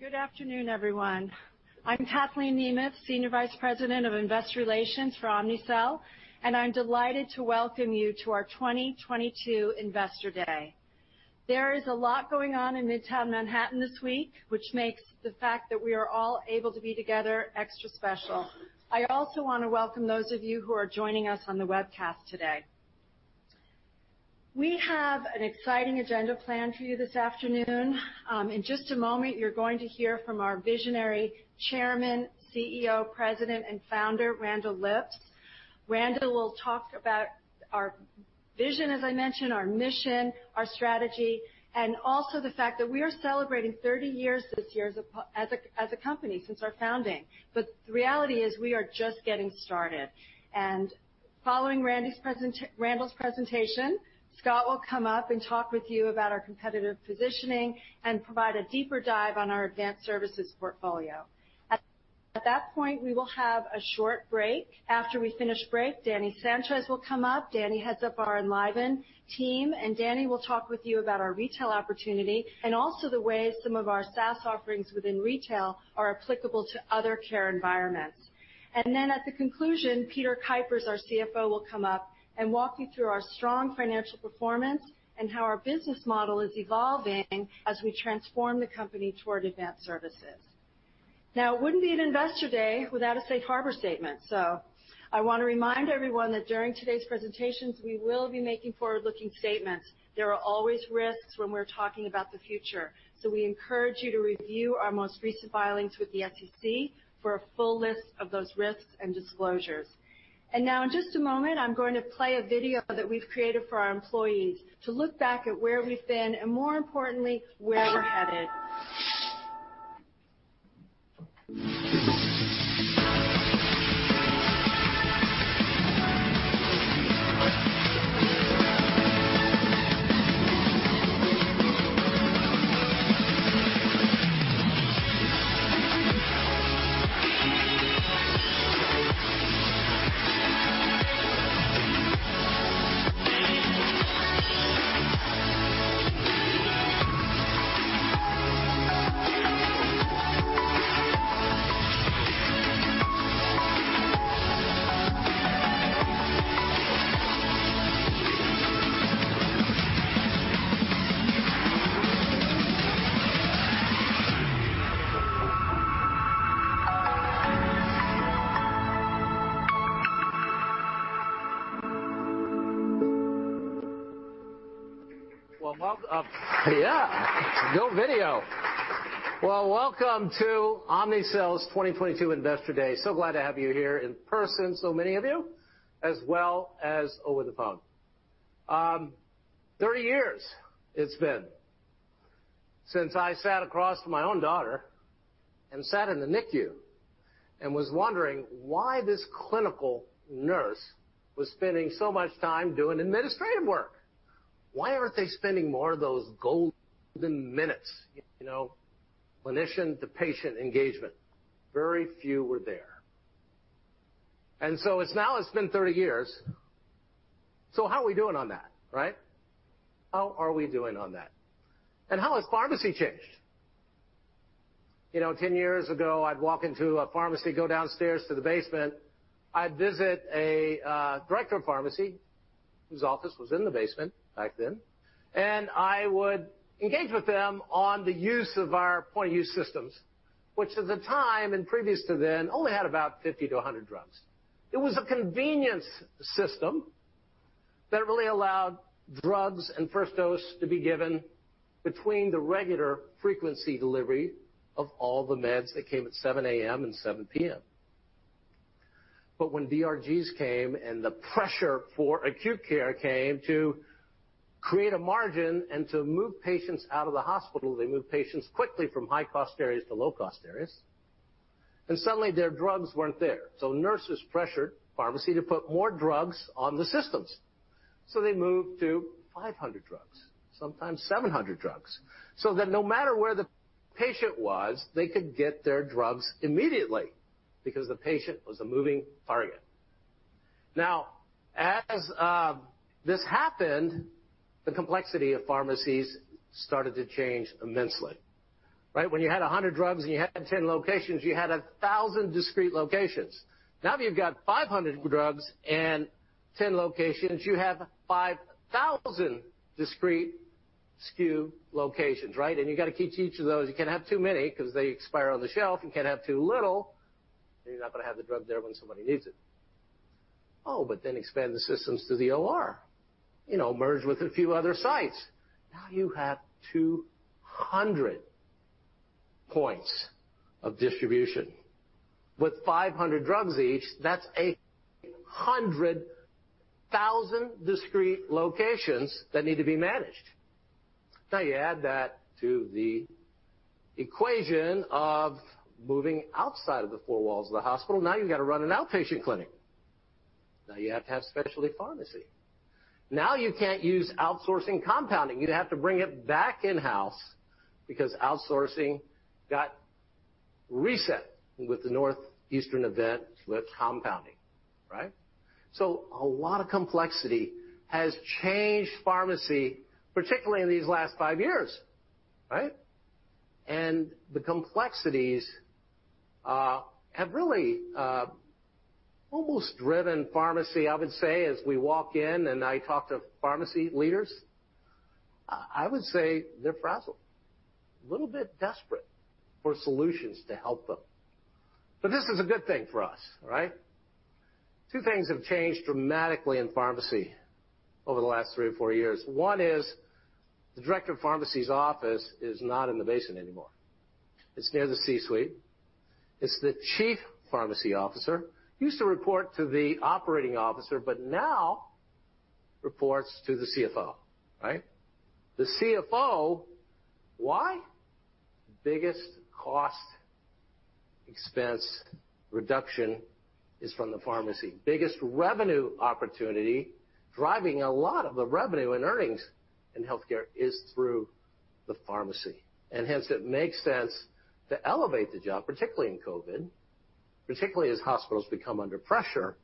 Good afternoon, everyone. I'm Kathleen Nemeth, Senior Vice President of Investor Relations for Omnicell, and I'm delighted to welcome you to our 2022 Investor Day. There is a lot going on in Midtown Manhattan this week, which makes the fact that we are all able to be together extra special. I also wanna welcome those of you who are joining us on the webcast today. We have an exciting agenda planned for you this afternoon. In just a moment, you're going to hear from our visionary Chairman, CEO, President, and Founder, Randall Lipps. Randall will talk about our vision, as I mentioned, our mission, our strategy, and also the fact that we are celebrating 30 years this year as a company since our founding. The reality is we are just getting started. Following Randall's presentation, Scott will come up and talk with you about our competitive positioning and provide a deeper dive on our advanced services portfolio. At that point, we will have a short break. After we finish break, Danny Sanchez will come up. Danny heads up our EnlivenHealth team, and Danny will talk with you about our retail opportunity and also the way some of our SaaS offerings within retail are applicable to other care environments. Then at the conclusion, Peter Kuypers, our CFO, will come up and walk you through our strong financial performance and how our business model is evolving as we transform the company toward advanced services. Now, it wouldn't be an Investor Day without a safe harbor statement. I wanna remind everyone that during today's presentations, we will be making forward-looking statements. There are always risks when we're talking about the future, so we encourage you to review our most recent filings with the SEC for a full list of those risks and disclosures. Now in just a moment, I'm going to play a video that we've created for our employees to look back at where we've been and, more importantly, where we're headed. Well, yeah. Dope video. Well, welcome to Omnicell's 2022 Investor Day. So glad to have you here in person, so many of you, as well as over the phone. 30 years it's been since I sat across my own daughter and sat in the NICU and was wondering why this clinical nurse was spending so much time doing administrative work. Why aren't they spending more of those golden minutes, you know, clinician to patient engagement? Very few were there. It's been 30 years. How are we doing on that, right? How are we doing on that? How has pharmacy changed? You know, 10 years ago, I'd walk into a pharmacy, go downstairs to the basement. I'd visit a director of pharmacy, whose office was in the basement back then, and I would engage with them on the use of our point of use systems, which at the time and previous to then only had about 50 to 100 drugs. It was a convenience system that really allowed drugs and first dose to be given between the regular frequency delivery of all the meds that came at 7 A.M. and 7 P.M. When DRGs came and the pressure for acute care came to create a margin and to move patients out of the hospital, they moved patients quickly from high-cost areas to low-cost areas. Suddenly their drugs weren't there. Nurses pressured pharmacy to put more drugs on the systems. They moved to 500 drugs, sometimes 700 drugs, so that no matter where the patient was, they could get their drugs immediately because the patient was a moving target. Now, as this happened, the complexity of pharmacies started to change immensely, right? When you had 100 drugs and you had 10 locations, you had 1,000 discrete locations. Now you've got 500 drugs and 10 locations, you have 5,000 discrete SKU locations, right? You gotta keep each of those. You can't have too many 'cause they expire on the shelf. You can't have too little, then you're not gonna have the drug there when somebody needs it. Oh, but then expand the systems to the OR. You know, merge with a few other sites. Now you have 200 points of distribution. With 500 drugs each, that's 100,000 discrete locations that need to be managed. Now you add that to the equation of moving outside of the four walls of the hospital. Now you've gotta run an outpatient clinic. Now you have to have specialty pharmacy. Now you can't use outsourcing compounding. You'd have to bring it back in-house because outsourcing got reset with the Northeastern event with compounding, right? So a lot of complexity has changed pharmacy, particularly in these last 5 years, right? The complexities have really almost driven pharmacy. I would say, as we walk in and I talk to pharmacy leaders, I would say they're frazzled, a little bit desperate for solutions to help them. This is a good thing for us, right? Two things have changed dramatically in pharmacy over the last 3 or 4 years. One is the director of pharmacy's office is not in the basement anymore. It's near the C-suite. It's the Chief Pharmacy Officer, used to report to the operating officer, but now reports to the CFO, right? The CFO, why? Biggest cost expense reduction is from the pharmacy. Biggest revenue opportunity, driving a lot of the revenue and earnings in healthcare, is through the pharmacy. Hence, it makes sense to elevate the job, particularly in COVID, particularly as hospitals become under pressure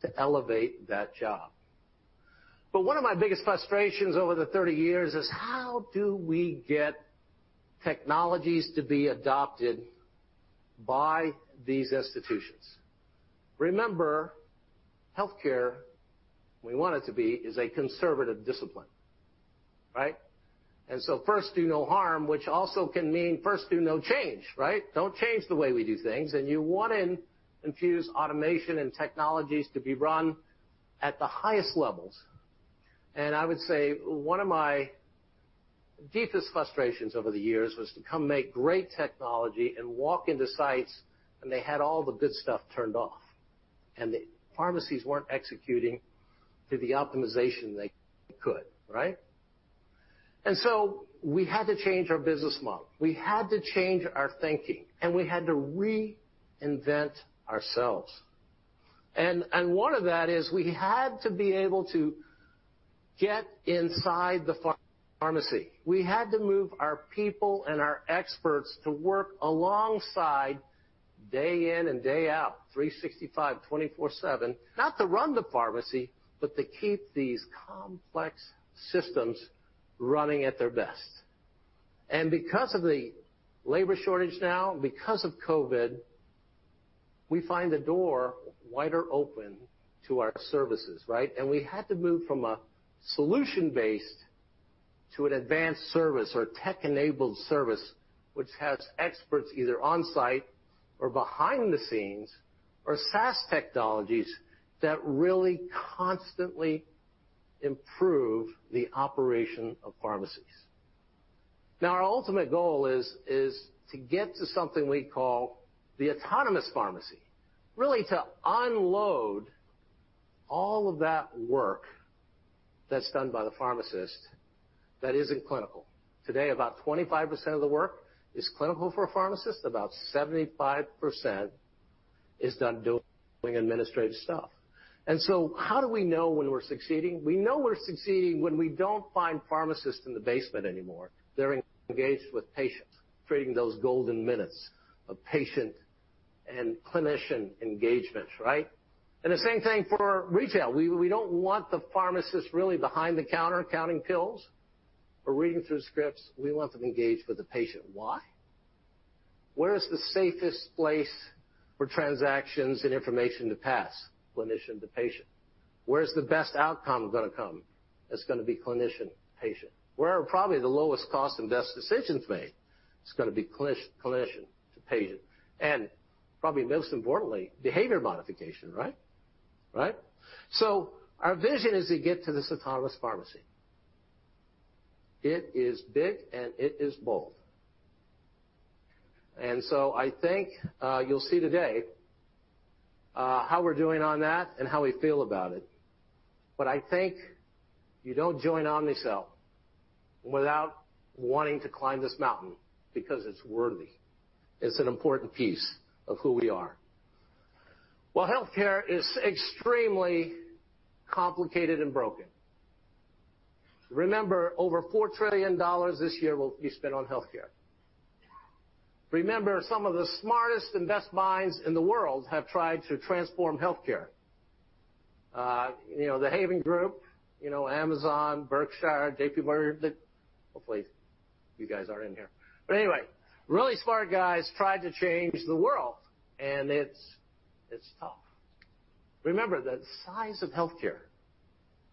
to elevate that job. One of my biggest frustrations over the 30 years is how do we get technologies to be adopted by these institutions? Remember, healthcare, we want it to be, is a conservative discipline, right? First, do no harm, which also can mean, first, do no change, right? Don't change the way we do things. You want to infuse automation and technologies to be run at the highest levels. I would say one of my deepest frustrations over the years was to come make great technology and walk into sites, and they had all the good stuff turned off, and the pharmacies weren't executing to the optimization they could, right? We had to change our business model. We had to change our thinking, and we had to reinvent ourselves. One of that is we had to be able to get inside the pharmacy. We had to move our people and our experts to work alongside day in and day out, 365, 24/7, not to run the pharmacy, but to keep these complex systems running at their best. Because of the labor shortage now, because of COVID, we find the door wider open to our services, right? We had to move from a solution-based to an advanced service or tech-enabled service, which has experts either on-site or behind the scenes or SaaS technologies that really constantly improve the operation of pharmacies. Now, our ultimate goal is to get to something we call the autonomous pharmacy, really to unload all of that work that's done by the pharmacist that isn't clinical. Today, about 25% of the work is clinical for a pharmacist. About 75% is done doing administrative stuff. How do we know when we're succeeding? We know we're succeeding when we don't find pharmacists in the basement anymore. They're engaged with patients, creating those golden minutes of patient and clinician engagement, right? The same thing for retail. We don't want the pharmacist really behind the counter counting pills or reading through scripts. We want them engaged with the patient. Why? Where is the safest place for transactions and information to pass clinician to patient? Where's the best outcome gonna come? It's gonna be clinician to patient. Where are probably the lowest cost and best decisions made? It's gonna be clinician to patient, and probably most importantly, behavior modification, right? Right? Our vision is to get to this autonomous pharmacy. It is big, and it is bold. I think you'll see today how we're doing on that and how we feel about it. I think you don't join Omnicell without wanting to climb this mountain because it's worthy. It's an important piece of who we are. Well, healthcare is extremely complicated and broken. Remember, over $4 trillion this year will be spent on healthcare. Remember, some of the smartest and best minds in the world have tried to transform healthcare. You know, the Haven, you know, Amazon, Berkshire Hathaway, JPMorgan Chase. Hopefully, you guys aren't in here. But anyway, really smart guys tried to change the world, and it's tough. Remember, the size of healthcare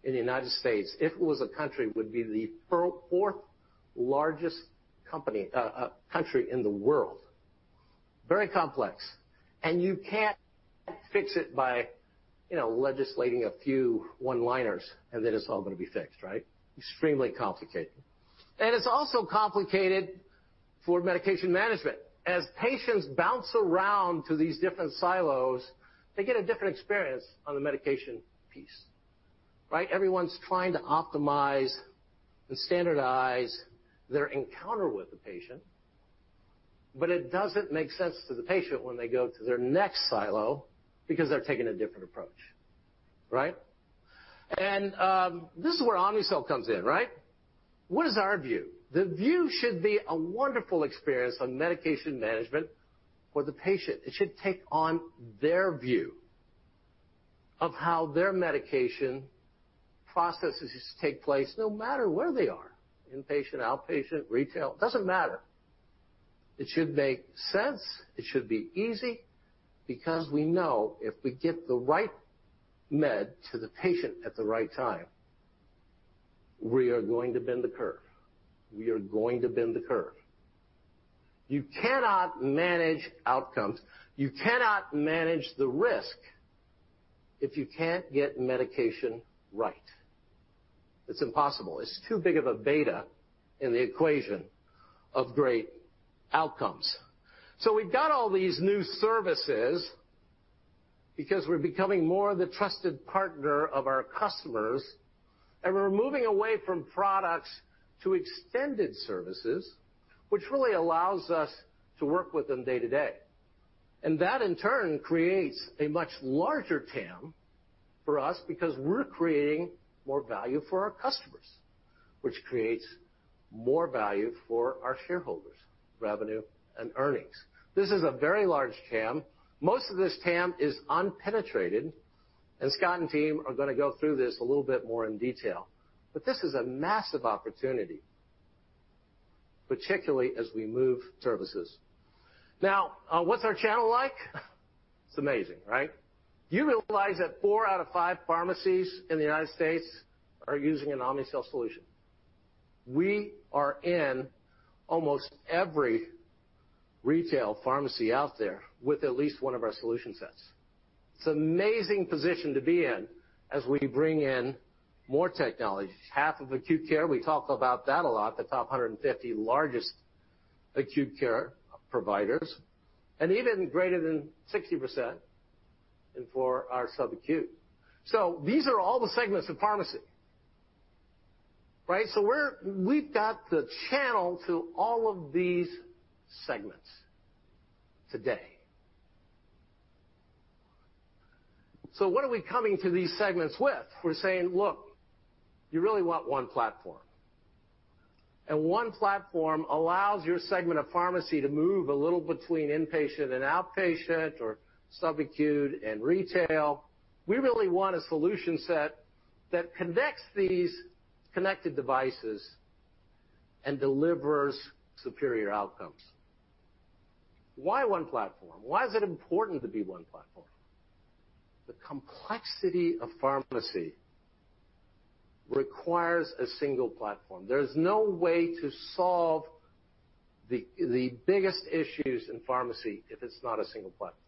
in the United States, if it was a country, would be the fourth largest country in the world. Very complex. You can't fix it by, you know, legislating a few one-liners, and then it's all gonna be fixed, right? Extremely complicated. It's also complicated for medication management. As patients bounce around to these different silos, they get a different experience on the medication piece, right? Everyone's trying to optimize and standardize their encounter with the patient, but it doesn't make sense to the patient when they go to their next silo because they're taking a different approach, right? This is where Omnicell comes in, right? What is our view? The view should be a wonderful experience on medication management for the patient. It should take on their view of how their medication processes take place, no matter where they are, inpatient, outpatient, retail, it doesn't matter. It should make sense, it should be easy, because we know if we get the right med to the patient at the right time, we are going to bend the curve. You cannot manage outcomes, you cannot manage the risk, if you can't get medication right. It's impossible. It's too big of a beta in the equation of great outcomes. We've got all these new services because we're becoming more the trusted partner of our customers, and we're moving away from products to extended services, which really allows us to work with them day-to-day. That, in turn, creates a much larger TAM for us because we're creating more value for our customers, which creates more value for our shareholders, revenue and earnings. This is a very large TAM. Most of this TAM is unpenetrated, and Scott and team are gonna go through this a little bit more in detail. This is a massive opportunity, particularly as we move services. Now, what's our channel like? It's amazing, right? Do you realize that four out of five pharmacies in the United States are using an Omnicell solution? We are in almost every retail pharmacy out there with at least one of our solution sets. It's an amazing position to be in as we bring in more technology. Half of acute care, we talk about that a lot, the top 150 largest acute care providers, and even greater than 60% for our sub-acute. These are all the segments of pharmacy, right? We've got the channel to all of these segments today. What are we coming to these segments with? We're saying, "Look, you really want one platform." One platform allows your segment of pharmacy to move a little between inpatient and outpatient or sub-acute and retail. We really want a solution set that connects these connected devices and delivers superior outcomes. Why one platform? Why is it important to be one platform? The complexity of pharmacy requires a single platform. There's no way to solve the biggest issues in pharmacy if it's not a single platform.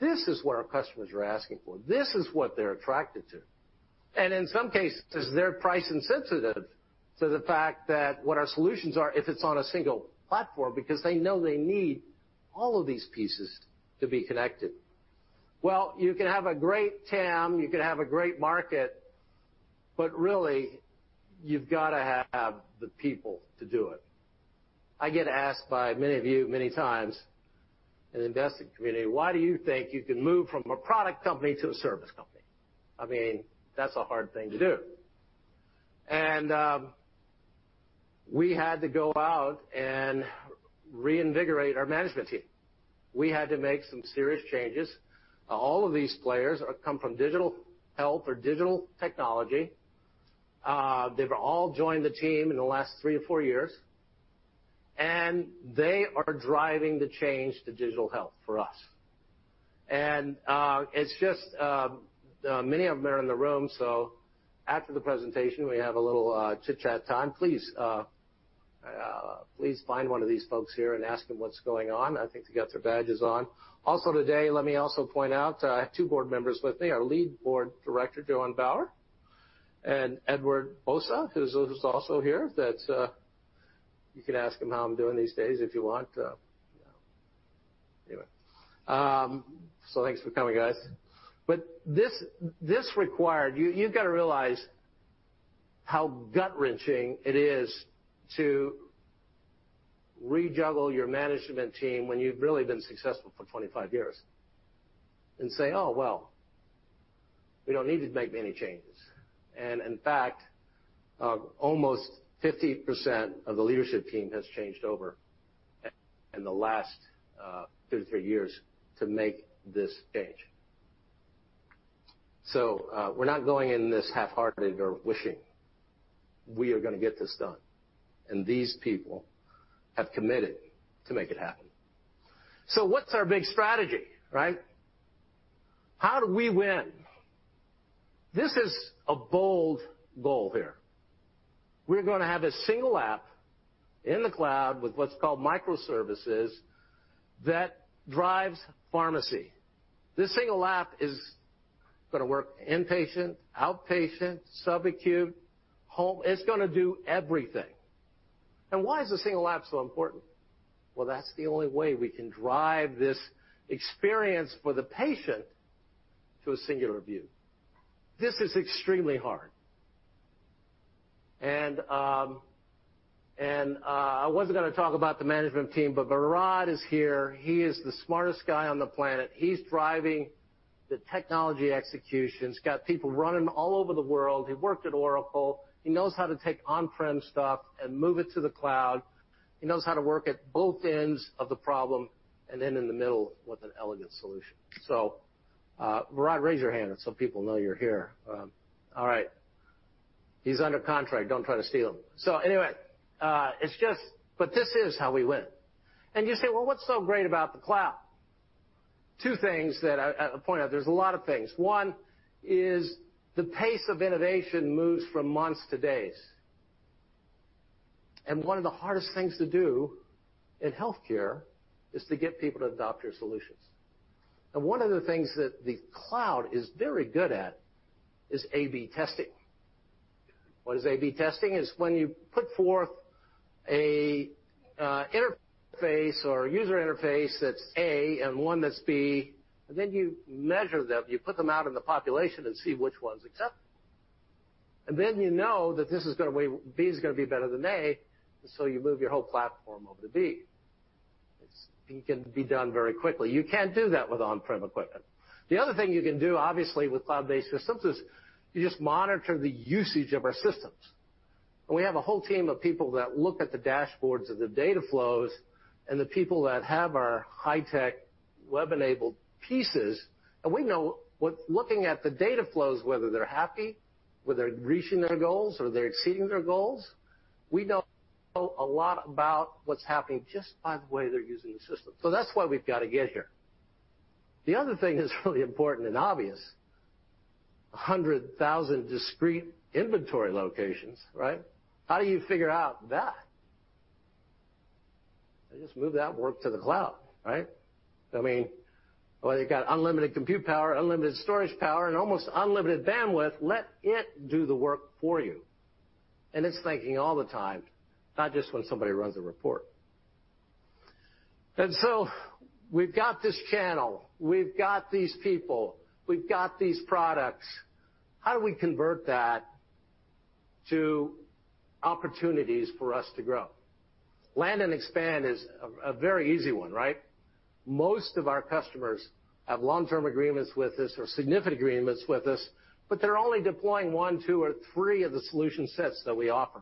This is what our customers are asking for. This is what they're attracted to. In some cases, they're price insensitive to the fact that what our solutions are if it's on a single platform, because they know they need all of these pieces to be connected. Well, you can have a great TAM, you can have a great market, but really, you've gotta have the people to do it. I get asked by many of you many times in the investing community, "Why do you think you can move from a product company to a service company?" I mean, that's a hard thing to do. We had to go out and reinvigorate our management team. We had to make some serious changes. All of these players come from digital health or digital technology. They've all joined the team in the last three or four years, and they are driving the change to digital health for us. It's just many of them are in the room, so after the presentation, we have a little chit-chat time. Please find one of these folks here and ask them what's going on. I think they got their badges on. Also today, let me also point out, I have two board members with me, our Lead Board Director Joanne Bauer, and Edward Ossa, who's also here. You can ask him how I'm doing these days if you want. Anyway. Thanks for coming, guys. This required. You gotta realize how gut-wrenching it is to rejuggle your management team when you've really been successful for 25 years and say, "Oh, well, we don't need to make many changes." In fact, almost 50% of the leadership team has changed over in the last 2-3 years to make this change. We're not going in this half-hearted or wishing. We are gonna get this done, and these people have committed to make it happen. What's our big strategy, right? How do we win? This is a bold goal here. We're gonna have a single app in the cloud with what's called microservices that drives pharmacy. This single app is gonna work inpatient, outpatient, sub-acute, home. It's gonna do everything. Why is a single app so important? Well, that's the only way we can drive this experience for the patient to a singular view. This is extremely hard. I wasn't gonna talk about the management team, but Varad is here. He is the smartest guy on the planet. He's driving the technology execution. He's got people running all over the world. He worked at Oracle. He knows how to take on-prem stuff and move it to the cloud. He knows how to work at both ends of the problem, and then in the middle with an elegant solution. Varad, raise your hand so people know you're here. All right. He's under contract. Don't try to steal him. Anyway, it's just. This is how we win. You say, "Well, what's so great about the cloud?" Two things that I point out, there's a lot of things. One is the pace of innovation moves from months to days. One of the hardest things to do in healthcare is to get people to adopt your solutions. One of the things that the cloud is very good at is A/B testing. What is A/B testing? It's when you put forth an interface or a user interface that's A and one that's B, and then you measure them, you put them out in the population and see which one's acceptable. Then you know that B is gonna be better than A, and so you move your whole platform over to B. It can be done very quickly. You can't do that with on-prem equipment. The other thing you can do, obviously, with cloud-based systems is you just monitor the usage of our systems. We have a whole team of people that look at the dashboards of the data flows and the people that have our high-tech web-enabled pieces, and we know looking at the data flows, whether they're happy, whether they're reaching their goals or they're exceeding their goals. We know a lot about what's happening just by the way they're using the system. That's why we've got to get here. The other thing that's really important and obvious, 100,000 discrete inventory locations, right? How do you figure out that? You just move that work to the cloud, right? I mean, well, you got unlimited compute power, unlimited storage power, and almost unlimited bandwidth. Let it do the work for you. It's thinking all the time, not just when somebody runs a report. We've got this channel, we've got these people, we've got these products. How do we convert that to opportunities for us to grow? Land and expand is a very easy one, right? Most of our customers have long-term agreements with us or significant agreements with us, but they're only deploying one, two, or three of the solution sets that we offer.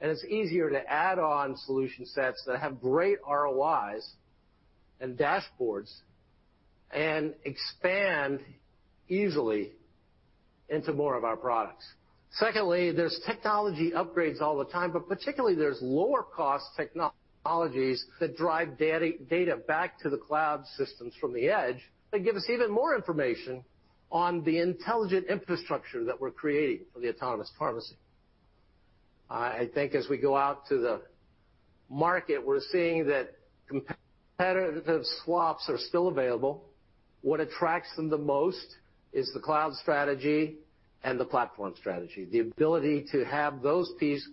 It's easier to add on solution sets that have great ROIs and dashboards and expand easily into more of our products. Secondly, there's technology upgrades all the time, but particularly there's lower cost technologies that drive data back to the cloud systems from the edge that give us even more information on the intelligent infrastructure that we're creating for the autonomous pharmacy. I think as we go out to the market, we're seeing that competitive swaps are still available. What attracts them the most is the cloud strategy and the platform strategy, the ability to have those pieces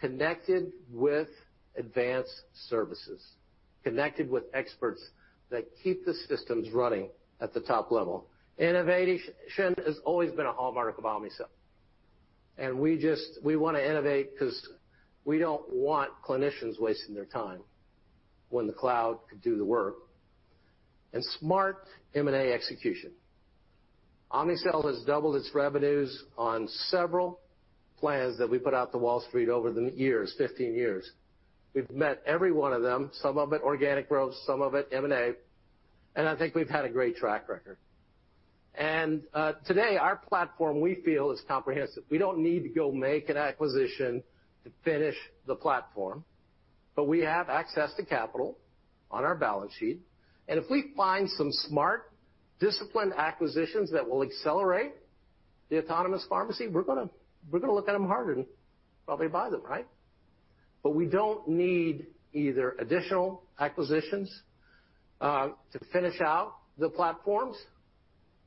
connected with advanced services, connected with experts that keep the systems running at the top level. Innovation has always been a hallmark of Omnicell, and we wanna innovate because we don't want clinicians wasting their time when the cloud could do the work. Today, our platform, we feel, is comprehensive. We don't need to go make an acquisition to finish the platform, but we have access to capital on our balance sheet. If we find some smart, disciplined acquisitions that will accelerate the autonomous pharmacy, we're gonna look at them hard and probably buy them, right? But we don't need either additional acquisitions to finish out the platforms,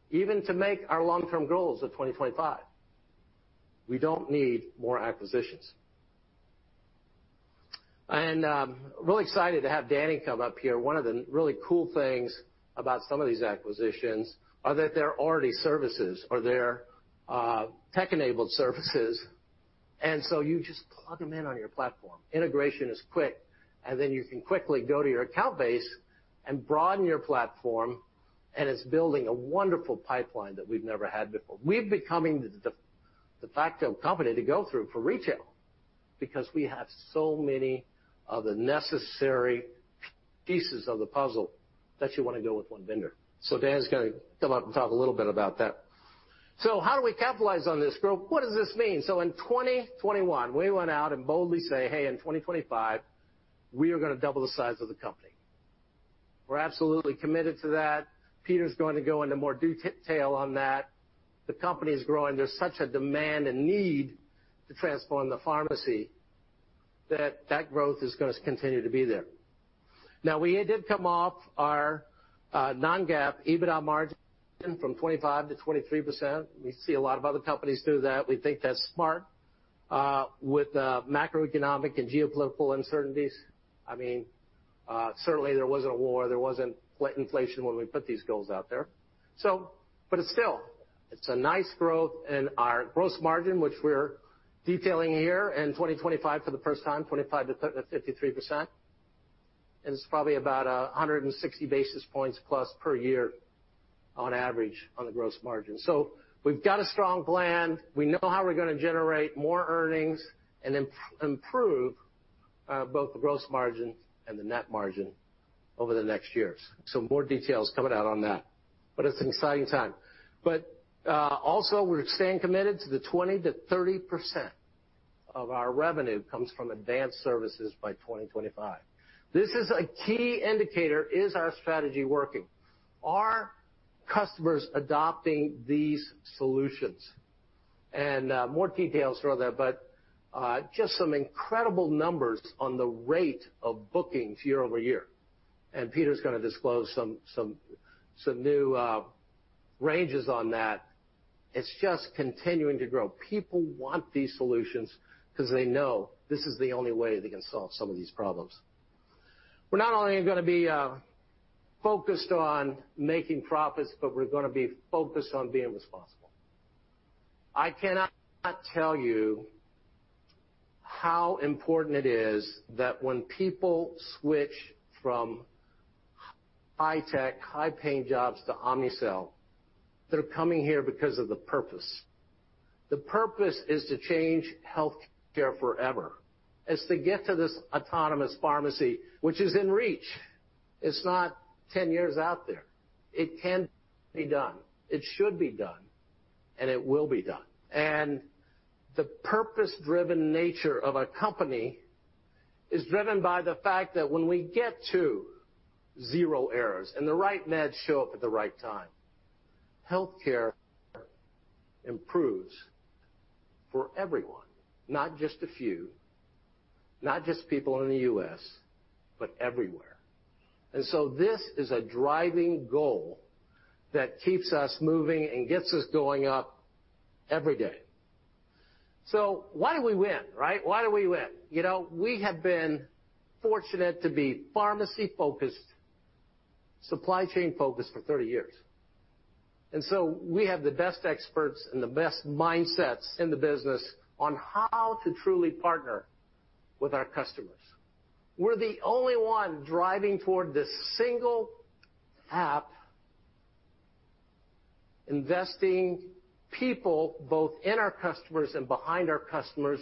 even to make our long-term goals of 2025. We don't need more acquisitions. I'm really excited to have Danny come up here. One of the really cool things about some of these acquisitions are that they're already services or they're tech-enabled services, and so you just plug them in on your platform. Integration is quick, and then you can quickly go to your account base and broaden your platform, and it's building a wonderful pipeline that we've never had before. We're becoming the de facto company to go through for retail because we have so many of the necessary pieces of the puzzle that you wanna go with one vendor. Dan's gonna come up and talk a little bit about that. How do we capitalize on this growth? What does this mean? In 2021, we went out and boldly say, "Hey, in 2025, we are gonna double the size of the company." We're absolutely committed to that. Peter's going to go into more detail on that. The company is growing. There's such a demand and need to transform the pharmacy that growth is gonna continue to be there. Now, we did come off our non-GAAP EBITDA margin from 25%-23%. We see a lot of other companies do that. We think that's smart with macroeconomic and geopolitical uncertainties. I mean, certainly there wasn't a war, there wasn't inflation when we put these goals out there. It's still a nice growth in our gross margin, which we're detailing here in 2025 for the first time, 25%-53%. It's probably about a hundred and sixty basis points plus per year on average on the gross margin. We've got a strong plan. We know how we're gonna generate more earnings and improve both the gross margin and the net margin over the next years. More details coming out on that. It's an exciting time. Also, we're staying committed to the 20%-30% of our revenue comes from advanced services by 2025. This is a key indicator. Is our strategy working? Are customers adopting these solutions? More details are there, but just some incredible numbers on the rate of bookings year over year. Peter's gonna disclose some new ranges on that. It's just continuing to grow. People want these solutions because they know this is the only way they can solve some of these problems. We're not only gonna be focused on making profits, but we're gonna be focused on being responsible. I cannot tell you how important it is that when people switch from high-tech, high-paying jobs to Omnicell, they're coming here because of the purpose. The purpose is to change healthcare forever. It's to get to this autonomous pharmacy, which is in reach. It's not ten years out there. It can be done, it should be done, and it will be done. The purpose-driven nature of a company is driven by the fact that when we get to zero errors and the right meds show up at the right time, healthcare improves for everyone, not just a few, not just people in the US, but everywhere. This is a driving goal that keeps us moving and gets us going up every day. Why do we win, right? Why do we win? You know, we have been fortunate to be pharmacy-focused, supply chain-focused for 30 years. We have the best experts and the best mindsets in the business on how to truly partner with our customers. We're the only one driving toward this single app, investing people both in our customers and behind our customers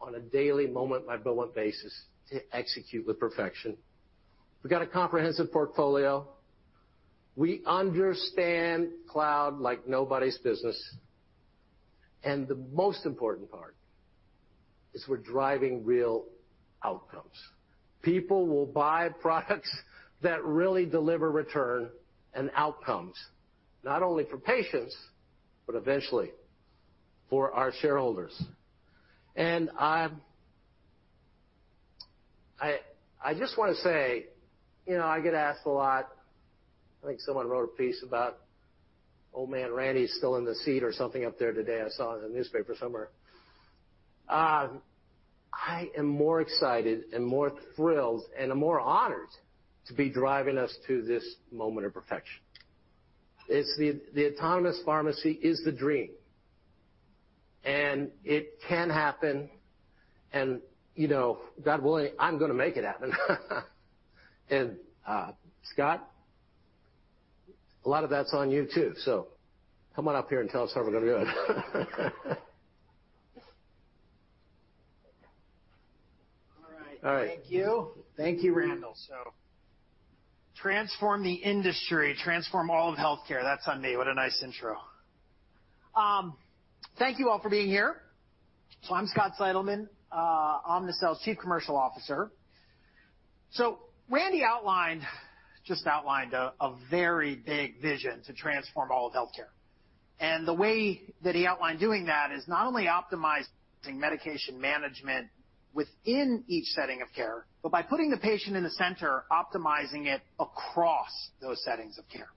on a daily moment-by-moment basis to execute with perfection. We've got a comprehensive portfolio. We understand cloud like nobody's business, and the most important part is we're driving real outcomes. People will buy products that really deliver return and outcomes, not only for patients, but eventually for our shareholders. I just wanna say, you know, I get asked a lot, I think someone wrote a piece about Old Man Randy's still in the seat or something up there today, I saw it in the newspaper somewhere. I am more excited and more thrilled and am more honored to be driving us to this moment of perfection. It's the autonomous pharmacy is the dream. It can happen, and, you know, God willing, I'm gonna make it happen. Scott, a lot of that's on you too, so come on up here and tell us how we're gonna do it. All right. All right. Thank you. Thank you, Randall. Transform the industry, transform all of healthcare. That's on me. What a nice intro. Thank you all for being here. I'm Scott Seidelmann, Omnicell's Chief Commercial Officer. Randy outlined a very big vision to transform all of healthcare. The way that he outlined doing that is not only optimizing medication management within each setting of care, but by putting the patient in the center, optimizing it across those settings of care.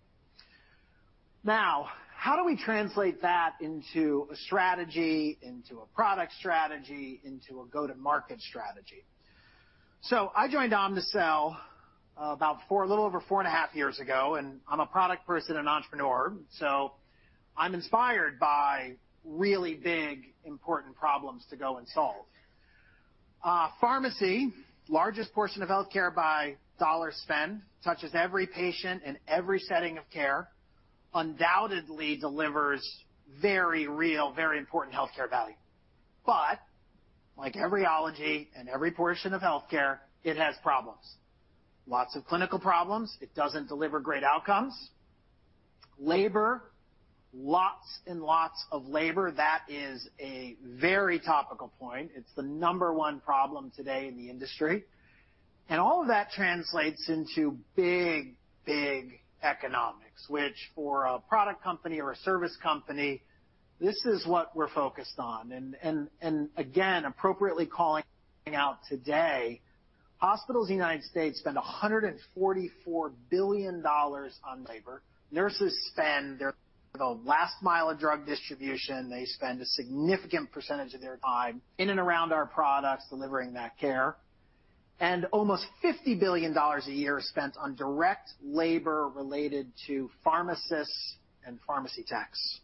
Now, how do we translate that into a strategy, into a product strategy, into a go-to-market strategy? I joined Omnicell about four, a little over four and a half years ago, and I'm a product person and entrepreneur, so I'm inspired by really big, important problems to go and solve. Pharmacy, largest portion of healthcare by dollar spend, touches every patient in every setting of care, undoubtedly delivers very real, very important healthcare value. Like every ology and every portion of healthcare, it has problems. Lots of clinical problems. It doesn't deliver great outcomes. Labor, lots and lots of labor. That is a very topical point. It's the number one problem today in the industry. All of that translates into big, big economics, which for a product company or a service company, this is what we're focused on. Again, appropriately calling out today, hospitals in the United States spend $144 billion on labor. For the last mile of drug distribution, they spend a significant percentage of their time in and around our products delivering that care. Almost $50 billion a year is spent on direct labor related to pharmacists and pharmacy techs.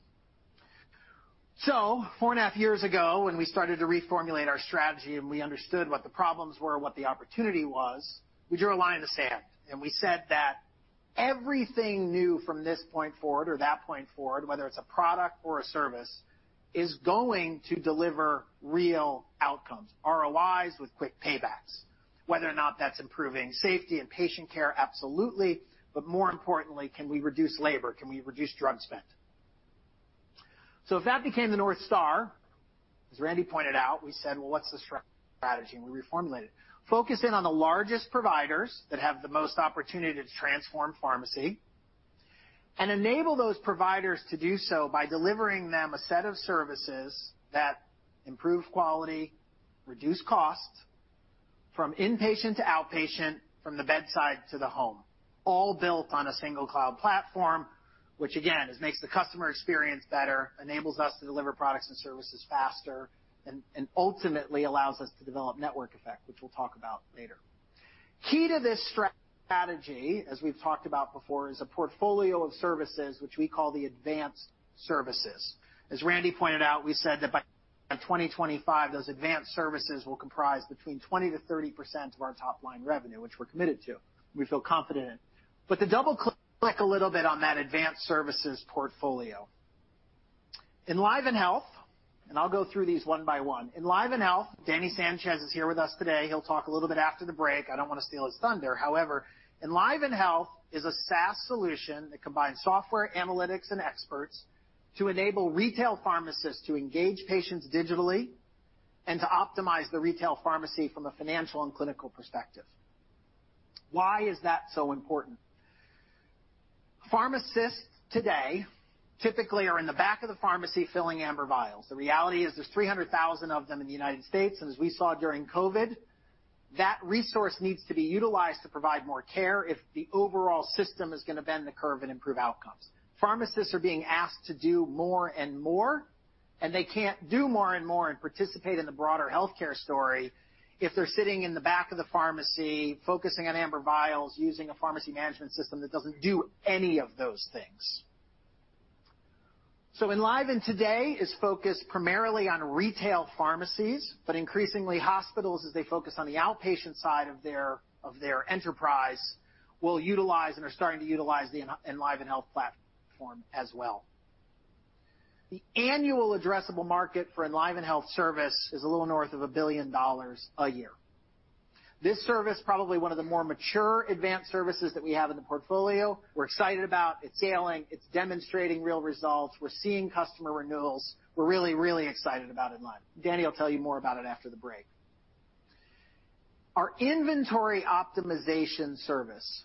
Four and a half years ago, when we started to reformulate our strategy and we understood what the problems were, what the opportunity was, we drew a line in the sand, and we said that everything new from this point forward or that point forward, whether it's a product or a service, is going to deliver real outcomes, ROIs with quick paybacks. Whether or not that's improving safety and patient care, absolutely. More importantly, can we reduce labor? Can we reduce drug spend? If that became the North Star, as Randy pointed out, we said, "Well, what's the strategy?" We reformulated. Focus in on the largest providers that have the most opportunity to transform pharmacy and enable those providers to do so by delivering them a set of services that improve quality, reduce costs from inpatient to outpatient, from the bedside to the home, all built on a single cloud platform, which again, makes the customer experience better, enables us to deliver products and services faster, and ultimately allows us to develop network effect, which we'll talk about later. Key to this strategy, as we've talked about before, is a portfolio of services which we call the advanced services. As Randy pointed out, we said that by 2025, those advanced services will comprise between 20%-30% of our top line revenue, which we're committed to, we feel confident in. To double click a little bit on that advanced services portfolio. EnlivenHealth, and I'll go through these one by one. EnlivenHealth, Danny Sanchez is here with us today. He'll talk a little bit after the break. I don't want to steal his thunder. However, EnlivenHealth is a SaaS solution that combines software, analytics, and experts to enable retail pharmacists to engage patients digitally and to optimize the retail pharmacy from a financial and clinical perspective. Why is that so important? Pharmacists today typically are in the back of the pharmacy filling amber vials. The reality is there's 300,000 of them in the United States, and as we saw during COVID, that resource needs to be utilized to provide more care if the overall system is gonna bend the curve and improve outcomes. Pharmacists are being asked to do more and more, and they can't do more and more and participate in the broader healthcare story if they're sitting in the back of the pharmacy focusing on amber vials, using a pharmacy management system that doesn't do any of those things. EnlivenHealth today is focused primarily on retail pharmacies, but increasingly hospitals, as they focus on the outpatient side of their enterprise, will utilize and are starting to utilize the EnlivenHealth platform as well. The annual addressable market for EnlivenHealth service is a little north of $1 billion a year. This service, probably one of the more mature advanced services that we have in the portfolio. We're excited about. It's scaling. It's demonstrating real results. We're seeing customer renewals. We're really, really excited about EnlivenHealth. Danny will tell you more about it after the break. Our inventory optimization service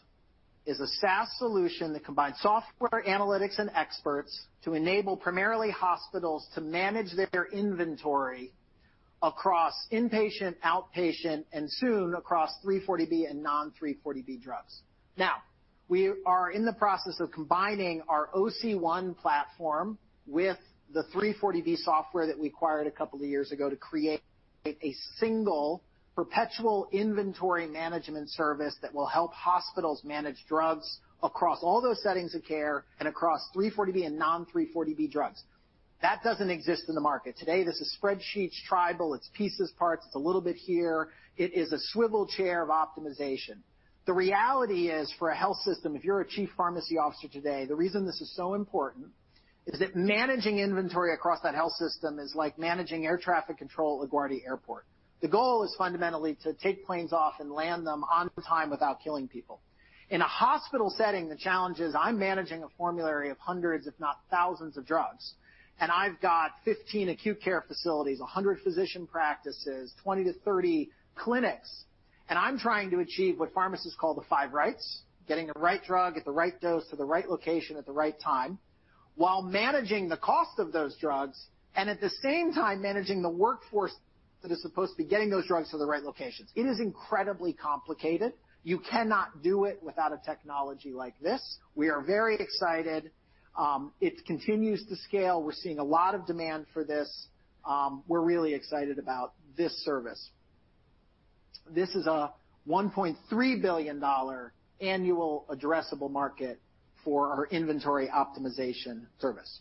is a SaaS solution that combines software, analytics, and experts to enable primarily hospitals to manage their inventory across inpatient, outpatient, and soon across 340B and non-340B drugs. Now, we are in the process of combining our Omnicell One platform with the 340B software that we acquired a couple of years ago to create a single perpetual inventory management service that will help hospitals manage drugs across all those settings of care and across 340B and non-340B drugs. That doesn't exist in the market today. This is spreadsheets, tribal. It's pieces, parts. It's a little bit here. It is a swivel chair of optimization. The reality is for a health system, if you're a chief pharmacy officer today, the reason this is so important is that managing inventory across that health system is like managing air traffic control at LaGuardia Airport. The goal is fundamentally to take planes off and land them on time without killing people. In a hospital setting, the challenge is I'm managing a formulary of hundreds, if not thousands of drugs, and I've got 15 acute care facilities, 100 physician practices, 20-30 clinics, and I'm trying to achieve what pharmacists call the five rights, getting the right drug at the right dose to the right location at the right time, while managing the cost of those drugs and at the same time managing the workforce that is supposed to be getting those drugs to the right locations. It is incredibly complicated. You cannot do it without a technology like this. We are very excited. It continues to scale. We're seeing a lot of demand for this. We're really excited about this service. This is a $1.3 billion annual addressable market for our inventory optimization service.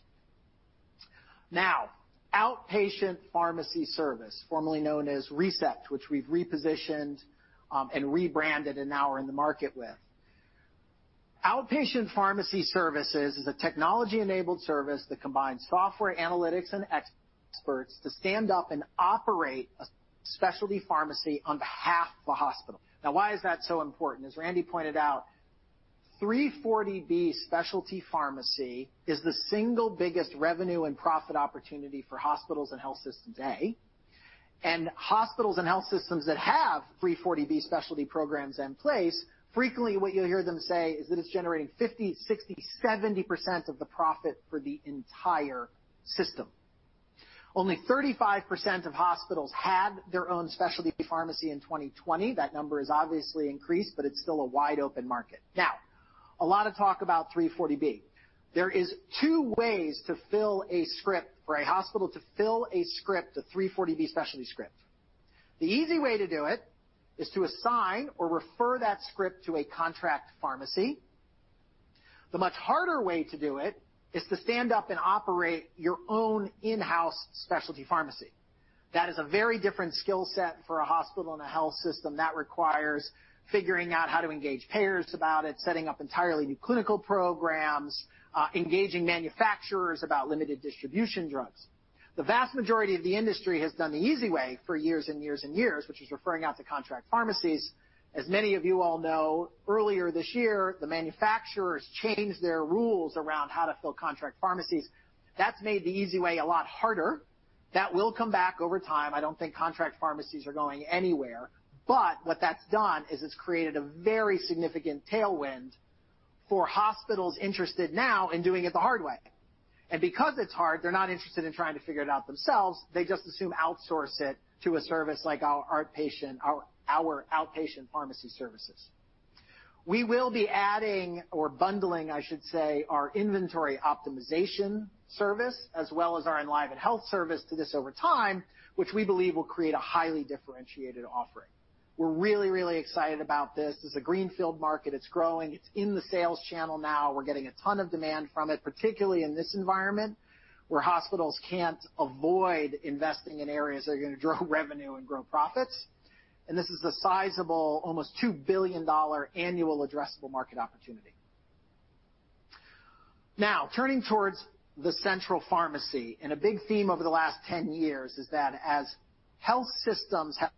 Now, outpatient pharmacy service, formerly known as ReCept, which we've repositioned, and rebranded and now are in the market with. Outpatient pharmacy services is a technology-enabled service that combines software, analytics, and experts to stand up and operate a specialty pharmacy on behalf of a hospital. Now, why is that so important? As Randall pointed out, 340B specialty pharmacy is the single biggest revenue and profit opportunity for hospitals and health systems, and hospitals and health systems that have 340B specialty programs in place, frequently, what you'll hear them say is that it's generating 50, 60, 70% of the profit for the entire system. Only 35% of hospitals had their own specialty pharmacy in 2020. That number has obviously increased, but it's still a wide-open market. Now, a lot of talk about 340B. There is two ways to fill a script for a hospital to fill a script, a 340B specialty script. The easy way to do it is to assign or refer that script to a contract pharmacy. The much harder way to do it is to stand up and operate your own in-house specialty pharmacy. That is a very different skill set for a hospital and a health system that requires figuring out how to engage payers about it, setting up entirely new clinical programs, engaging manufacturers about limited distribution drugs. The vast majority of the industry has done the easy way for years and years and years, which is referring out to contract pharmacies. As many of you all know, earlier this year, the manufacturers changed their rules around how to fill contract pharmacies. That's made the easy way a lot harder. That will come back over time. I don't think contract pharmacies are going anywhere. What that's done is it's created a very significant tailwind for hospitals interested now in doing it the hard way. Because it's hard, they're not interested in trying to figure it out themselves. They just assume outsource it to a service like our outpatient pharmacy services. We will be adding or bundling, I should say, our inventory optimization service as well as our EnlivenHealth service to this over time, which we believe will create a highly differentiated offering. We're really excited about this. This is a greenfield market. It's growing. It's in the sales channel now. We're getting a ton of demand from it, particularly in this environment where hospitals can't avoid investing in areas that are gonna grow revenue and grow profits. This is a sizable, almost $2 billion annual addressable market opportunity. Now, turning towards the central pharmacy, and a big theme over the last 10 years is that as health systems have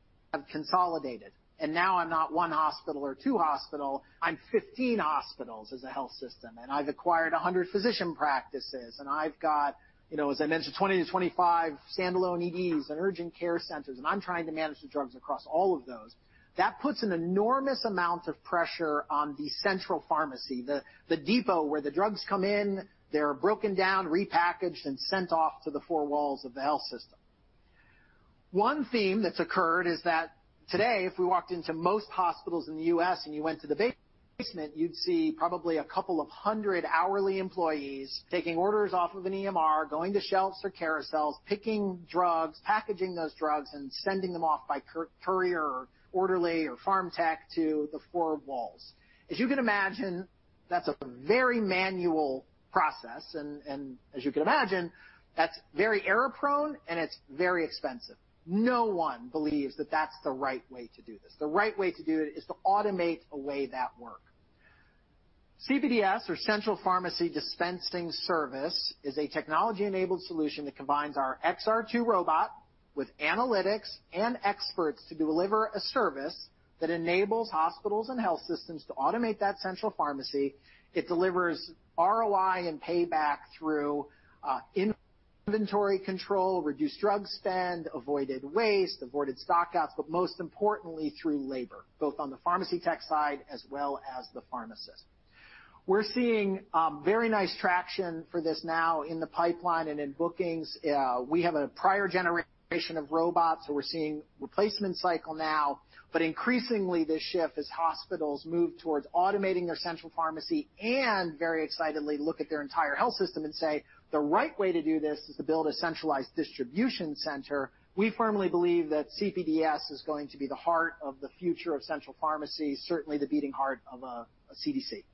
consolidated, and now I'm not on one hospital or two hospital, I'm 15 hospitals as a health system, and I've acquired 100 physician practices, and I've got, you know, as I mentioned, 20-25 standalone EDs and urgent care centers, and I'm trying to manage the drugs across all of those. That puts an enormous amount of pressure on the central pharmacy, the depot where the drugs come in, they're broken down, repackaged, and sent off to the four walls of the health system. One theme that's occurred is that today, if we walked into most hospitals in the US, and you went to the basement, you'd see probably a couple of hundred hourly employees taking orders off of an EMR, going to shelves or carousels, picking drugs, packaging those drugs, and sending them off by courier or orderly or pharm tech to the four walls. As you can imagine, that's a very manual process, and as you can imagine, that's very error-prone, and it's very expensive. No one believes that that's the right way to do this. The right way to do it is to automate away that work. CPDS, or central pharmacy dispensing service, is a technology-enabled solution that combines our XR2 robot with analytics and experts to deliver a service that enables hospitals and health systems to automate that central pharmacy. It delivers ROI and payback through inventory control, reduced drug spend, avoided waste, avoided stock outs, but most importantly, through labor, both on the pharmacy tech side as well as the pharmacist. We're seeing very nice traction for this now in the pipeline and in bookings. We have a prior generation of robots, so we're seeing replacement cycle now. Increasingly, this shift as hospitals move towards automating their central pharmacy and very excitedly look at their entire health system and say, the right way to do this is to build a centralized distribution center. We firmly believe that CPDS is going to be the heart of the future of central pharmacy, certainly the beating heart of a CDC.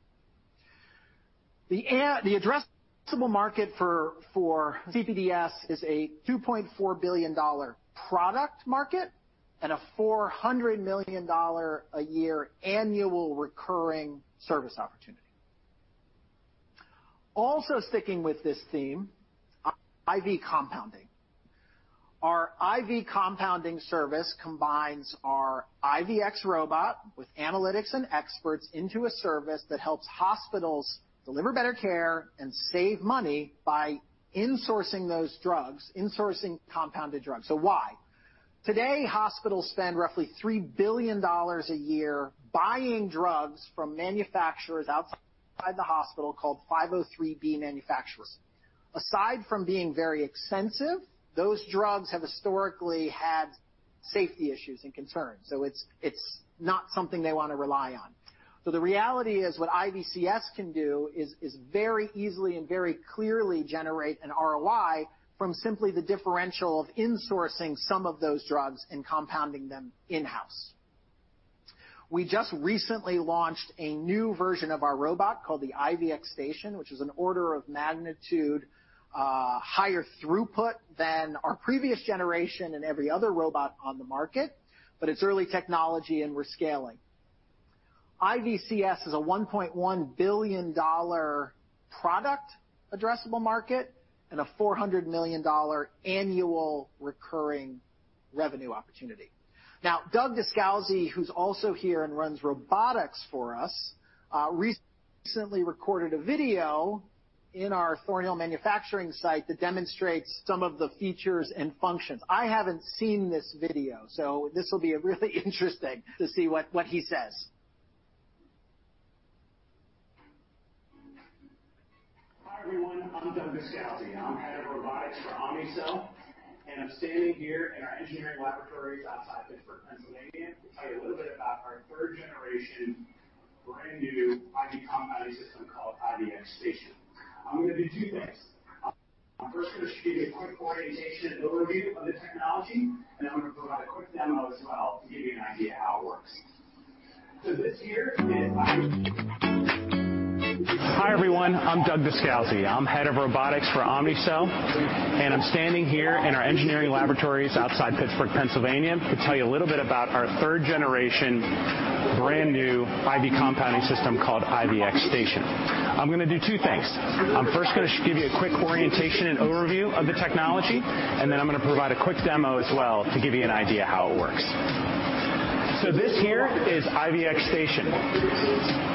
The addressable market for CPDS is a $2.4 billion product market and a $400 million a year annual recurring service opportunity. Also sticking with this theme, IV compounding. Our IV compounding service combines our IVX robot with analytics and experts into a service that helps hospitals deliver better care and save money by insourcing those drugs, insourcing compounded drugs. Why? Today, hospitals spend roughly $3 billion a year buying drugs from manufacturers outside the hospital called 503B manufacturers. Aside from being very expensive, those drugs have historically had safety issues and concerns, so it's not something they wanna rely on. The reality is what IVCS can do is very easily and very clearly generate an ROI from simply the differential of insourcing some of those drugs and compounding them in-house. We just recently launched a new version of our robot called the IVX Station, which is an order of magnitude higher throughput than our previous generation and every other robot on the market, but it's early technology and we're scaling. IVCS is a $1.1 billion product addressable market and a $400 million annual recurring revenue opportunity. Now, Doug Descalzi, who's also here and runs robotics for us, recently recorded a video in our Thorn Hill manufacturing site that demonstrates some of the features and functions. I haven't seen this video, so this will be really interesting to see what he says. Hi, everyone. I'm Doug Descalzi. I'm Head of Robotics for Omnicell, and I'm standing here in our engineering laboratories outside Pittsburgh, Pennsylvania, to tell you a little bit about our third-generation, brand-new IV compounding system called IVX Station. I'm gonna do two things. I'm first gonna give you a quick orientation and overview of the technology, and then I'm gonna provide a quick demo as well to give you an idea how it works. I'm first gonna give you a quick orientation and overview of the technology, and then I'm gonna provide a quick demo as well to give you an idea how it works. This here is IVX Station.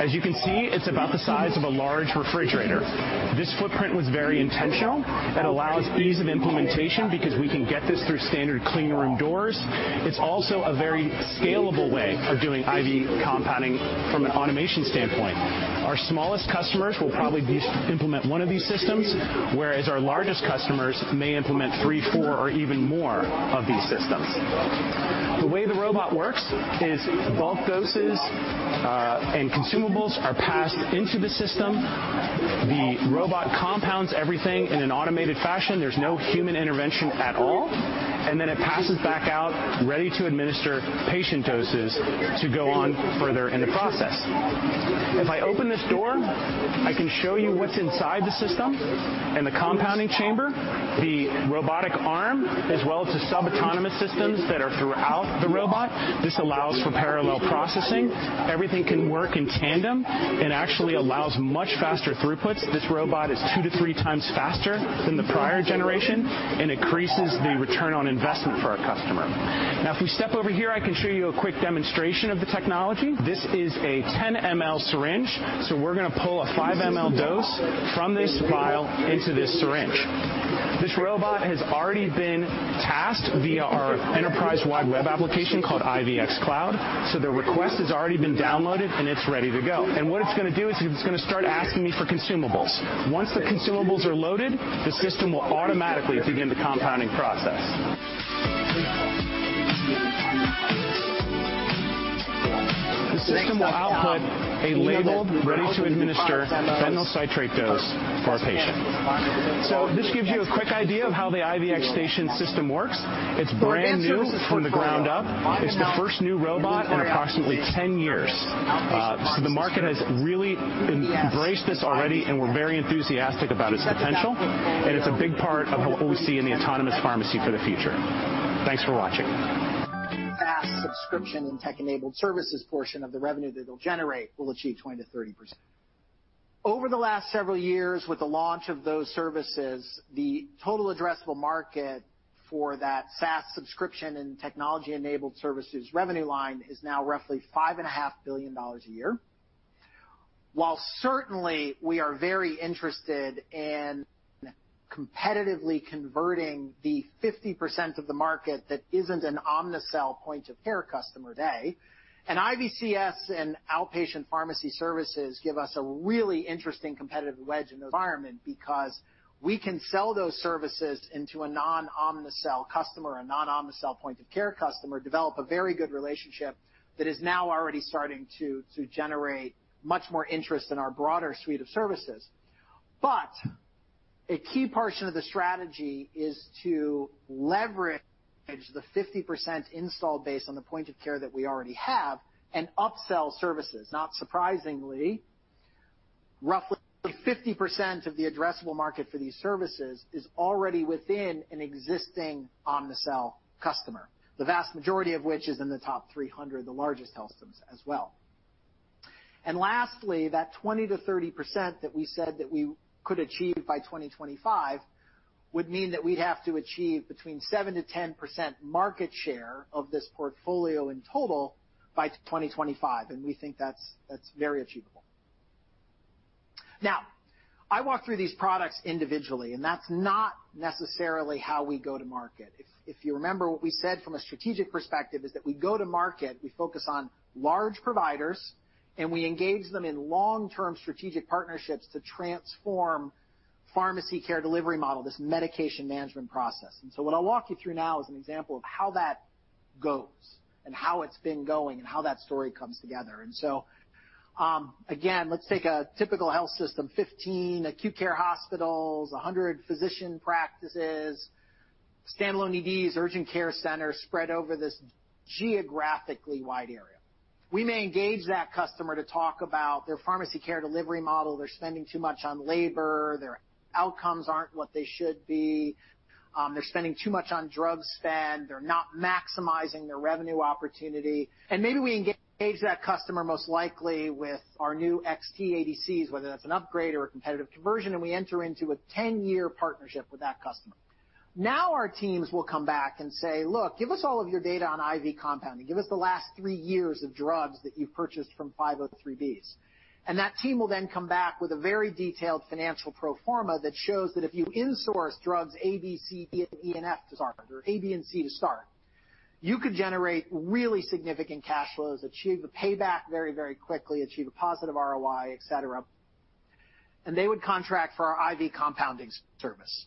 As you can see, it's about the size of a large refrigerator. This footprint was very intentional. It allows ease of implementation because we can get this through standard clean room doors. It's also a very scalable way of doing IV compounding from an automation standpoint. Our smallest customers will probably implement one of these systems, whereas our largest customers may implement 3, 4 or even more of these systems. The way the robot works is bulk doses and consumables are passed into the system. The robot compounds everything in an automated fashion. There's no human intervention at all, and then it passes back out, ready to administer patient doses to go on further in the process. If I open this door, I can show you what's inside the system and the compounding chamber, the robotic arm, as well as the sub-autonomous systems that are throughout the robot. This allows for parallel processing. Everything can work in tandem and actually allows much faster throughputs. This robot is 2-3 times faster than the prior generation and increases the return on investment for our customer. Now, if we step over here, I can show you a quick demonstration of the technology. This is a 10 ml syringe, so we're gonna pull a 5 ml dose from this vial into this syringe. This robot has already been tasked via our enterprise-wide web application called IVX Cloud, so the request has already been downloaded, and it's ready to go. What it's gonna do is it's gonna start asking me for consumables. Once the consumables are loaded, the system will automatically begin the compounding process. The system will output a label ready to administer fentanyl citrate dose for our patient. This gives you a quick idea of how the IVX Station system works. It's brand new from the ground up. It's the first new robot in approximately 10 years. The market has really embraced this already, and we're very enthusiastic about its potential, and it's a big part of what we see in the autonomous pharmacy for the future. Thanks for watching. SaaS subscription and tech-enabled services portion of the revenue that they'll generate will achieve 20%-30%. Over the last several years, with the launch of those services, the total addressable market for that SaaS subscription and technology-enabled services revenue line is now roughly $5.5 billion a year. While certainly we are very interested in competitively converting the 50% of the market that isn't an Omnicell point of care customer today, and IVCS and outpatient pharmacy services give us a really interesting competitive wedge in the environment because we can sell those services into a non-Omnicell customer, a non-Omnicell point of care customer, develop a very good relationship that is now already starting to generate much more interest in our broader suite of services. A key portion of the strategy is to leverage the 50% install base on the point of care that we already have and upsell services. Not surprisingly, roughly 50% of the addressable market for these services is already within an existing Omnicell customer, the vast majority of which is in the top 300, the largest health systems as well. Lastly, that 20%-30% that we said that we could achieve by 2025 would mean that we'd have to achieve between 7%-10% market share of this portfolio in total by 2025, and we think that's very achievable. Now, I walked through these products individually, and that's not necessarily how we go to market. If you remember what we said from a strategic perspective is that we go to market, we focus on large providers, and we engage them in long-term strategic partnerships to transform pharmacy care delivery model, this medication management process. What I'll walk you through now is an example of how that goes and how it's been going and how that story comes together. Again, let's take a typical health system, 15 acute care hospitals, 100 physician practices, standalone EDs, urgent care centers spread over this geographically wide area. We may engage that customer to talk about their pharmacy care delivery model. They're spending too much on labor. Their outcomes aren't what they should be. They're spending too much on drug spend. They're not maximizing their revenue opportunity. Maybe we engage that customer most likely with our new XT ADCs, whether that's an upgrade or a competitive conversion, and we enter into a 10-year partnership with that customer. Our teams will come back and say, "Look, give us all of your data on IV compounding. Give us the last three years of drugs that you've purchased from 503Bs." That team will then come back with a very detailed financial pro forma that shows that if you insource drugs A, B, C, D, E, and F to start or A, B, and C to start. You could generate really significant cash flows, achieve the payback very, very quickly, achieve a positive ROI, et cetera. They would contract for our IV compounding service.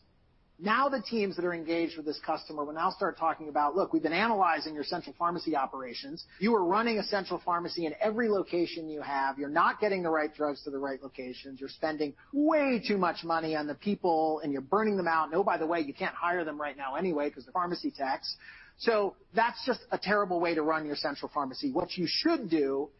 Now, the teams that are engaged with this customer will now start talking about, "Look, we've been analyzing your central pharmacy operations. You are running a central pharmacy in every location you have. You're not getting the right drugs to the right locations. You're spending way too much money on the people, and you're burning them out. And oh, by the way, you can't hire them right now anyway because the pharmacy techs. That's just a terrible way to run your central pharmacy. What you should do is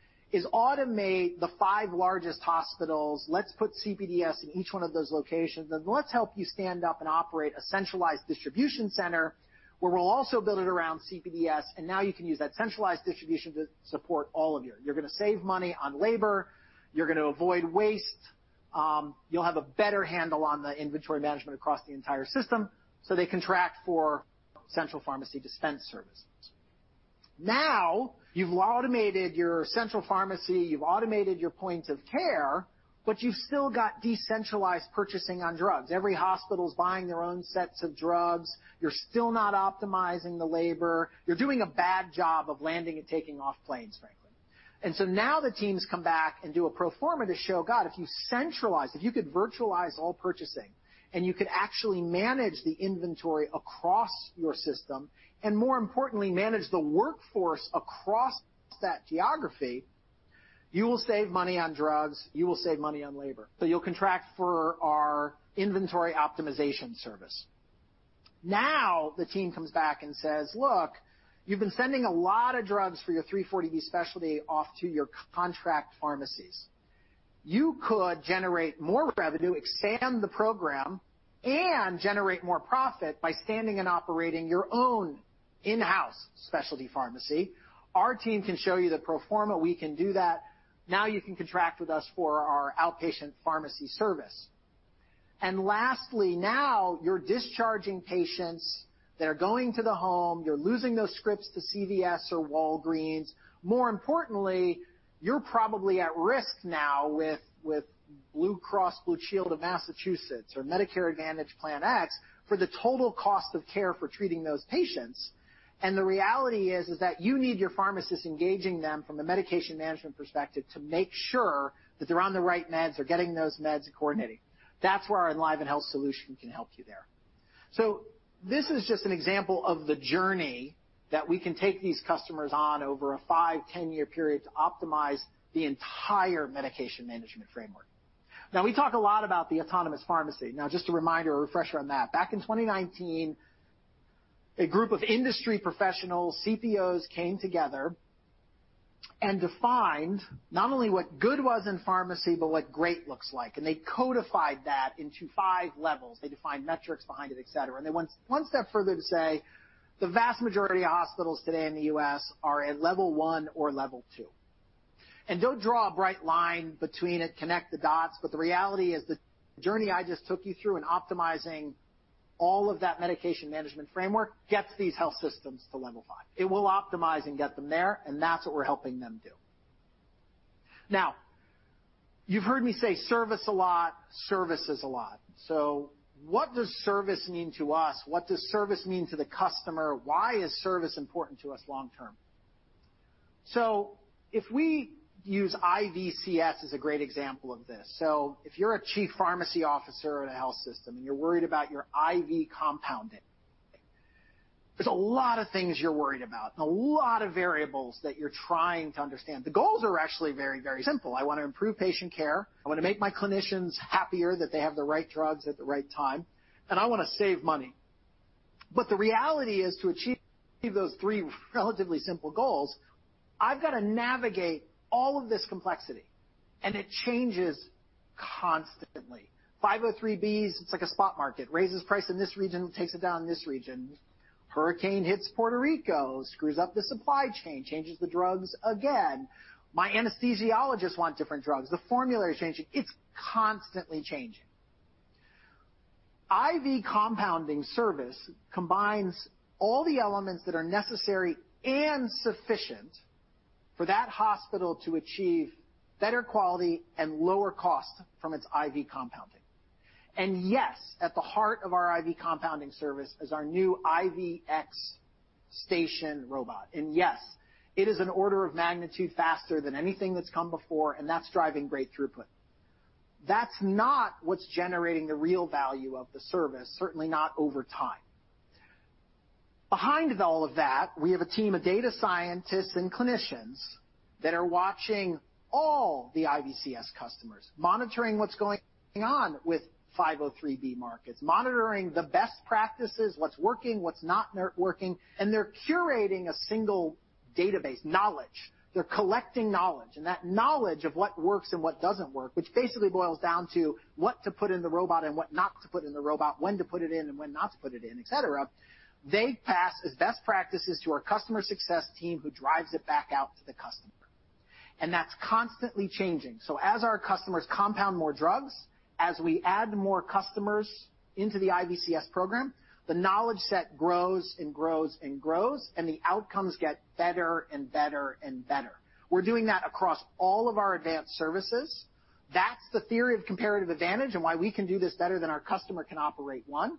automate the five largest hospitals. Let's put CPDS in each one of those locations, and let's help you stand up and operate a centralized distribution center, where we'll also build it around CPDS. Now you can use that centralized distribution to support all of you. You're gonna save money on labor, you're gonna avoid waste, you'll have a better handle on the inventory management across the entire system. They contract for central pharmacy dispensing services. Now, you've automated your central pharmacy, you've automated your point of care, but you've still got decentralized purchasing on drugs. Every hospital's buying their own sets of drugs. You're still not optimizing the labor. You're doing a bad job of landing and taking off planes, frankly. Now the teams come back and do a pro forma to show, God, if you centralize, if you could virtualize all purchasing and you could actually manage the inventory across your system, and more importantly, manage the workforce across that geography, you will save money on drugs, you will save money on labor. You'll contract for our inventory optimization service. Now, the team comes back and says, "Look, you've been sending a lot of drugs for your 340B specialty off to your contract pharmacies. You could generate more revenue, expand the program, and generate more profit by standing and operating your own in-house specialty pharmacy. Our team can show you the pro forma. We can do that. Now you can contract with us for our outpatient pharmacy service." Lastly, now you're discharging patients, they're going to the home, you're losing those scripts to CVS or Walgreens. More importantly, you're probably at risk now with Blue Cross Blue Shield of Massachusetts or Medicare Advantage Plan X for the total cost of care for treating those patients. The reality is that you need your pharmacist engaging them from a medication management perspective to make sure that they're on the right meds or getting those meds and coordinating. That's where our EnlivenHealth solution can help you there. This is just an example of the journey that we can take these customers on over a 5- to 10-year period to optimize the entire medication management framework. Now, we talk a lot about the autonomous pharmacy. Now, just a reminder or refresher on that. Back in 2019, a group of industry professionals, CPOs, came together and defined not only what good was in pharmacy, but what great looks like. They codified that into five levels. They defined metrics behind it, et cetera. They went one step further to say, the vast majority of hospitals today in the US are at level one or level two. Don't draw a bright line between it, connect the dots, but the reality is the journey I just took you through in optimizing all of that medication management framework gets these health systems to level five. It will optimize and get them there, and that's what we're helping them do. Now, you've heard me say service a lot. Service is a lot. What does service mean to us? What does service mean to the customer? Why is service important to us long term? If we use IVCS as a great example of this. If you're a chief pharmacy officer in a health system and you're worried about your IV compounding, there's a lot of things you're worried about and a lot of variables that you're trying to understand. The goals are actually very, very simple. I wanna improve patient care, I wanna make my clinicians happier that they have the right drugs at the right time, and I wanna save money. The reality is, to achieve those three relatively simple goals, I've got to navigate all of this complexity, and it changes constantly. 503Bs, it's like a spot market, raises price in this region, takes it down in this region. Hurricane hits Puerto Rico, screws up the supply chain, changes the drugs again. My anesthesiologists want different drugs. The formulary is changing. It's constantly changing. IV compounding service combines all the elements that are necessary and sufficient for that hospital to achieve better quality and lower cost from its IV compounding. Yes, at the heart of our IV compounding service is our new IVX Station robot. Yes, it is an order of magnitude faster than anything that's come before, and that's driving great throughput. That's not what's generating the real value of the service, certainly not over time. Behind all of that, we have a team of data scientists and clinicians that are watching all the IVCS customers, monitoring what's going on with 503B markets, monitoring the best practices, what's working, what's not working, and they're curating a single database, knowledge. They're collecting knowledge. That knowledge of what works and what doesn't work, which basically boils down to what to put in the robot and what not to put in the robot, when to put it in and when not to put it in, etc., they pass as best practices to our customer success team, who drives it back out to the customer. That's constantly changing. As our customers compound more drugs, as we add more customers into the IVCS program, the knowledge set grows and grows and grows, and the outcomes get better and better and better. We're doing that across all of our advanced services. That's the theory of comparative advantage and why we can do this better than our customer can operate one.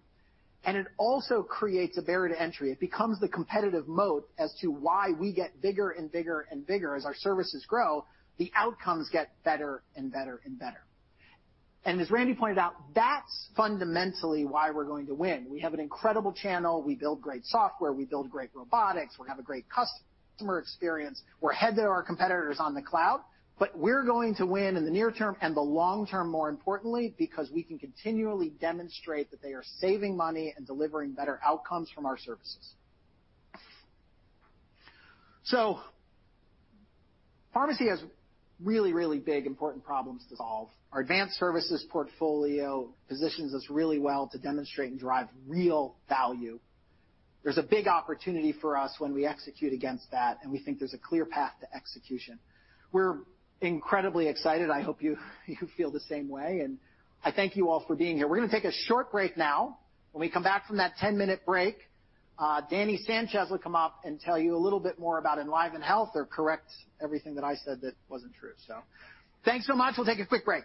It also creates a barrier to entry. It becomes the competitive moat as to why we get bigger and bigger and bigger. As our services grow, the outcomes get better and better and better. As Randy pointed out, that's fundamentally why we're going to win. We have an incredible channel. We build great software. We build great robotics. We have a great customer experience. We're ahead of our competitors on the cloud. We're going to win in the near term and the long term, more importantly, because we can continually demonstrate that they are saving money and delivering better outcomes from our services. Pharmacy has really, really big, important problems to solve. Our advanced services portfolio positions us really well to demonstrate and drive real value. There's a big opportunity for us when we execute against that, and we think there's a clear path to execution. We're incredibly excited. I hope you feel the same way, and I thank you all for being here. We're gonna take a short break now. When we come back from that 10-minute break, Danny Sanchez will come up and tell you a little bit more about EnlivenHealth or correct everything that I said that wasn't true. Thanks so much. We'll take a quick break.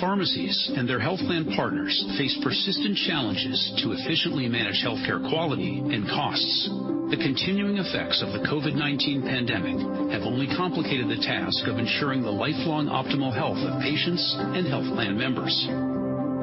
Pharmacies and their health plan partners face persistent challenges to efficiently manage healthcare quality and costs. The continuing effects of the COVID-19 pandemic have only complicated the task of ensuring the lifelong optimal health of patients and health plan members.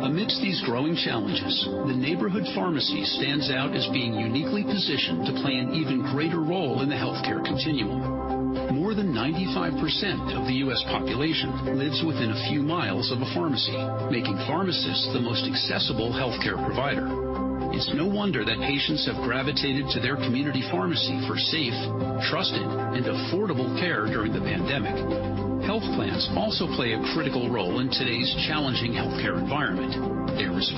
Amidst these growing challenges, the neighborhood pharmacy stands out as being uniquely positioned to play an even greater role in the healthcare continuum. More than 95% of the US population lives within a few miles of a pharmacy, making pharmacists the most accessible healthcare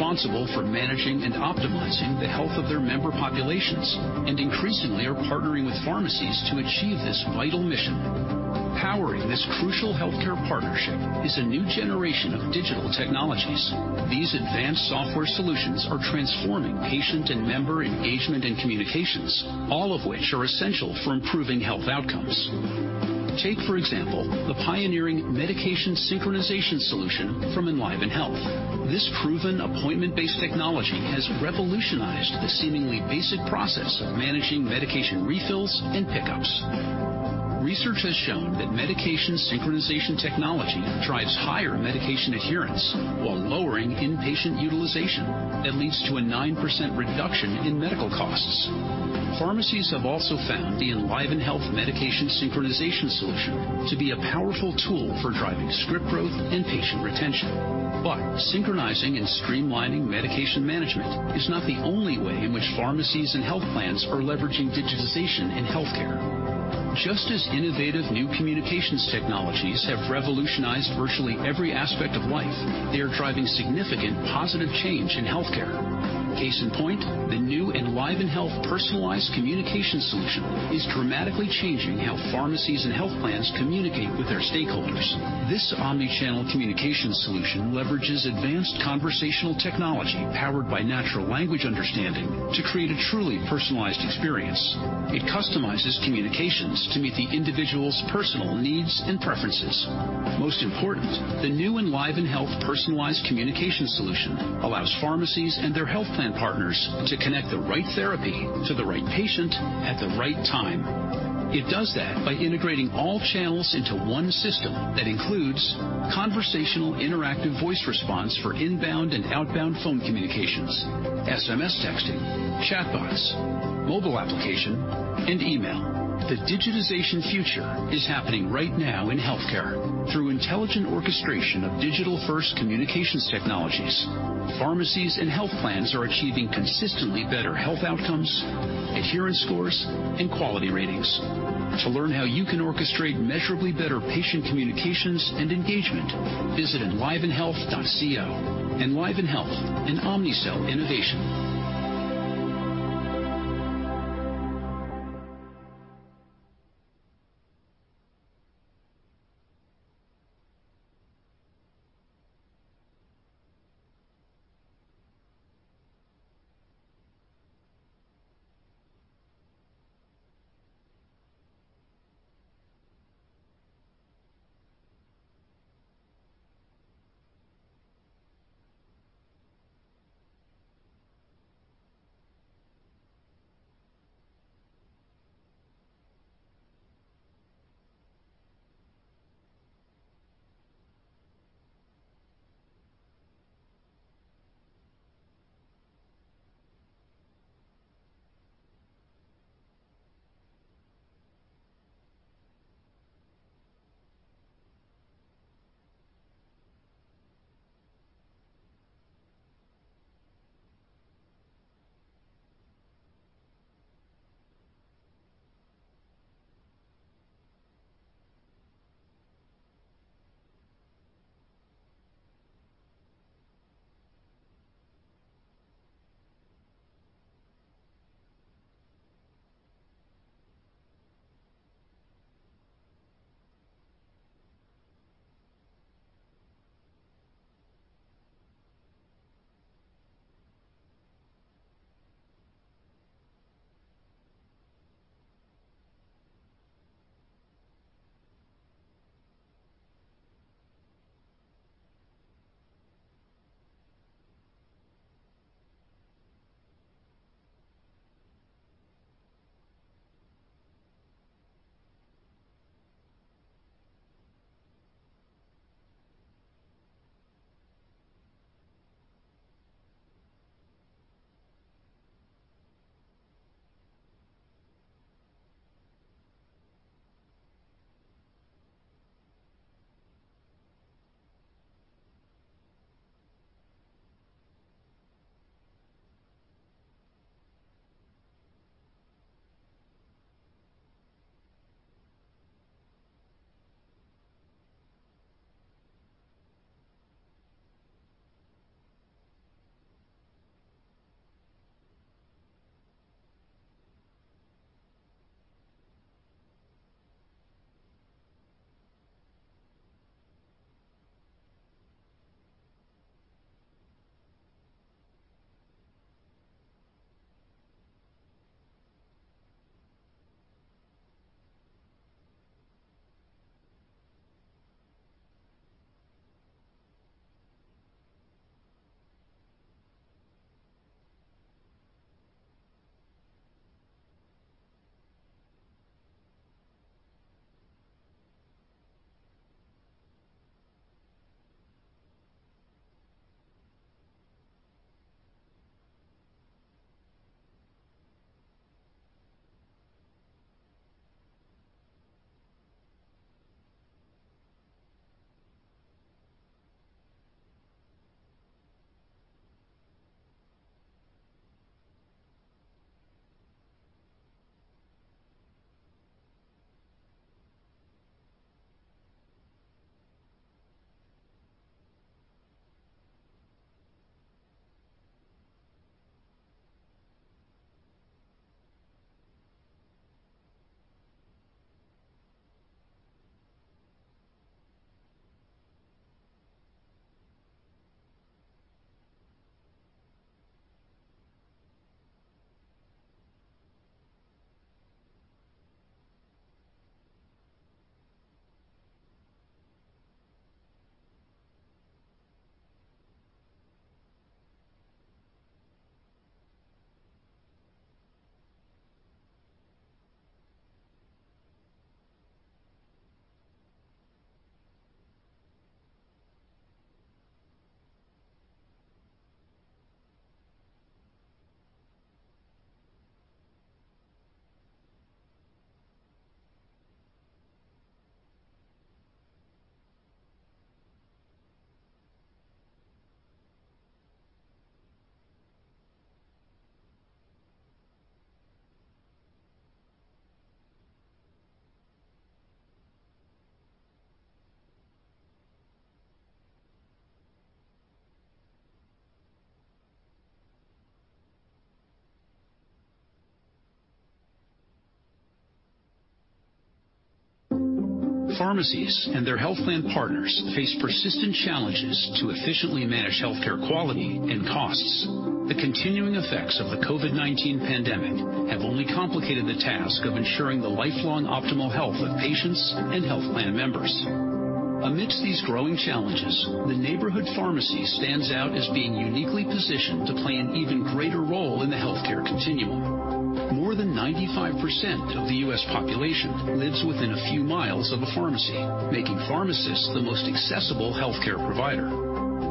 provider.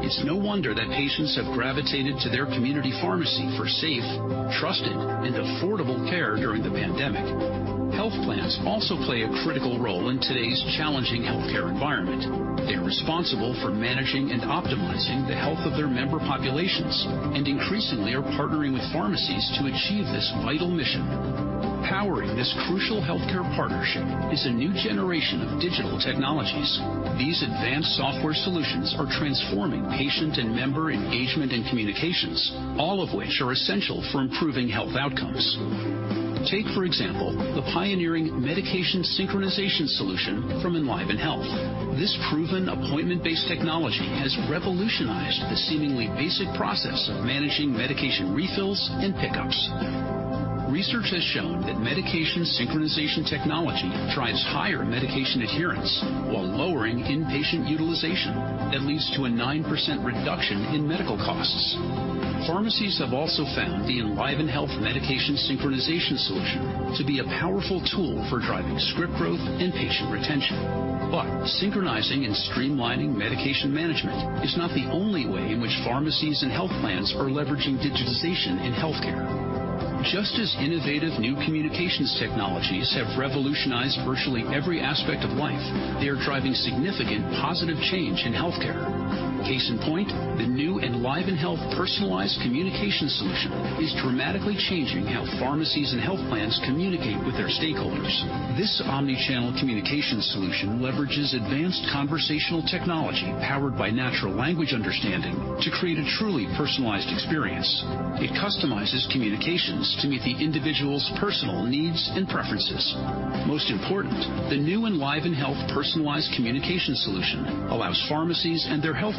It's no wonder that patients have gravitated to their community pharmacy for safe, trusted, and affordable care during the pandemic. Health plans also play a critical role in today's challenging healthcare environment. They're responsible for managing and optimizing the health of their member populations and increasingly are partnering with pharmacies to achieve this vital mission. Powering this crucial healthcare partnership is a new generation of digital technologies. These advanced software solutions are transforming patient and member engagement and communications, all of which are essential for improving health outcomes. Take, for example, the pioneering medication synchronization solution from EnlivenHealth. This proven appointment-based technology has revolutionized the seemingly basic process of managing medication refills and pickups. Research has shown that medication synchronization technology drives higher medication adherence while lowering inpatient utilization that leads to a 9% reduction in medical costs. Pharmacies have also found the EnlivenHealth medication synchronization solution to be a powerful tool for driving script growth and patient retention. Synchronizing and streamlining medication management is not the only way in which pharmacies and health plans are leveraging digitization in healthcare. Just as innovative new communications technologies have revolutionized virtually every aspect of life, they are driving significant positive change in healthcare. Case in point, the new EnlivenHealth's personalized communication solution is dramatically changing how pharmacies and health plans communicate with their stakeholders. This omnichannel communication solution leverages advanced conversational technology powered by natural language understanding to create a truly personalized experience. It customizes communications to meet the individual's personal needs and preferences. Most important, the new EnlivenHealth's personalized communication solution allows pharmacies and their health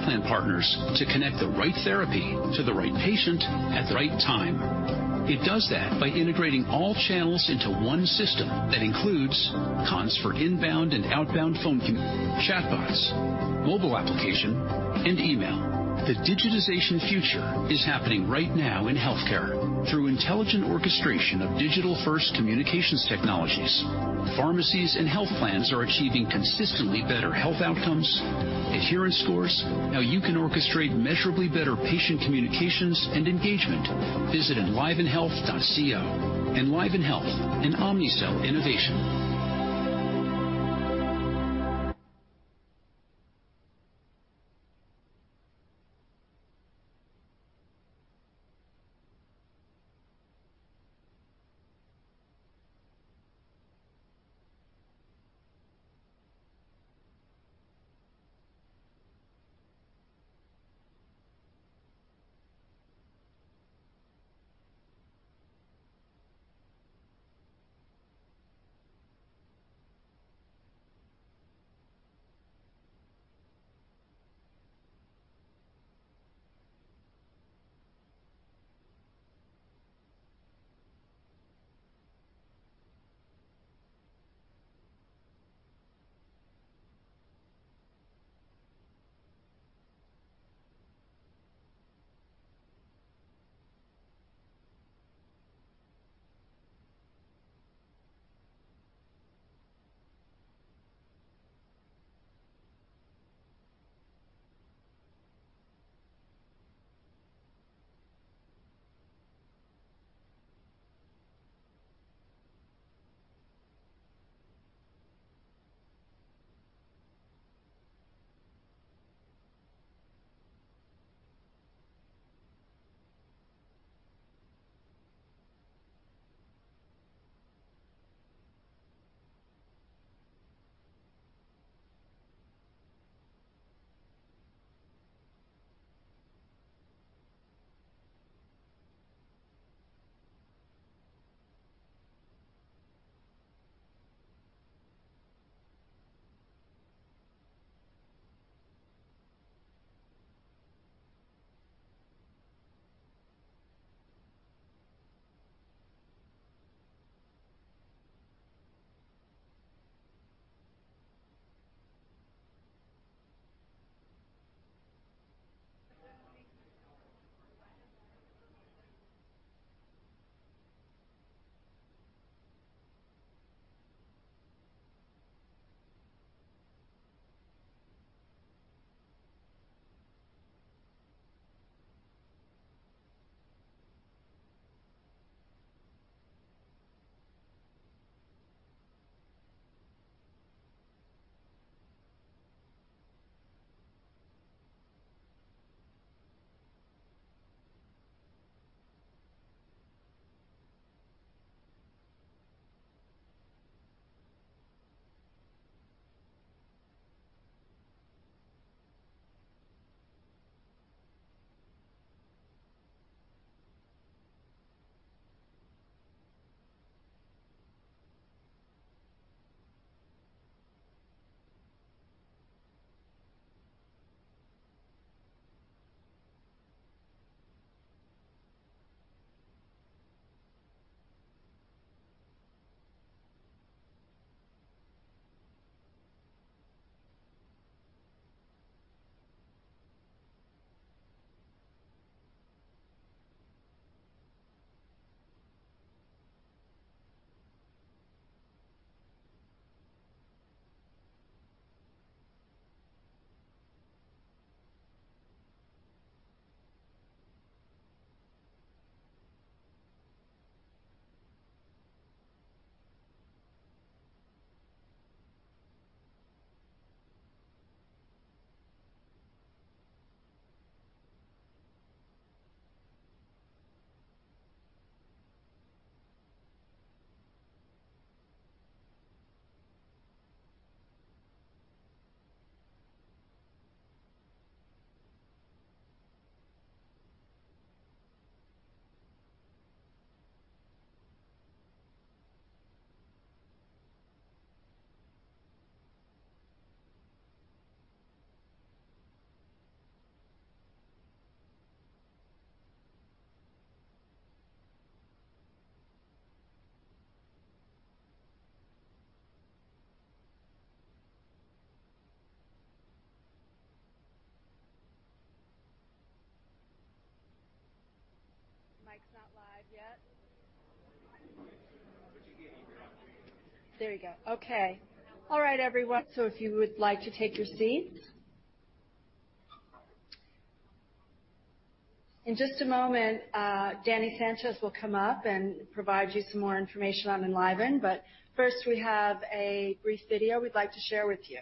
The digitization future is happening right now in healthcare through intelligent orchestration of digital-first communications technologies. Pharmacies and health plans are achieving consistently better health outcomes, adherence scores. Now you can orchestrate measurably better patient communications and engagement. Visit enlivenhealth.co. EnlivenHealth Health, an Omnicell innovation. Mic's not live yet. There you go. Okay. All right, everyone. If you would like to take your seats. In just a moment, Danny Sanchez will come up and provide you some more information on EnlivenHealth. First, we have a brief video we'd like to share with you.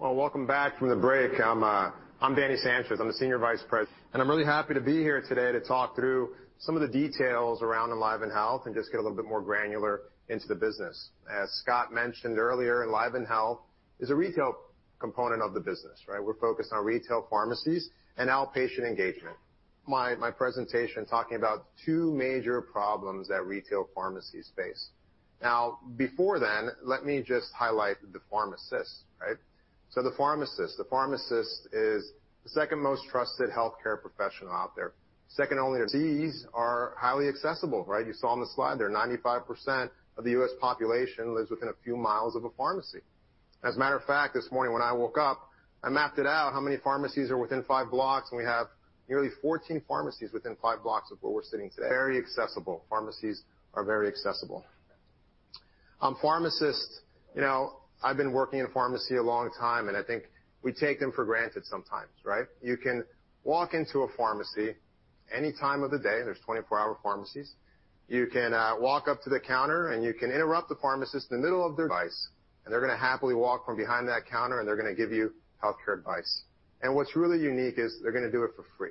Well, welcome back from the break. I'm Danny Sanchez. I'm really happy to be here today to talk through some of the details around EnlivenHealth and just get a little bit more granular into the business. As Scott mentioned earlier, EnlivenHealth is a retail component of the business, right? We're focused on retail pharmacies and outpatient engagement. My presentation talking about two major problems that retail pharmacies face. Now, before then, let me just highlight the pharmacist, right? So the pharmacist. The pharmacist is the second most trusted healthcare professional out there. These are highly accessible, right? You saw on the slide there, 95% of the US population lives within a few miles of a pharmacy. As a matter of fact, this morning when I woke up, I mapped it out how many pharmacies are within 5 blocks, and we have nearly 14 pharmacies within 5 blocks of where we're sitting today. Very accessible. Pharmacies are very accessible. Pharmacists, you know, I've been working in pharmacy a long time, and I think we take them for granted sometimes, right? You can walk into a pharmacy any time of the day, there's 24-hour pharmacies. You can walk up to the counter, and you can interrupt the pharmacist in the middle of their advice, and they're gonna happily walk from behind that counter, and they're gonna give you healthcare advice. What's really unique is they're gonna do it for free,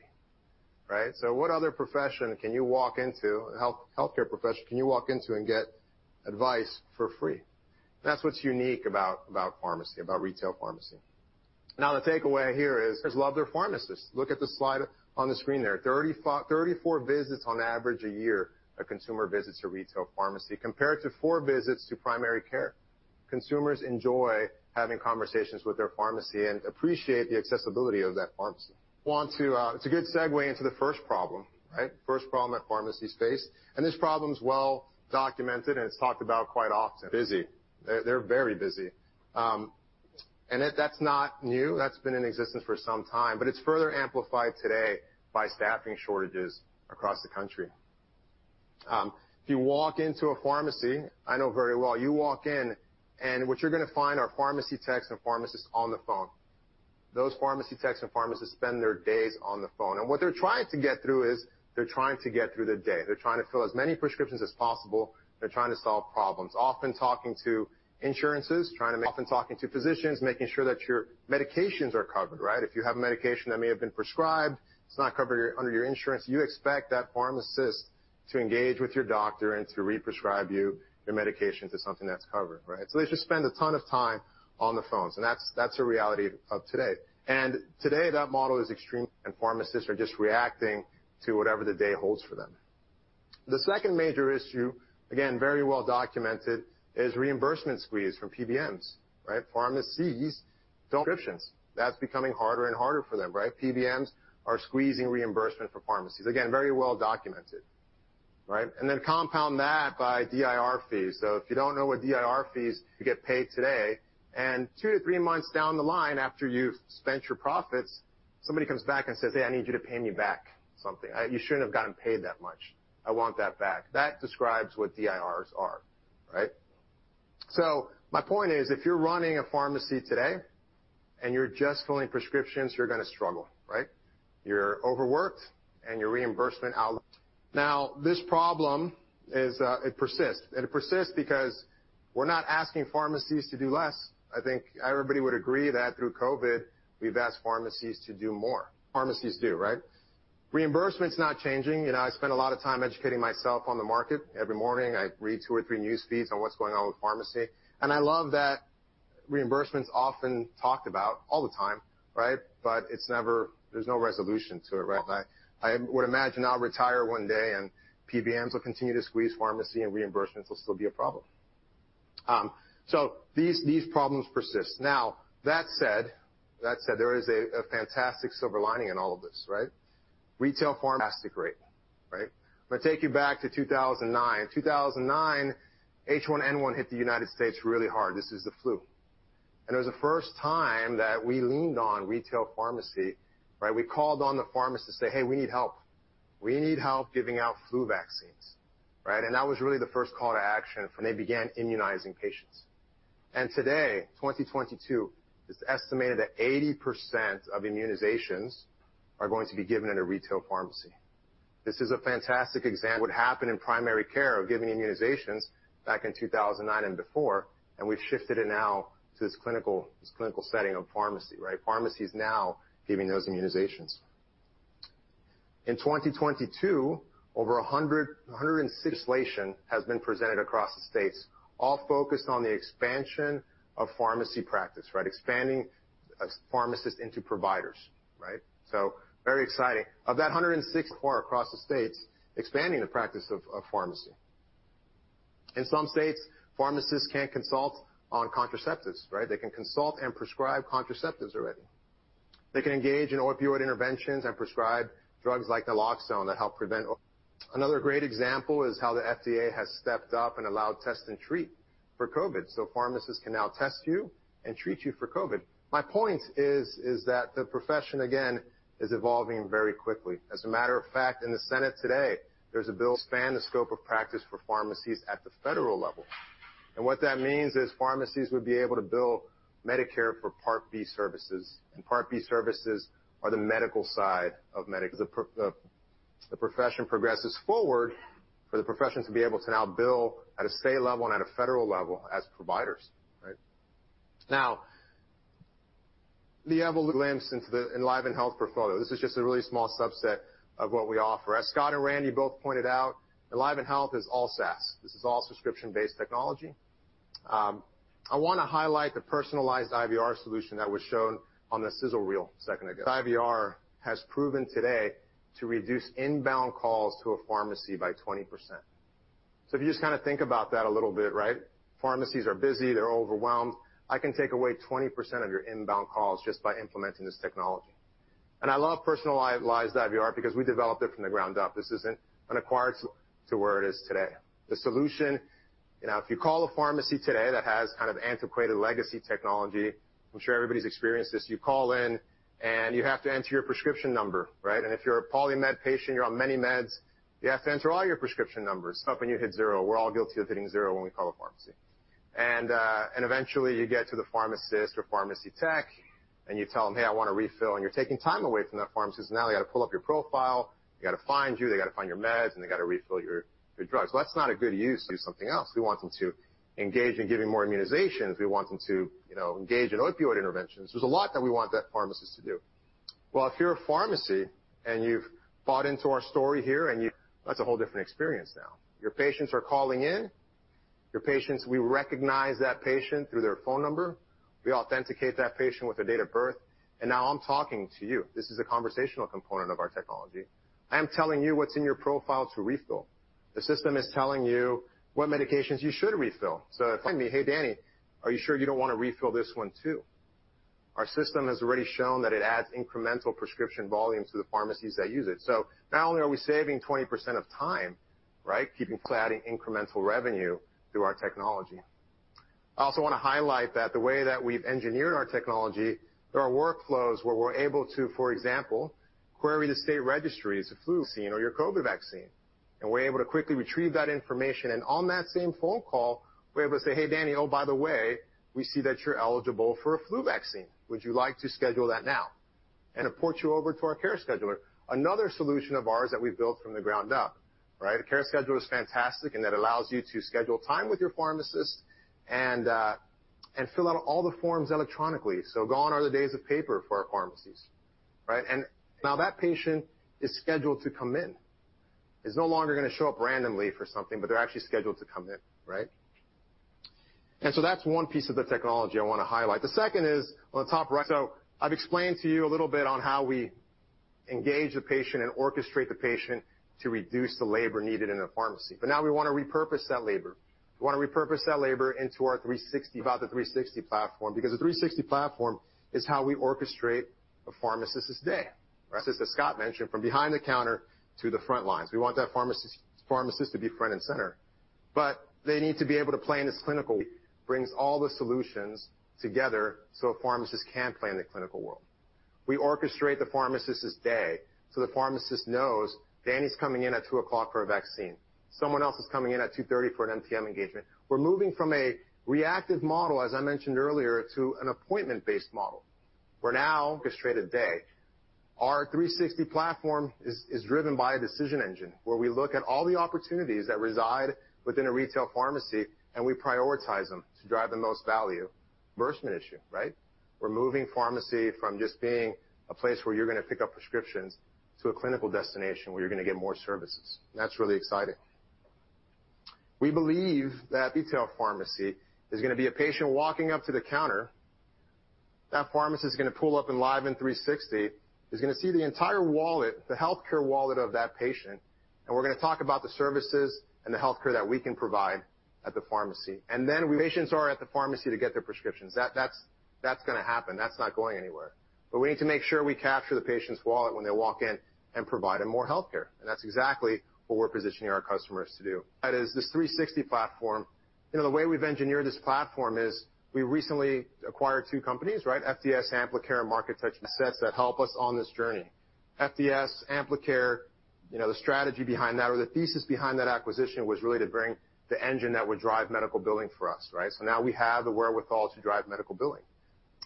right? What other healthcare profession can you walk into and get advice for free? That's what's unique about pharmacy, about retail pharmacy. Now, the takeaway here is love their pharmacists. Look at the slide on the screen there. 34 visits on average a year, a consumer visits a retail pharmacy, compared to four visits to primary care. Consumers enjoy having conversations with their pharmacy and appreciate the accessibility of that pharmacy. It's a good segue into the first problem, right? First problem that pharmacies face, and this problem's well documented, and it's talked about quite often. Busy. They're very busy. That's not new. That's been in existence for some time, but it's further amplified today by staffing shortages across the country. If you walk into a pharmacy, I know very well, you walk in and what you're gonna find are pharmacy techs and pharmacists on the phone. Those pharmacy techs and pharmacists spend their days on the phone. What they're trying to get through is, they're trying to get through the day. They're trying to fill as many prescriptions as possible. They're trying to solve problems, often talking to insurances, often talking to physicians, making sure that your medications are covered, right? If you have a medication that may have been prescribed, it's not covered under your insurance, you expect that pharmacist to engage with your doctor and to re-prescribe you your medication to something that's covered, right? They just spend a ton of time on the phones, and that's a reality of today. Today, that model is extreme, and pharmacists are just reacting to whatever the day holds for them. The second major issue, again, very well documented, is reimbursement squeeze from PBMs, right? Pharmacies don't prescriptions. That's becoming harder and harder for them, right? PBMs are squeezing reimbursement for pharmacies. Again, very well documented, right? Then compound that by DIR fees. If you don't know what DIR fees, you get paid today, and 2-3 months down the line, after you've spent your profits, somebody comes back and says, "Hey, I need you to pay me back something. You shouldn't have gotten paid that much. I want that back." That describes what DIRs are, right? My point is, if you're running a pharmacy today and you're just filling prescriptions, you're gonna struggle, right? You're overworked and your reimbursement outlook. This problem is, it persists, and it persists because we're not asking pharmacies to do less. I think everybody would agree that through COVID, we've asked pharmacies to do more. Pharmacies do, right? Reimbursement's not changing. You know, I spend a lot of time educating myself on the market. Every morning, I read two or three news feeds on what's going on with pharmacy, and I love that reimbursement's often talked about all the time, right? But it's never. There's no resolution to it, right? I would imagine I'll retire one day and PBMs will continue to squeeze pharmacy and reimbursements will still be a problem. These problems persist. Now, that said, there is a fantastic silver lining in all of this, right? Retail pharmacy at a fantastic rate, right? I'm gonna take you back to 2009. In 2009, H1N1 hit the United States really hard. This is the flu. It was the first time that we leaned on retail pharmacy, right? We called on the pharmacist to say, "Hey, we need help. We need help giving out flu vaccines," right? That was really the first call to action, and they began immunizing patients. Today, 2022, it's estimated that 80% of immunizations are going to be given in a retail pharmacy. This is a fantastic example of what happened in primary care of giving immunizations back in 2009 and before, and we've shifted it now to this clinical setting of pharmacy, right? Pharmacy's now giving those immunizations. In 2022, over 106 legislation has been presented across the states, all focused on the expansion of pharmacy practice, right? Expanding pharmacists into providers, right? Very exciting. Of that 164 across the states, expanding the practice of pharmacy. In some states, pharmacists can consult on contraceptives, right? They can consult and prescribe contraceptives already. They can engage in opioid interventions and prescribe drugs like naloxone that help prevent opioid. Another great example is how the FDA has stepped up and allowed test and treat for COVID, so pharmacists can now test you and treat you for COVID. My point is that the profession, again, is evolving very quickly. As a matter of fact, in the Senate today, there's a bill to expand the scope of practice for pharmacies at the federal level. What that means is pharmacies would be able to bill Medicare for Part B services, and Part B services are the medical side of Medicare. As the profession progresses forward for the profession to be able to now bill at a state level and at a federal level as providers, right? Now, glimpse into the EnlivenHealth portfolio. This is just a really small subset of what we offer. As Scott and Randy both pointed out, EnlivenHealth is all SaaS. This is all subscription-based technology. I wanna highlight the personalized IVR solution that was shown on the sizzle reel a second ago. This IVR has proven today to reduce inbound calls to a pharmacy by 20%. If you just kinda think about that a little bit, right? Pharmacies are busy. They're overwhelmed. I can take away 20% of your inbound calls just by implementing this technology. I love personalized IVR because we developed it from the ground up. This isn't an acquired to where it is today. The solution, you know, if you call a pharmacy today that has kind of antiquated legacy technology, I'm sure everybody's experienced this, you call in and you have to enter your prescription number, right? If you're a polymed patient, you're on many meds, you have to enter all your prescription numbers up when you hit zero. We're all guilty of hitting zero when we call a pharmacy. Eventually you get to the pharmacist or pharmacy tech, and you tell them, "Hey, I wanna refill," and you're taking time away from that pharmacist because now they gotta pull up your profile, they gotta find you, they gotta find your meds, and they gotta refill your drugs. Well, that's not a good use. Do something else. We want them to engage in giving more immunizations. We want them to, you know, engage in opioid interventions. There's a lot that we want that pharmacist to do. Well, if you're a pharmacy and you've bought into our story here. That's a whole different experience now. Your patients are calling in. Your patients, we recognize that patient through their phone number. We authenticate that patient with their date of birth, and now I'm talking to you. This is a conversational component of our technology. I am telling you what's in your profile to refill. The system is telling you what medications you should refill. If I may, "Hey, Danny, are you sure you don't wanna refill this one too?" Our system has already shown that it adds incremental prescription volumes to the pharmacies that use it. Not only are we saving 20% of time, right, adding incremental revenue through our technology. I also wanna highlight that the way that we've engineered our technology, there are workflows where we're able to, for example, query the state registries of flu vaccine or your COVID vaccine, and we're able to quickly retrieve that information. On that same phone call, we're able to say, "Hey, Danny. Oh, by the way, we see that you're eligible for a flu vaccine. Would you like to schedule that now?" It ports you over to our CareScheduler. Another solution of ours that we built from the ground up, right? A CareScheduler is fantastic, and that allows you to schedule time with your pharmacist and fill out all the forms electronically. Gone are the days of paper for our pharmacies, right? Now that patient is scheduled to come in, is no longer gonna show up randomly for something, but they're actually scheduled to come in, right? That's one piece of the technology I wanna highlight. The second is on the top right. I've explained to you a little bit on how we engage the patient and orchestrate the patient to reduce the labor needed in a pharmacy. Now we wanna repurpose that labor. We wanna repurpose that labor into our Enliven360. About the Enliven360 platform, because the Enliven360 platform is how we orchestrate a pharmacist's day. Just as Scott mentioned, from behind the counter to the front lines. We want that pharmacist to be front and center, but they need to be able to play in this clinical. Brings all the solutions together so pharmacists can play in the clinical world. We orchestrate the pharmacist's day so the pharmacist knows Danny's coming in at 2 o'clock for a vaccine. Someone else is coming in at 2:30 for an MTM engagement. We're moving from a reactive model, as I mentioned earlier, to an appointment-based model, where now orchestrate a day. Our Enliven360 platform is driven by a decision engine, where we look at all the opportunities that reside within a retail pharmacy and we prioritize them to drive the most value. Reimbursement issue, right? We're moving pharmacy from just being a place where you're gonna pick up prescriptions to a clinical destination where you're gonna get more services. That's really exciting. We believe that retail pharmacy is gonna be a patient walking up to the counter. That pharmacist is gonna pull up Enliven360. He's gonna see the entire wallet, the healthcare wallet of that patient, and we're gonna talk about the services and the healthcare that we can provide at the pharmacy. Patients are at the pharmacy to get their prescriptions. That's gonna happen. That's not going anywhere. We need to make sure we capture the patient's wallet when they walk in and provide them more healthcare. That's exactly what we're positioning our customers to do. That is this 360 platform. You know, the way we've engineered this platform is we recently acquired two companies, right? FDS Amplicare, MarkeTouch assets that help us on this journey. FDS Amplicare, you know, the strategy behind that or the thesis behind that acquisition was really to bring the engine that would drive medical billing for us, right? So now we have the wherewithal to drive medical billing.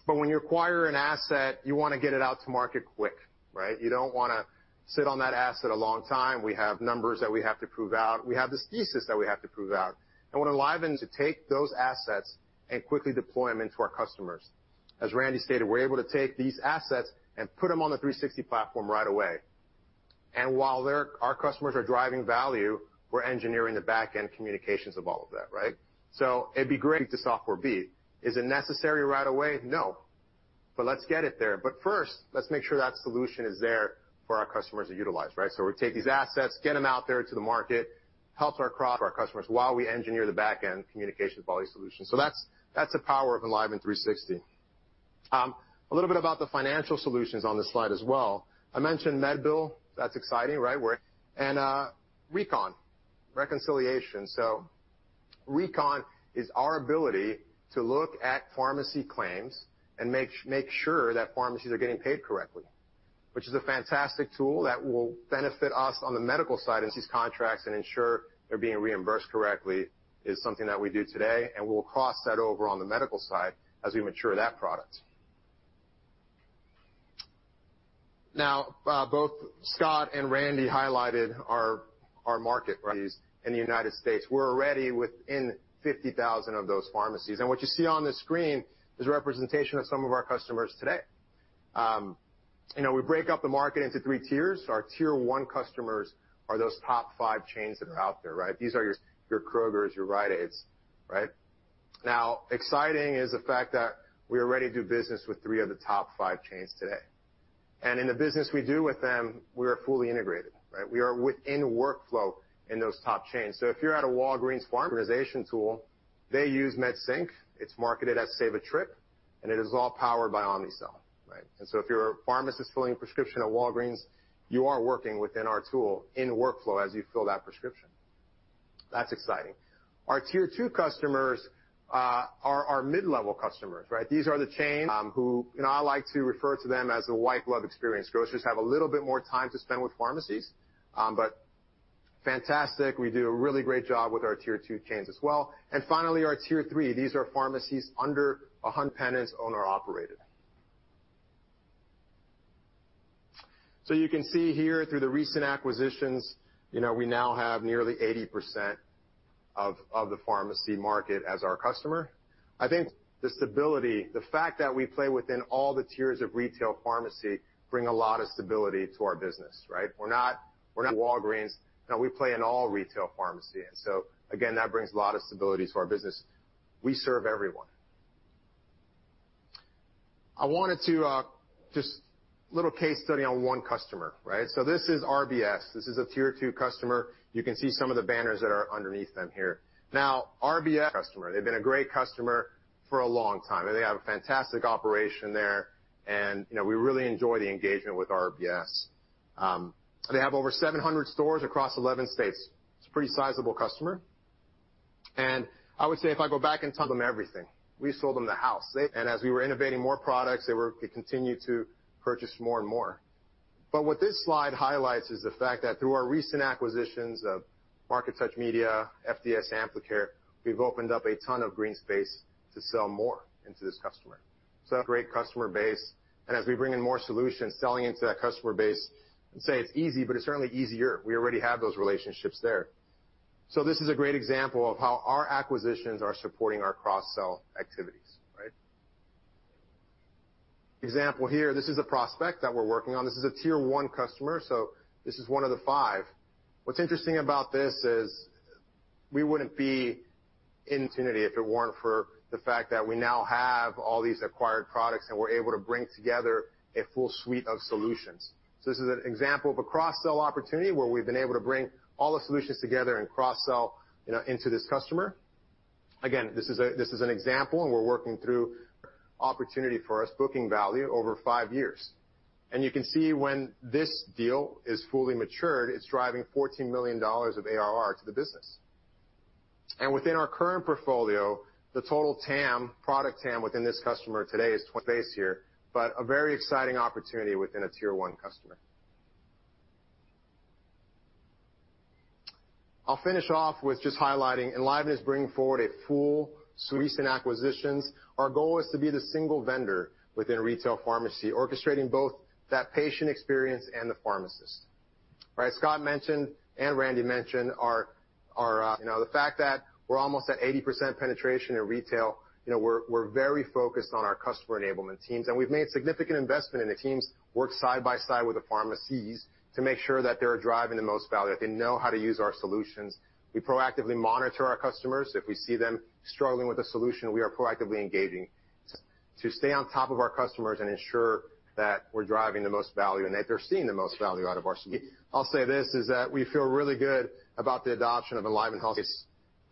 But when you acquire an asset, you wanna get it out to market quick, right? You don't wanna sit on that asset a long time. We have numbers that we have to prove out. We have this thesis that we have to prove out. What Enliven did to take those assets and quickly deploy them to our customers. As Randall stated, we're able to take these assets and put them on the 360 platform right away. While our customers are driving value, we're engineering the back-end communications of all of that, right? It'd be great to softwarize. Is it necessary right away? No, but let's get it there. First, let's make sure that solution is there for our customers to utilize, right? We take these assets, get them out there to the market, helps across our customers while we engineer the back-end communications of all these solutions. That's the power of Enliven360. A little bit about the financial solutions on this slide as well. I mentioned MedBill. That's exciting, right? Recon, reconciliation. Recon is our ability to look at pharmacy claims and make sure that pharmacies are getting paid correctly, which is a fantastic tool that will benefit us on the medical side of these contracts and ensure they're being reimbursed correctly is something that we do today, and we'll cross that over on the medical side as we mature that product. Now, both Scott and Randall highlighted our market, right, these in the United States. We're already within 50,000 of those pharmacies. What you see on the screen is a representation of some of our customers today. You know, we break up the market into three tiers. Our tier one customers are those top five chains that are out there, right? These are your Kroger's, your Rite Aid's, right? Now, exciting is the fact that we already do business with 3 of the top 5 chains today. In the business we do with them, we are fully integrated, right? We are within workflow in those top chains. If you're at a Walgreens, our tool, they use MedSync. It's marketed as Save a Trip, and it is all powered by Omnicell, right? If you're a pharmacist filling a prescription at Walgreens, you are working within our tool in workflow as you fill that prescription. That's exciting. Our tier two customers are our mid-level customers, right? These are the chains who, you know, I like to refer to them as the white glove experience. Grocers have a little bit more time to spend with pharmacies, but fantastic. We do a really great job with our tier two chains as well. Finally, our tier three. These are pharmacies under an independent owner-operated. So you can see here through the recent acquisitions, you know, we now have nearly 80% of the pharmacy market as our customer. I think the stability, the fact that we play within all the tiers of retail pharmacy bring a lot of stability to our business, right? We're not Walgreens. You know, we play in all retail pharmacy. Again, that brings a lot of stability to our business. We serve everyone. I wanted to just a little case study on one customer, right? So this is RBS. This is a tier two customer. You can see some of the banners that are underneath them here. Now, RBS customer, they've been a great customer for a long time, and they have a fantastic operation there. You know, we really enjoy the engagement with RBS. They have over 700 stores across 11 states. It's a pretty sizable customer. I would say if I go back and tell them everything, we sold them the house. As we were innovating more products, they continued to purchase more and more. What this slide highlights is the fact that through our recent acquisitions of MarkeTouch Media, FDS Amplicare, we've opened up a ton of green space to sell more into this customer. A great customer base. As we bring in more solutions, selling into that customer base, I'd say it's easy, but it's certainly easier. We already have those relationships there. This is a great example of how our acquisitions are supporting our cross-sell activities, right? Example here, this is a prospect that we're working on. This is a tier one customer, so this is one of the five. What's interesting about this is we wouldn't be in this opportunity if it weren't for the fact that we now have all these acquired products, and we're able to bring together a full suite of solutions. This is an example of a cross-sell opportunity where we've been able to bring all the solutions together and cross-sell, you know, into this customer. Again, this is an example, and we're working through an opportunity for us, booking value over five years. You can see when this deal is fully matured, it's driving $14 million of ARR to the business. Within our current portfolio, the total TAM, product TAM within this customer today is based here, but a very exciting opportunity within a tier one customer. I'll finish off with just highlighting Enliven is bringing forward all recent acquisitions. Our goal is to be the single vendor within retail pharmacy, orchestrating both that patient experience and the pharmacist, right? Scott mentioned and Randy mentioned our, you know, the fact that we're almost at 80% penetration in retail. You know, we're very focused on our customer enablement teams, and we've made significant investment, and the teams work side by side with the pharmacies to make sure that they're driving the most value, that they know how to use our solutions. We proactively monitor our customers. If we see them struggling with a solution, we are proactively engaging to stay on top of our customers and ensure that we're driving the most value and that they're seeing the most value out of our solution. I'll say this, is that we feel really good about the adoption of EnlivenHealth. You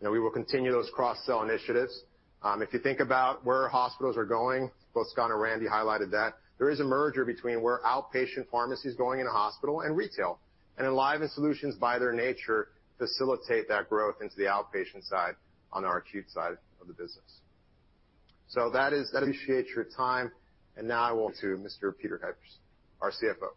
know, we will continue those cross-sell initiatives. If you think about where hospitals are going, both Scott and Randy highlighted that there is a merger between where outpatient pharmacy is going in a hospital and retail. EnlivenHealth solutions by their nature facilitate that growth into the outpatient side on our acute side of the business. I appreciate your time, and now I will to Mr. Peter Kuipers, our CFO.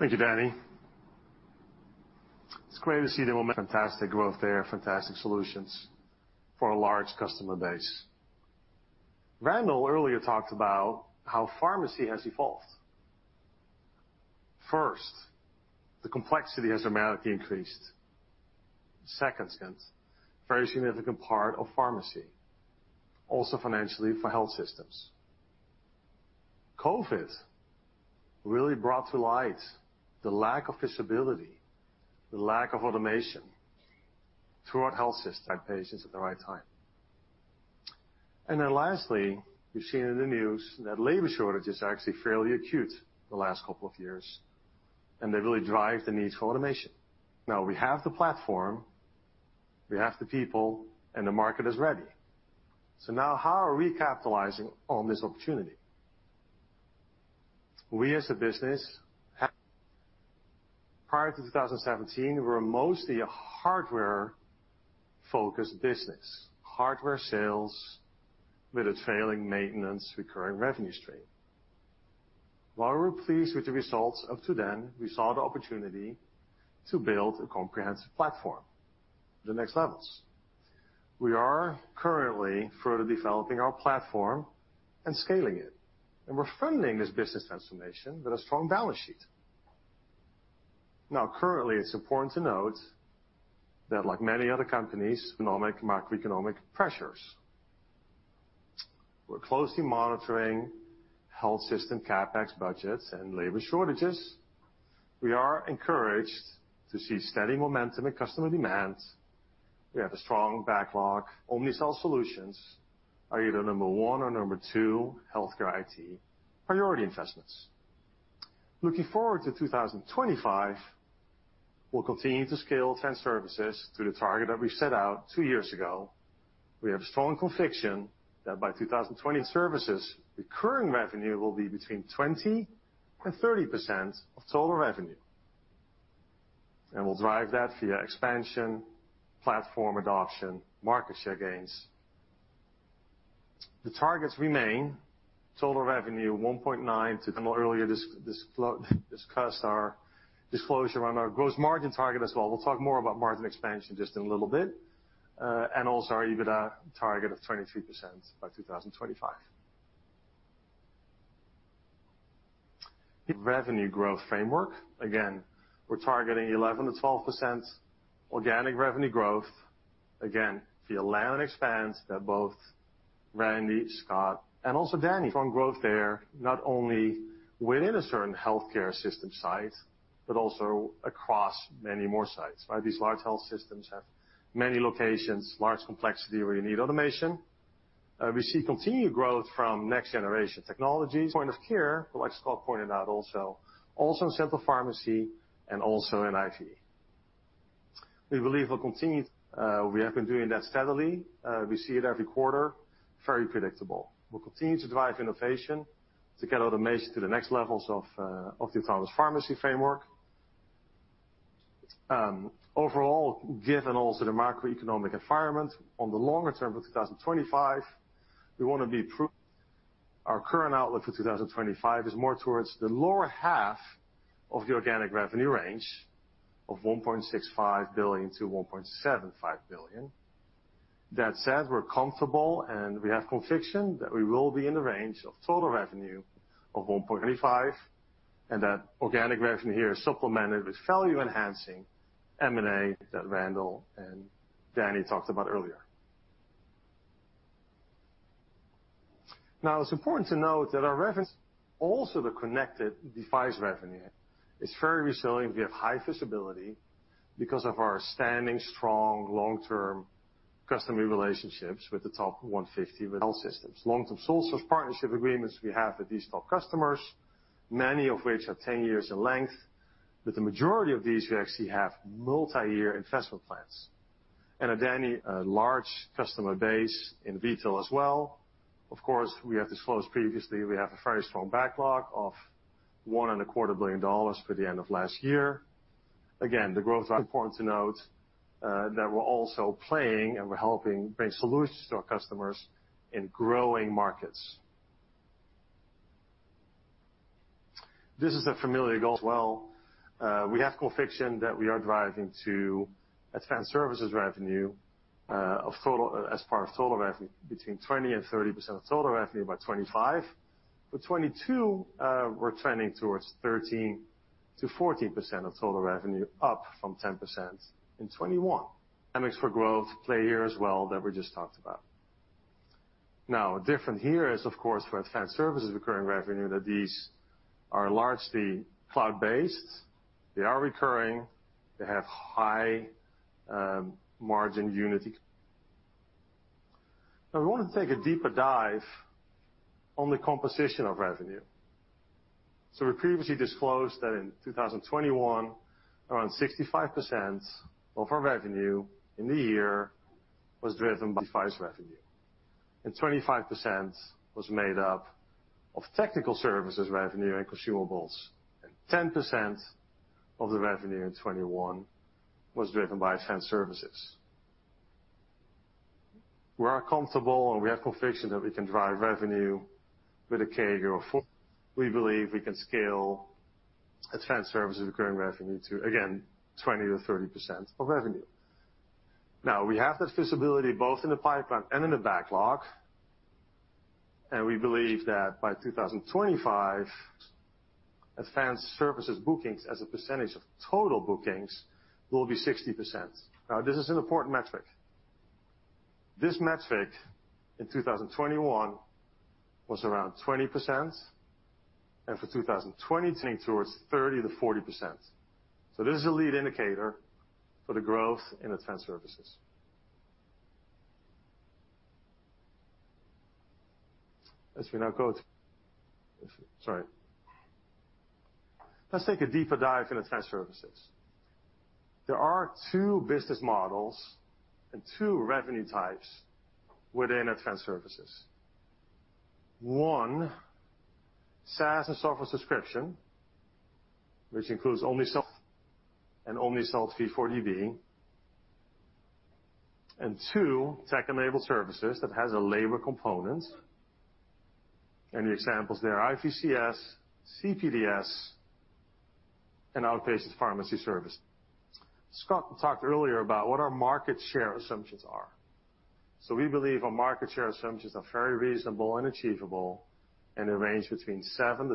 Thank you, Danny. It's great to see the fantastic growth there, fantastic solutions for a large customer base. Randall earlier talked about how pharmacy has evolved. First, the complexity has dramatically increased. Second, very significant part of pharmacy, also financially for health systems. COVID really brought to light the lack of visibility, the lack of automation throughout health systems by patients at the right time. Lastly, we've seen in the news that labor shortages are actually fairly acute the last couple of years, and they really drive the need for automation. Now we have the platform, we have the people, and the market is ready. Now how are we capitalizing on this opportunity? We as a business, prior to 2017, we're mostly a hardware-focused business. Hardware sales with a trailing maintenance recurring revenue stream. While we're pleased with the results up to then, we saw the opportunity to build a comprehensive platform, the next levels. We are currently further developing our platform and scaling it, and we're funding this business transformation with a strong balance sheet. Now currently, it's important to note that like many other companies, economic, macroeconomic pressures. We're closely monitoring health system CapEx budgets and labor shortages. We are encouraged to see steady momentum in customer demand. We have a strong backlog. Omnicell solutions are either number one or number two healthcare IT priority investments. Looking forward to 2025, we'll continue to scale trends services to the target that we set out two years ago. We have strong conviction that by 2020 services, recurring revenue will be between 20%-30% of total revenue, and we'll drive that via expansion, platform adoption, market share gains. The targets remain total revenue $1.9 to. Earlier, discussed our disclosure around our gross margin target as well. We'll talk more about margin expansion just in a little bit, and also EBITDA target of 23% by 2025. Revenue growth framework. Again, we're targeting 11%-12% organic revenue growth, again, via land and expand that both Randall, Scott, and also Danny. Strong growth there, not only within a certain healthcare system site, but also across many more sites, right? These large health systems have many locations, large complexity where you need automation. We see continued growth from next-generation technologies, point of care, like Scott pointed out, also in central pharmacy and also in IV. We believe we'll continue, we have been doing that steadily. We see it every quarter, very predictable. We'll continue to drive innovation to get automation to the next levels of the five rights pharmacy framework. Overall, given also the macroeconomic environment on the longer term of 2025, we wanna be prudent. Our current outlook for 2025 is more towards the lower half of the organic revenue range of $1.65 billion-$1.75 billion. That said, we're comfortable, and we have conviction that we will be in the range of total revenue of $1.35 billion, and that organic revenue here is supplemented with value-enhancing M&A that Randall and Danny talked about earlier. Now, it's important to note that our revenue, also the connected device revenue, is very resilient. We have high visibility because of our standing strong long-term customer relationships with the top 150 health systems. Long-term strategic partnership agreements we have with these top customers, many of which are 10 years in length, but the majority of these we actually have multi-year investment plans. A large customer base in retail as well. Of course, we have disclosed previously, we have a very strong backlog of $1.25 billion for the end of last year. Again, the growth are important to note that we're also playing and we're helping bring solutions to our customers in growing markets. This is a familiar goal as well. We have conviction that we are driving to advanced services revenue of total revenue between 20%-30% of total revenue by 2025. With 2022, we're trending towards 13%-14% of total revenue, up from 10% in 2021. Omnicell is a growth play here as well that we just talked about. Now, different here is, of course, for advanced services recurring revenue, that these are largely cloud-based. They are recurring, they have high margin unity. Now we want to take a deeper dive on the composition of revenue. We previously disclosed that in 2021, around 65% of our revenue in the year was driven by device revenue, and 25% was made up of technical services revenue and consumables. 10% of the revenue in 2021 was driven by advanced services. We are comfortable, and we have conviction that we can drive revenue with a CAGR of 4%. We believe we can scale advanced services recurring revenue to, again, 20%-30% of revenue. Now, we have that visibility both in the pipeline and in the backlog. We believe that by 2025, advanced services bookings as a percentage of total bookings will be 60%. Now, this is an important metric. This metric in 2021 was around 20%, and for 2022 towards 30%-40%. This is a lead indicator for the growth in advanced services. Let's take a deeper dive in advanced services. There are two business models and two revenue types within advanced services. One, SaaS and software subscription, which includes Omnicell and Omnicell 340B. And two, tech-enabled services that has a labor component. And the examples there, IVCS, CPDS, and outpatient pharmacy service. Scott talked earlier about what our market share assumptions are. We believe our market share assumptions are very reasonable and achievable in a range between 7%-10%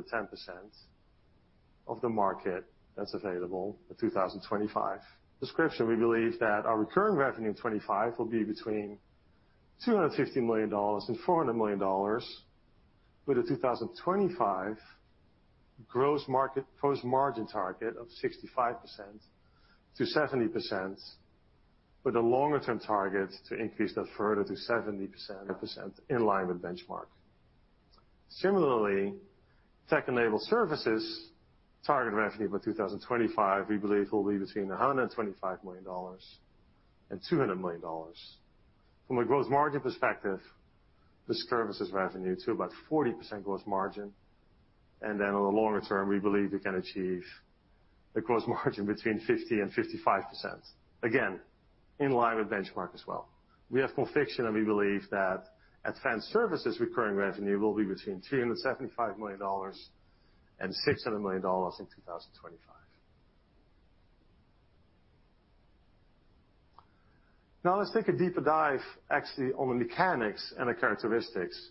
of the market that's available for 2025. We believe that our recurring revenue in 2025 will be between $250 million and $400 million, with a 2025 gross margin target of 65%-70%, with a longer-term target to increase that further to 70% in line with benchmark. Similarly, tech-enabled services target revenue by 2025, we believe will be between $125 million and $200 million. From a gross margin perspective, the services revenue to about 40% gross margin. On the longer term, we believe we can achieve a gross margin between 50%-55%, again, in line with benchmark as well. We have conviction, and we believe that advanced services recurring revenue will be between $375 million and $600 million in 2025. Now, let's take a deeper dive actually on the mechanics and the characteristics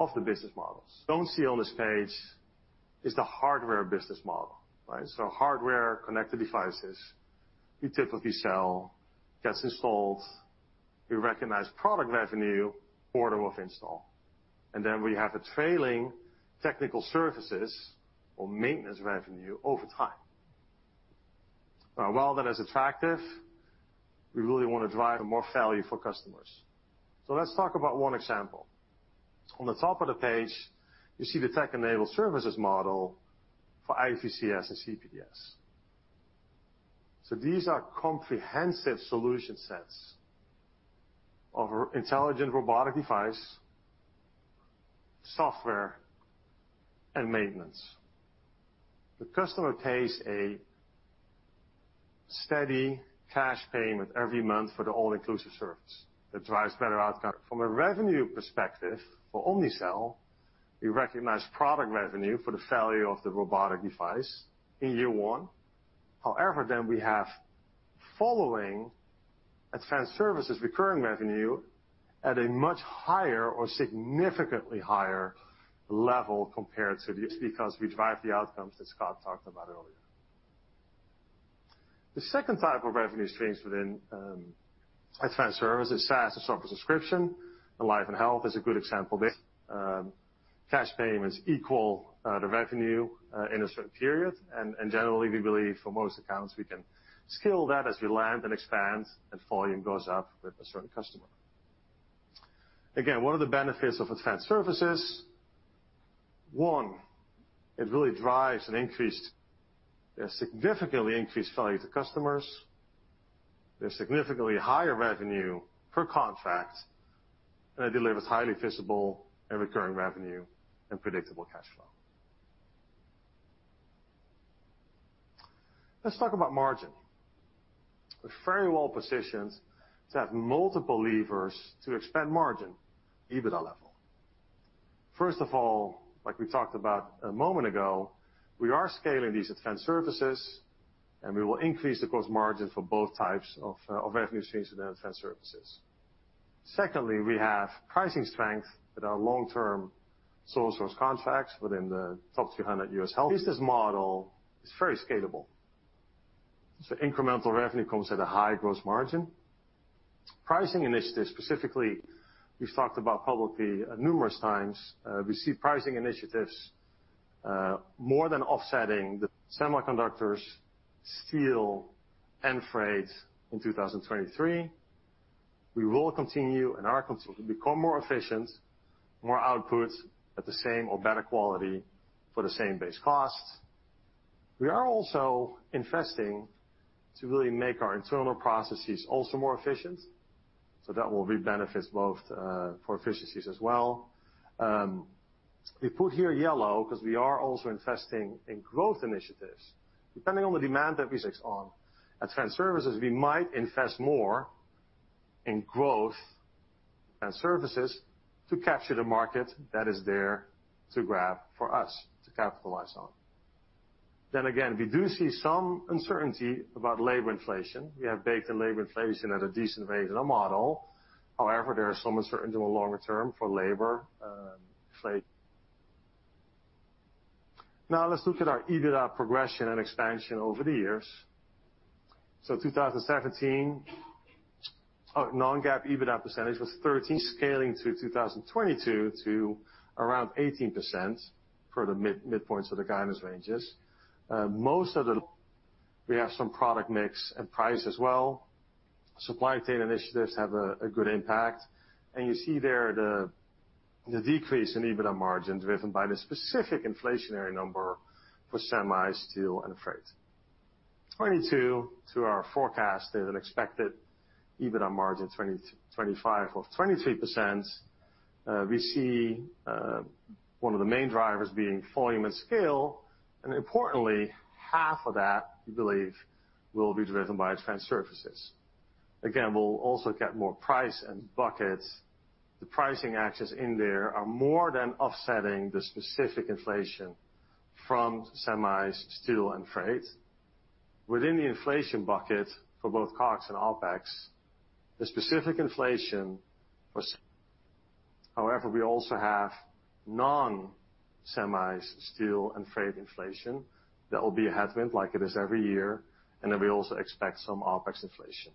of the business models. You don't see on this page is the hardware business model, right? Hardware connected devices, we typically sell, gets installed. We recognize product revenue upon install. We have a trailing technical services or maintenance revenue over time. Now, while that is attractive, we really wanna drive more value for customers. Let's talk about one example. On the top of the page, you see the tech-enabled services model for IVCS and CPDS. These are comprehensive solution sets of intelligent robotic device, software, and maintenance. The customer pays a steady cash payment every month for the all-inclusive service that drives better outcome. From a revenue perspective for Omnicell, we recognize product revenue for the value of the robotic device in year one. However, then we have following advanced services recurring revenue at a much higher or significantly higher level compared to this because we drive the outcomes that Scott talked about earlier. The second type of revenue streams within advanced services, SaaS and software subscription, and EnlivenHealth is a good example there. Cash payments equal the revenue in a certain period. Generally, we believe for most accounts, we can scale that as we land and expand and volume goes up with a certain customer. Again, what are the benefits of advanced services? One, it really drives an increased, a significantly increased value to customers, a significantly higher revenue per contract, and it delivers highly visible and recurring revenue and predictable cash flow. Let's talk about margin. We're very well positioned to have multiple levers to expand margin, EBITDA level. First of all, like we talked about a moment ago, we are scaling these advanced services, and we will increase the gross margin for both types of revenue streams in the advanced services. Secondly, we have pricing strength with our long-term sole source contracts within the top 300 US health systems. Business model is very scalable. Incremental revenue comes at a high gross margin. Pricing initiatives, specifically, we've talked about publicly numerous times, we see pricing initiatives more than offsetting the semiconductors, steel, and freight in 2023. We will continue and are continuing to become more efficient, more output at the same or better quality for the same base costs. We are also investing to really make our internal processes also more efficient, so that will be benefits both for efficiencies as well. We put here yellow 'cause we are also investing in growth initiatives. Depending on the demand that we see on advanced services, we might invest more in growth and services to capture the market that is there to grab for us to capitalize on. Again, we do see some uncertainty about labor inflation. We have baked in labor inflation at a decent rate in our model. However, there is some uncertainty on longer term for labor. Now let's look at our EBITDA progression and expansion over the years. 2017, our non-GAAP EBITDA percentage was 13%, scaling to 2022 to around 18% for the midpoints of the guidance ranges. Most of the we have some product mix and price as well. Supply chain initiatives have a good impact. You see there the decrease in EBITDA margin driven by the specific inflationary number for semis, steel, and freight. 2022 to our forecast is an expected EBITDA margin 2025 of 23%. We see one of the main drivers being volume and scale, and importantly, half of that we believe will be driven by advanced services. Again, we'll also get more price and buckets. The pricing actions in there are more than offsetting the specific inflation from semis, steel, and freight. Within the inflation bucket for both COGS and OpEx, the specific inflation for However, we also have non-semis, steel, and freight inflation that will be a headwind like it is every year, and then we also expect some OpEx inflation.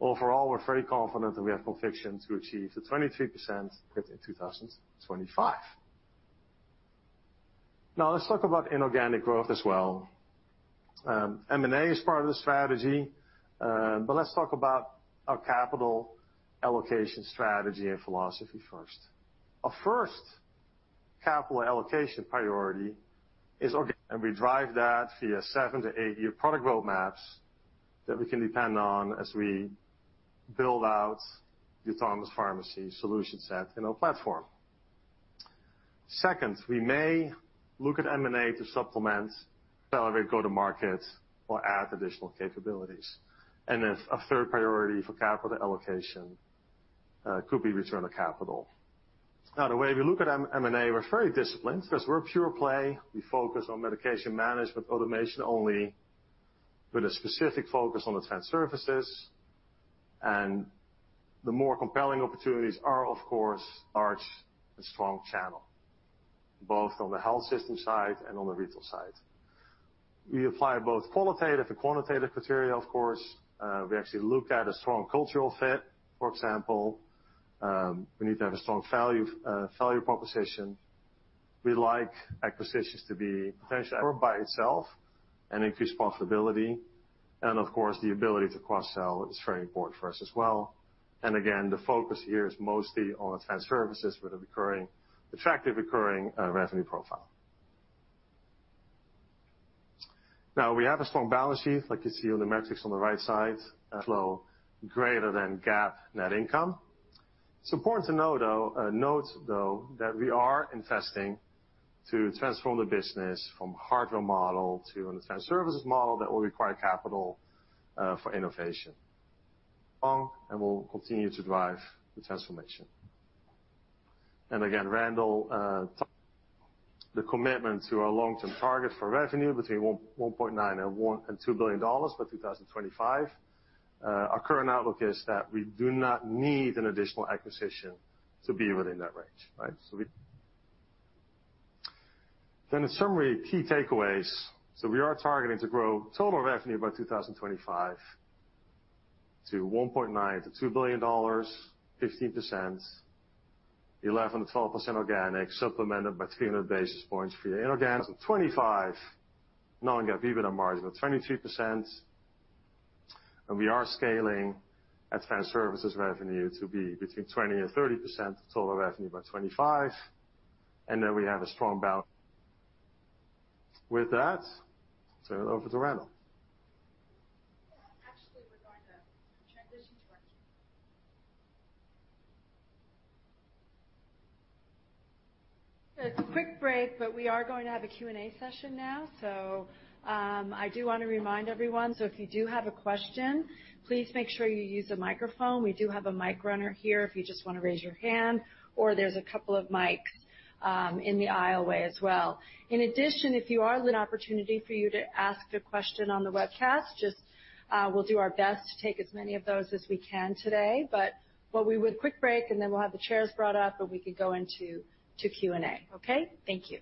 Overall, we're very confident that we have conviction to achieve the 23% growth in 2025. Now let's talk about inorganic growth as well. M&A is part of the strategy, but let's talk about our capital allocation strategy and philosophy first. Our first capital allocation priority is organic growth. We drive that via 7to 8-year product roadmaps that we can depend on as we build out the autonomous pharmacy solution set in our platform. Second, we may look at M&A to supplement, accelerate go-to-market, or add additional capabilities. A third priority for capital allocation could be return of capital. Now, the way we look at M&A, we're very disciplined 'cause we're a pure play. We focus on medication management automation only with a specific focus on advanced services. The more compelling opportunities are, of course, large and strong channel, both on the health system side and on the retail side. We apply both qualitative and quantitative criteria, of course. We actually look at a strong cultural fit. For example, we need to have a strong value proposition. We like acquisitions to be potentially by itself and increase profitability. Of course, the ability to cross-sell is very important for us as well. Again, the focus here is mostly on advanced services with a recurring, attractive recurring revenue profile. Now, we have a strong balance sheet, like you see on the metrics on the right side. Flow greater than GAAP net income. It's important to note, though, that we are investing to transform the business from hardware model to an advanced services model that will require capital for innovation. We'll continue to drive the transformation. Again, Randall, the commitment to our long-term target for revenue between $1.9 billion and $2 billion by 2025. Our current outlook is that we do not need an additional acquisition to be within that range, right? In summary, key takeaways. We are targeting to grow total revenue by 2025 to $1.9 billion to $2 billion, 15%. 11%-12% organic, supplemented by 300 basis points via inorganic. 25 non-GAAP EBITDA margin of 23%. We are scaling advanced services revenue to be between 20% and 30% of total revenue by 2025, and then we have a strong balance sheet. With that, turn it over to Randall. Yeah. Actually, we're going to transition to our Q&A. It's a quick break, but we are going to have a Q&A session now. I do want to remind everyone, so if you do have a question, please make sure you use the microphone. We do have a mic runner here if you just want to raise your hand, or there's a couple of mics in the aisle way as well. In addition, there is an opportunity for you to ask a question on the webcast. We'll do our best to take as many of those as we can today. We'll take a quick break, and then we'll have the chairs brought up, and we could go into Q&A, okay? Thank you.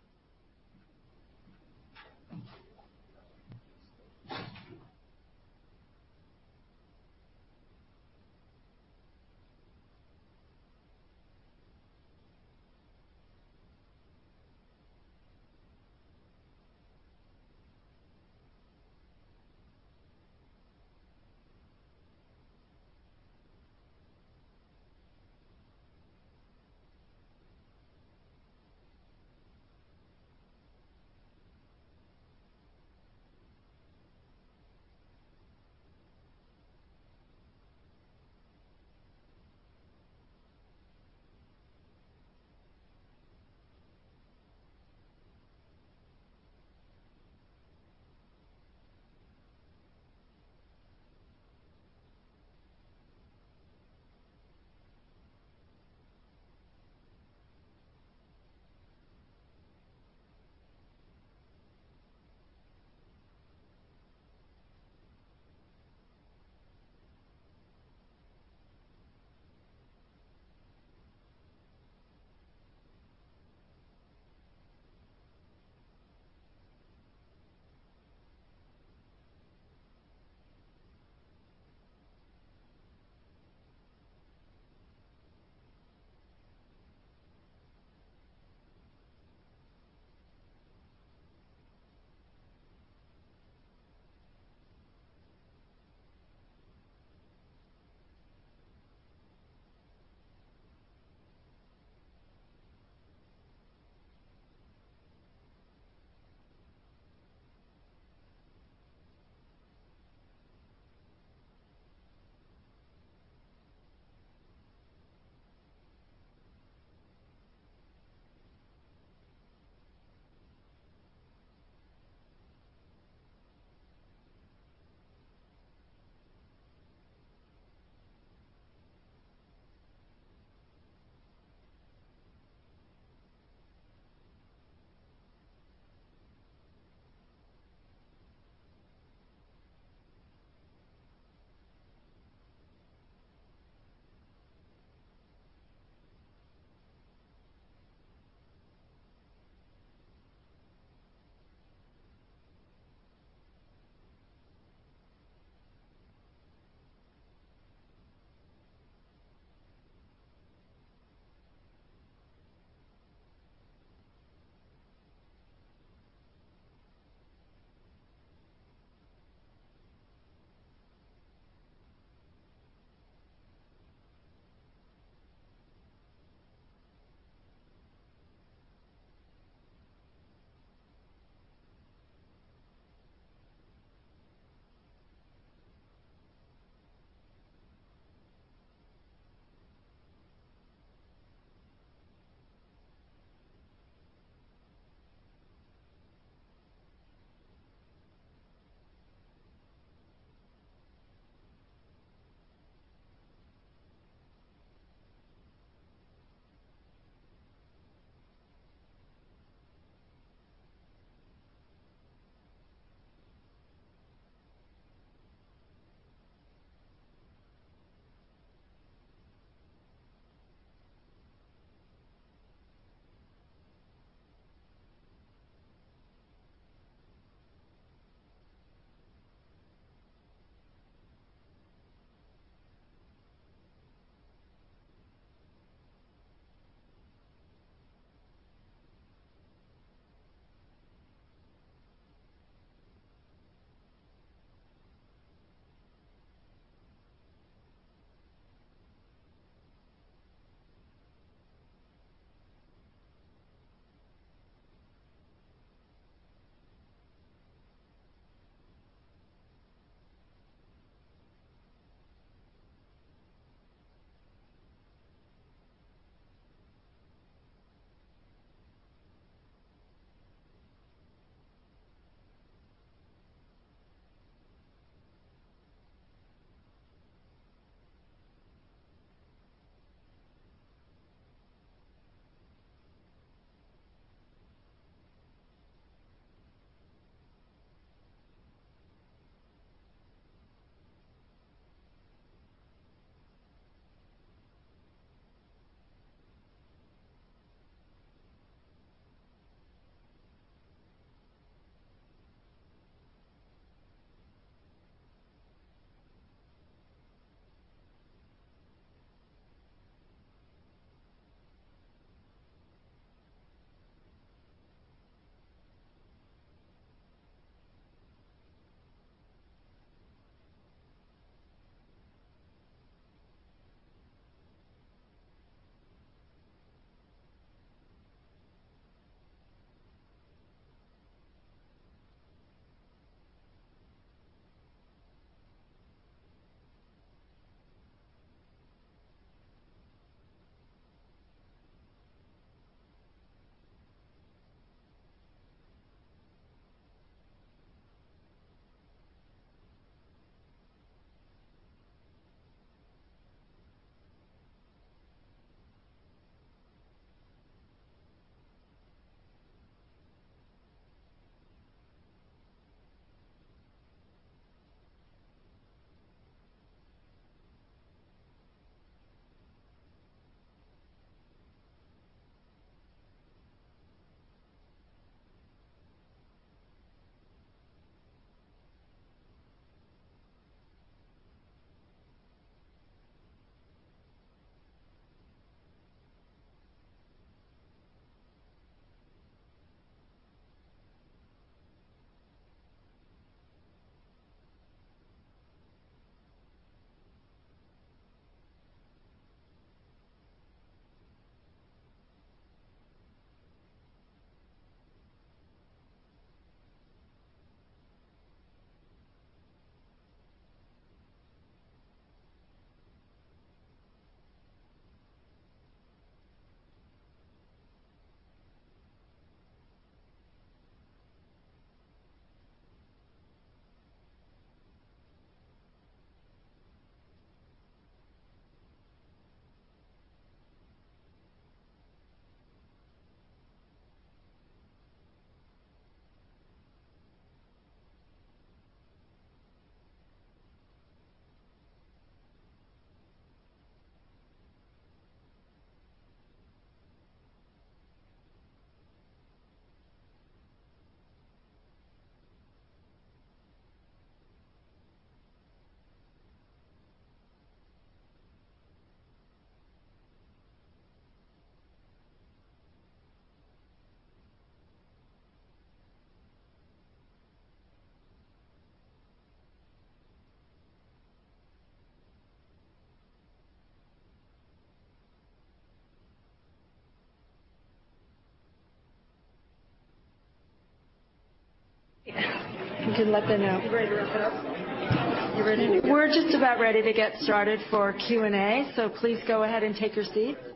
You can let them know. You ready to wrap it up? You ready? We're just about ready to get started for Q&A, so please go ahead and take your seats. Is this where the questions come from? Down, down here. They just have the questions. Okay. A couple of Yeah. I asked the person.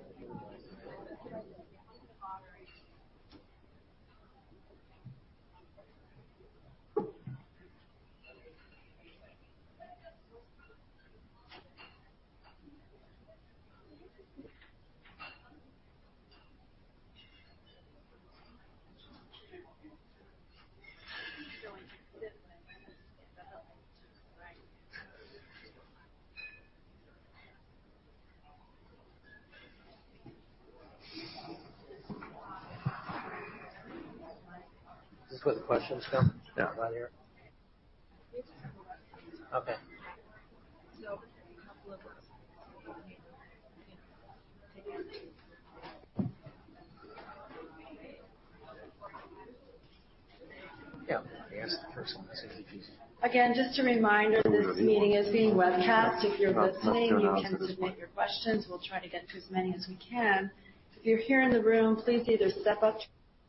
Again, just a reminder, this meeting is being webcast. If you're listening, you can submit your questions. We'll try to get to as many as we can. If you're here in the room, please either step up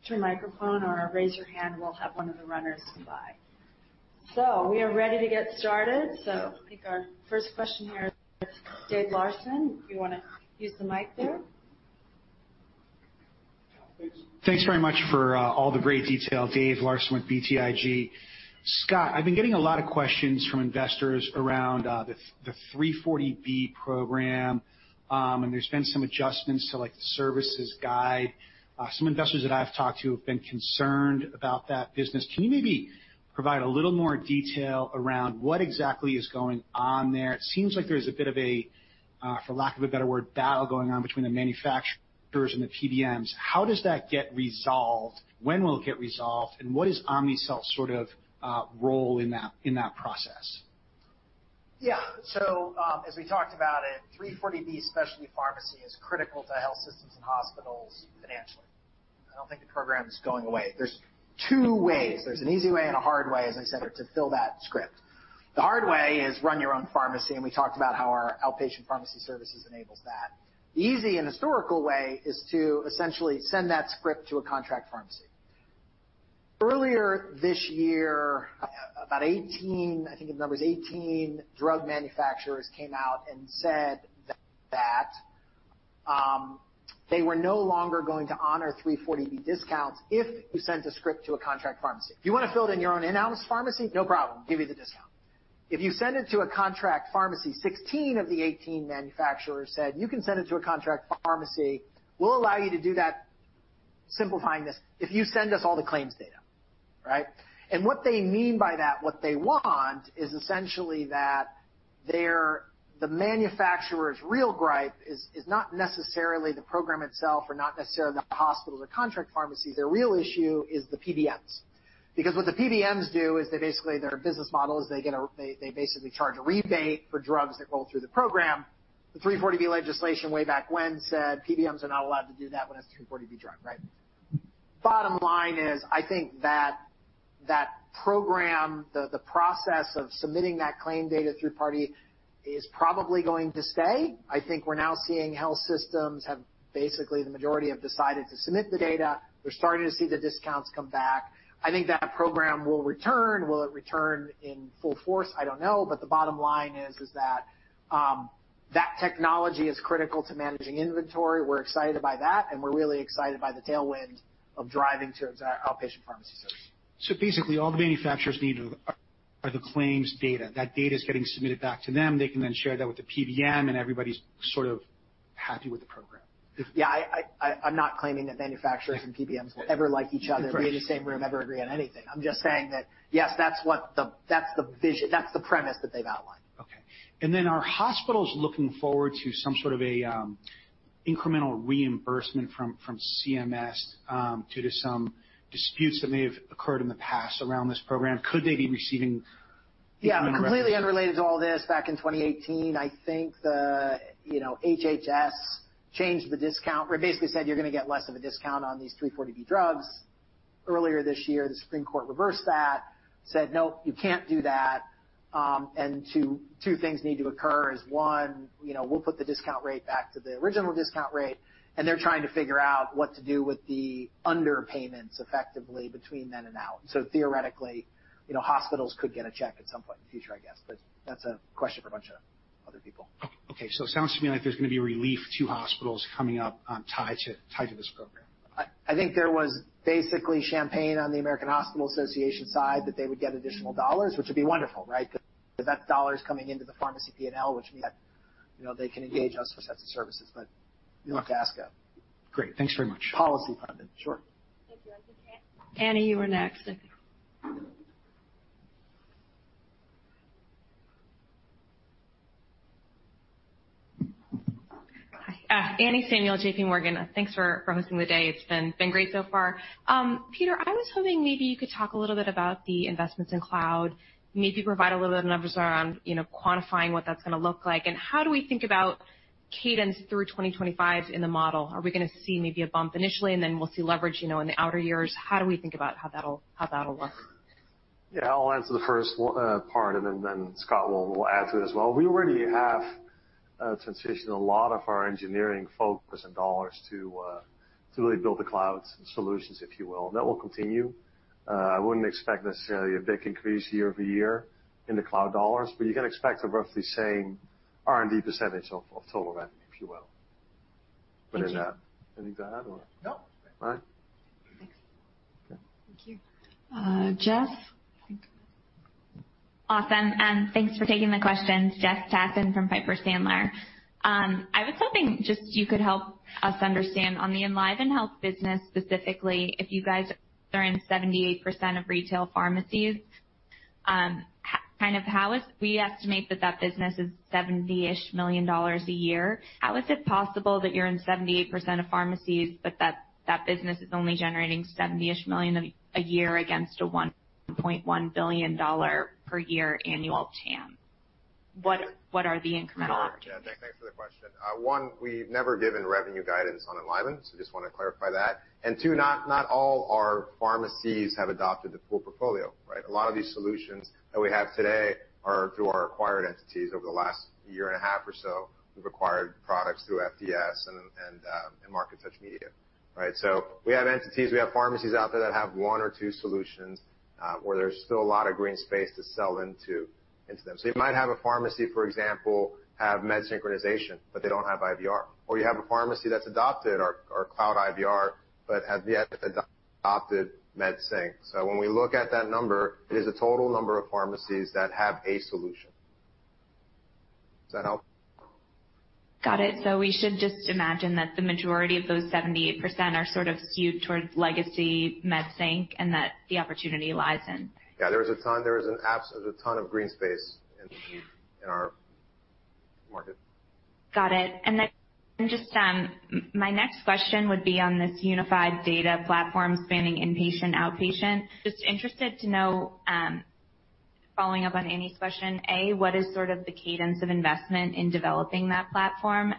to the microphone or raise your hand, and we'll have one of the runners come by. We are ready to get started. I think our first question here is Dave Larsen. If you wanna use the mic there. Thanks very much for all the great detail. Dave Larsen with BTIG. Scott, I've been getting a lot of questions from investors around the 340B program, and there's been some adjustments to, like, the services guide. Some investors that I've talked to have been concerned about that business. Can you maybe provide a little more detail around what exactly is going on there? It seems like there's a bit of a, for lack of a better word, battle going on between the manufacturers and the PBMs. How does that get resolved? When will it get resolved? And what is Omnicell sort of role in that process? Yeah. As we talked about it, 340B specialty pharmacy is critical to health systems and hospitals financially. I don't think the program is going away. There's two ways. There's an easy way and a hard way, as I said, to fill that script. The hard way is run your own pharmacy, and we talked about how our outpatient pharmacy services enables that. The easy and historical way is to essentially send that script to a contract pharmacy. Earlier this year, about 18, I think the number is 18 drug manufacturers came out and said that, they were no longer going to honor 340B discounts if you sent a script to a contract pharmacy. If you wanna fill it in your own in-house pharmacy, no problem. Give you the discount. If you send it to a contract pharmacy, 16 of the 18 manufacturers said, "You can send it to a contract pharmacy. We'll allow you to do that," simplifying this, "if you send us all the claims data." Right? What they mean by that, what they want is essentially that their. The manufacturer's real gripe is not necessarily the program itself or not necessarily the hospitals or contract pharmacies. Their real issue is the PBMs. Because what the PBMs do is they basically. Their business model is they basically charge a rebate for drugs that roll through the program. The 340B legislation way back when said PBMs are not allowed to do that when it's a 340B drug, right? Bottom line is, I think that program, the process of submitting that claim data third party is probably going to stay. I think we're now seeing health systems have basically the majority have decided to submit the data. We're starting to see the discounts come back. I think that program will return. Will it return in full force? I don't know. The bottom line is that technology is critical to managing inventory. We're excited by that, and we're really excited by the tailwind of driving to our outpatient pharmacy services. Basically, all the manufacturers need are the claims data. That data is getting submitted back to them. They can then share that with the PBM, and everybody's sort of happy with the program. Yeah, I'm not claiming that manufacturers and PBMs will ever like each other. Right. Be in the same room, ever agree on anything. I'm just saying that, yes, that's the vision, that's the premise that they've outlined. Okay. Are hospitals looking forward to some sort of a incremental reimbursement from CMS due to some disputes that may have occurred in the past around this program? Could they be receiving- Yeah. Completely unrelated to all this, back in 2018, I think the, you know, HHS changed the discount or basically said, "You're gonna get less of a discount on these 340B drugs." Earlier this year, the Supreme Court reversed that. Said, "No, you can't do that." Two things need to occur is, one, you know, we'll put the discount rate back to the original discount rate, and they're trying to figure out what to do with the underpayments effectively between then and now. Theoretically, you know, hospitals could get a check at some point in the future, I guess, but that's a question for a bunch of other people. Okay, it sounds to me like there's gonna be relief to hospitals coming up, tied to this program. I think there was basically champagne on the American Hospital Association side that they would get additional dollars, which would be wonderful, right? 'Cause that dollar is coming into the pharmacy P&L, which means that, you know, they can engage us for sets of services. You'll have to ask a- Great. Thanks very much. Policy partner. Sure. Thank you. Anne, you were next, I think. Hi. Anne Samuel, JPMorgan. Thanks for hosting the day. It's been great so far. Peter, I was hoping maybe you could talk a little bit about the investments in cloud. Maybe provide a little bit of numbers around, you know, quantifying what that's gonna look like. How do we think about cadence through 2025 in the model? Are we gonna see maybe a bump initially and then we'll see leverage, you know, in the outer years? How do we think about how that'll look? Yeah. I'll answer the first one, part, and then Scott will add to it as well. We already have transitioned a lot of our engineering focus and dollars to really build the cloud solutions, if you will. That will continue. I wouldn't expect necessarily a big increase year-over-year in the cloud dollars, but you can expect a roughly same R&D percentage of total revenue, if you will. In that. Anything to add or? No. All right. Thanks. Okay. Thank you. Jess. Awesome, thanks for taking the questions. Jessica Tassan from Piper Sandler. I was hoping just you could help us understand on the EnlivenHealth business, specifically, if you guys are in 78% of retail pharmacies, kind of how is. We estimate that business is $70-ish million a year. How is it possible that you're in 78% of pharmacies, but that business is only generating $70-ish million a year against a $1.1 billion per year annual TAM? What are the incremental opportunities? Yeah. Thanks. Thanks for the question. One, we've never given revenue guidance on Enliven, so just wanna clarify that. Two, not all our pharmacies have adopted the full portfolio, right? A lot of these solutions that we have today are through our acquired entities over the last year and a half or so. We've acquired products through FDS and MarkeTouch Media, right? We have entities, we have pharmacies out there that have one or two solutions, where there's still a lot of green space to sell into them. You might have a pharmacy, for example, have MedSync, but they don't have IVR. Or you have a pharmacy that's adopted our cloud IVR but have yet to adopt MedSync. When we look at that number, it is the total number of pharmacies that have a solution. Does that help? Got it. We should just imagine that the majority of those 78% are sort of skewed towards legacy MedSync and that the opportunity lies in- Yeah, there's a ton of green space in our market. Got it. Then just my next question would be on this unified data platform spanning inpatient, outpatient. Just interested to know, following up on Annie's question. A, what is sort of the cadence of investment in developing that platform?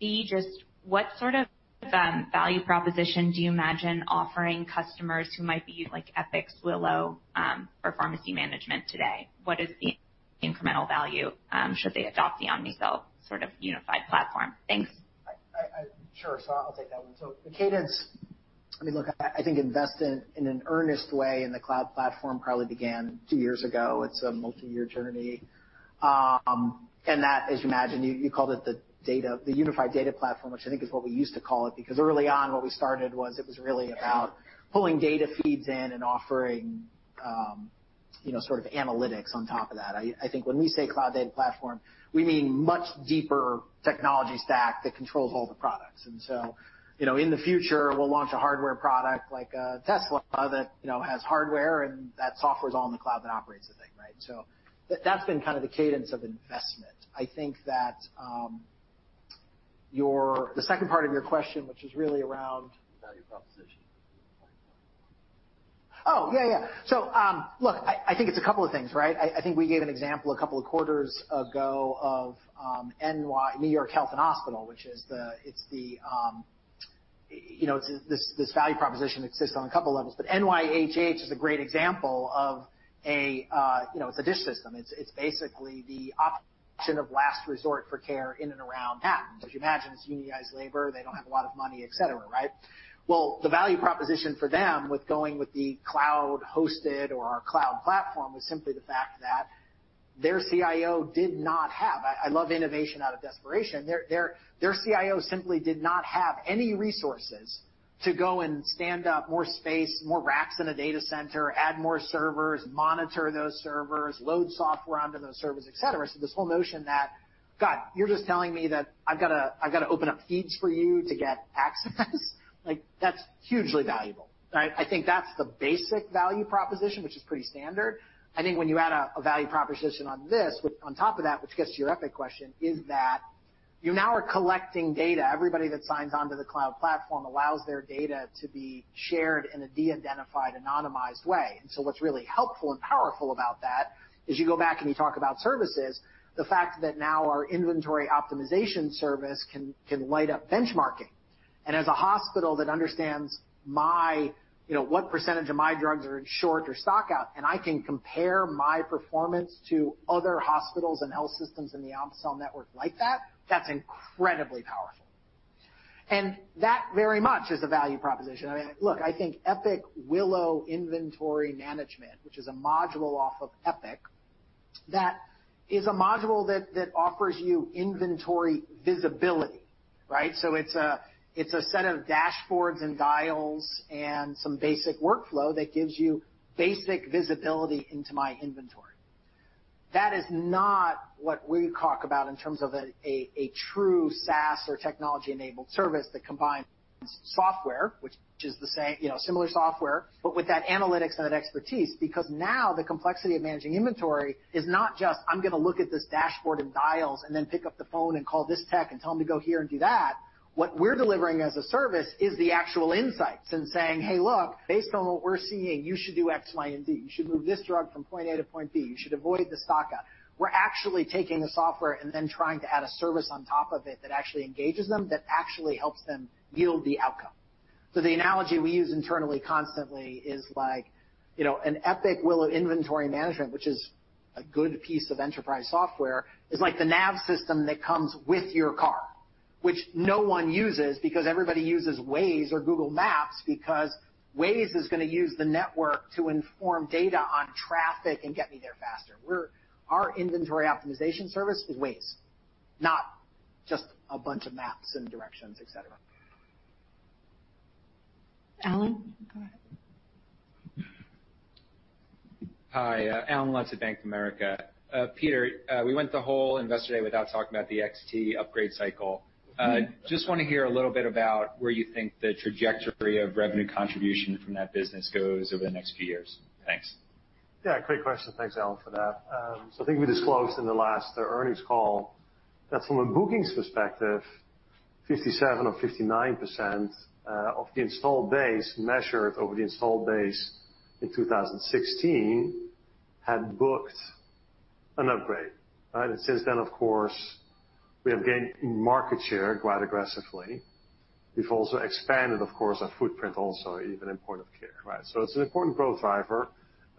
B, just what sort of value proposition do you imagine offering customers who might be like Epic, Willow, for pharmacy management today? What is the incremental value should they adopt the Omnicell sort of unified platform? Thanks. Sure. I'll take that one. The cadence, I mean, look, I think investing in an earnest way in the cloud platform probably began two years ago. It's a multi-year journey. That, as you imagine, you called it the data, the unified data platform, which I think is what we used to call it, because early on, what we started was it was really about pulling data feeds in and offering, you know, sort of analytics on top of that. I think when we say cloud data platform, we mean much deeper technology stack that controls all the products. You know, in the future, we'll launch a hardware product like a Tesla that, you know, has hardware and that software is all in the cloud that operates the thing, right? That's been kind of the cadence of investment. I think that, The second part of your question, which is really around value proposition. Oh, yeah. Look, I think it's a couple of things, right? I think we gave an example a couple of quarters ago of, NYC Health + Hospitals, which is the, it's the, you know, this value proposition exists on a couple of levels. NYC Health + Hospitals is a great example of a, you know, it's a DSH system. It's basically the option of last resort for care in and around Manhattan. If you imagine, it's unionized labor, they don't have a lot of money, et cetera, right? The value proposition for them with going with the cloud-hosted or our cloud platform was simply the fact that their CIO did not have. I love innovation out of desperation. Their CIO simply did not have any resources to go and stand up more space, more racks in a data center, add more servers, monitor those servers, load software onto those servers, et cetera. This whole notion that, God, you're just telling me that I've gotta open up feeds for you to get access? Like, that's hugely valuable, right? I think that's the basic value proposition, which is pretty standard. I think when you add a value proposition on this, which on top of that, which gets to your Epic question, is that you now are collecting data. Everybody that signs onto the cloud platform allows their data to be shared in a de-identified, anonymized way. What's really helpful and powerful about that is you go back and you talk about services, the fact that now our inventory optimization service can light up benchmarking. As a hospital that understands my, you know, what percentage of my drugs are in short or stock out, and I can compare my performance to other hospitals and health systems in the Omnicell network like that's incredibly powerful. That very much is a value proposition. I mean, look, I think Epic Willow Inventory Management, which is a module off of Epic, that is a module that offers you inventory visibility, right? It's a set of dashboards and dials and some basic workflow that gives you basic visibility into my inventory. That is not what we talk about in terms of a true SaaS or technology-enabled service that combines software, which is the—you know, similar software, but with that analytics and that expertise. Because now the complexity of managing inventory is not just, I'm gonna look at this dashboard of dials and then pick up the phone and call this tech and tell him to go here and do that. What we're delivering as a service is the actual insights and saying, "Hey, look, based on what we're seeing, you should do X, Y, and Z. You should move this drug from point A to point B. You should avoid the stock out." We're actually taking the software and then trying to add a service on top of it that actually engages them, that actually helps them yield the outcome. The analogy we use internally constantly is like, you know, an Epic Willow Inventory Management, which is a good piece of enterprise software, is like the nav system that comes with your car, which no one uses because everybody uses Waze or Google Maps because Waze is gonna use the network to inform data on traffic and get me there faster. Our inventory optimization service is Waze, not just a bunch of maps and directions, et cetera. Allen, go ahead. Hi, Allen Lutz at Bank of America. Peter, we went the whole Investor Day without talking about the XT upgrade cycle. Just wanna hear a little bit about where you think the trajectory of revenue contribution from that business goes over the next few years. Thanks. Yeah, great question. Thanks, Alan, for that. I think we disclosed in the last earnings call that from a bookings perspective, 57% or 59% of the installed base measured over the installed base in 2016 had booked an upgrade, right? Since then, of course, we have gained market share quite aggressively. We've also expanded, of course, our footprint also even in point of care, right? It's an important growth driver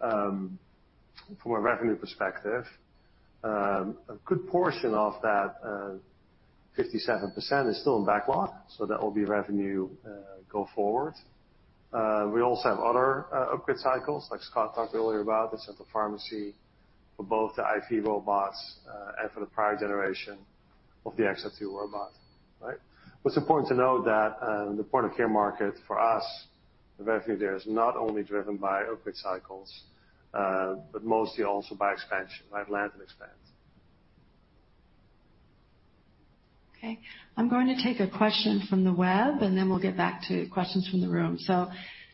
from a revenue perspective. A good portion of that 57% is still in backlog, so that will be revenue go forward. We also have other upgrade cycles, like Scott talked earlier about, the central pharmacy for both the IV robots and for the prior generation of the XR2 robot, right? What's important to know that the point-of-care market for us, the revenue there is not only driven by upgrade cycles, but mostly also by expansion, by land and expand. Okay. I'm going to take a question from the web, and then we'll get back to questions from the room.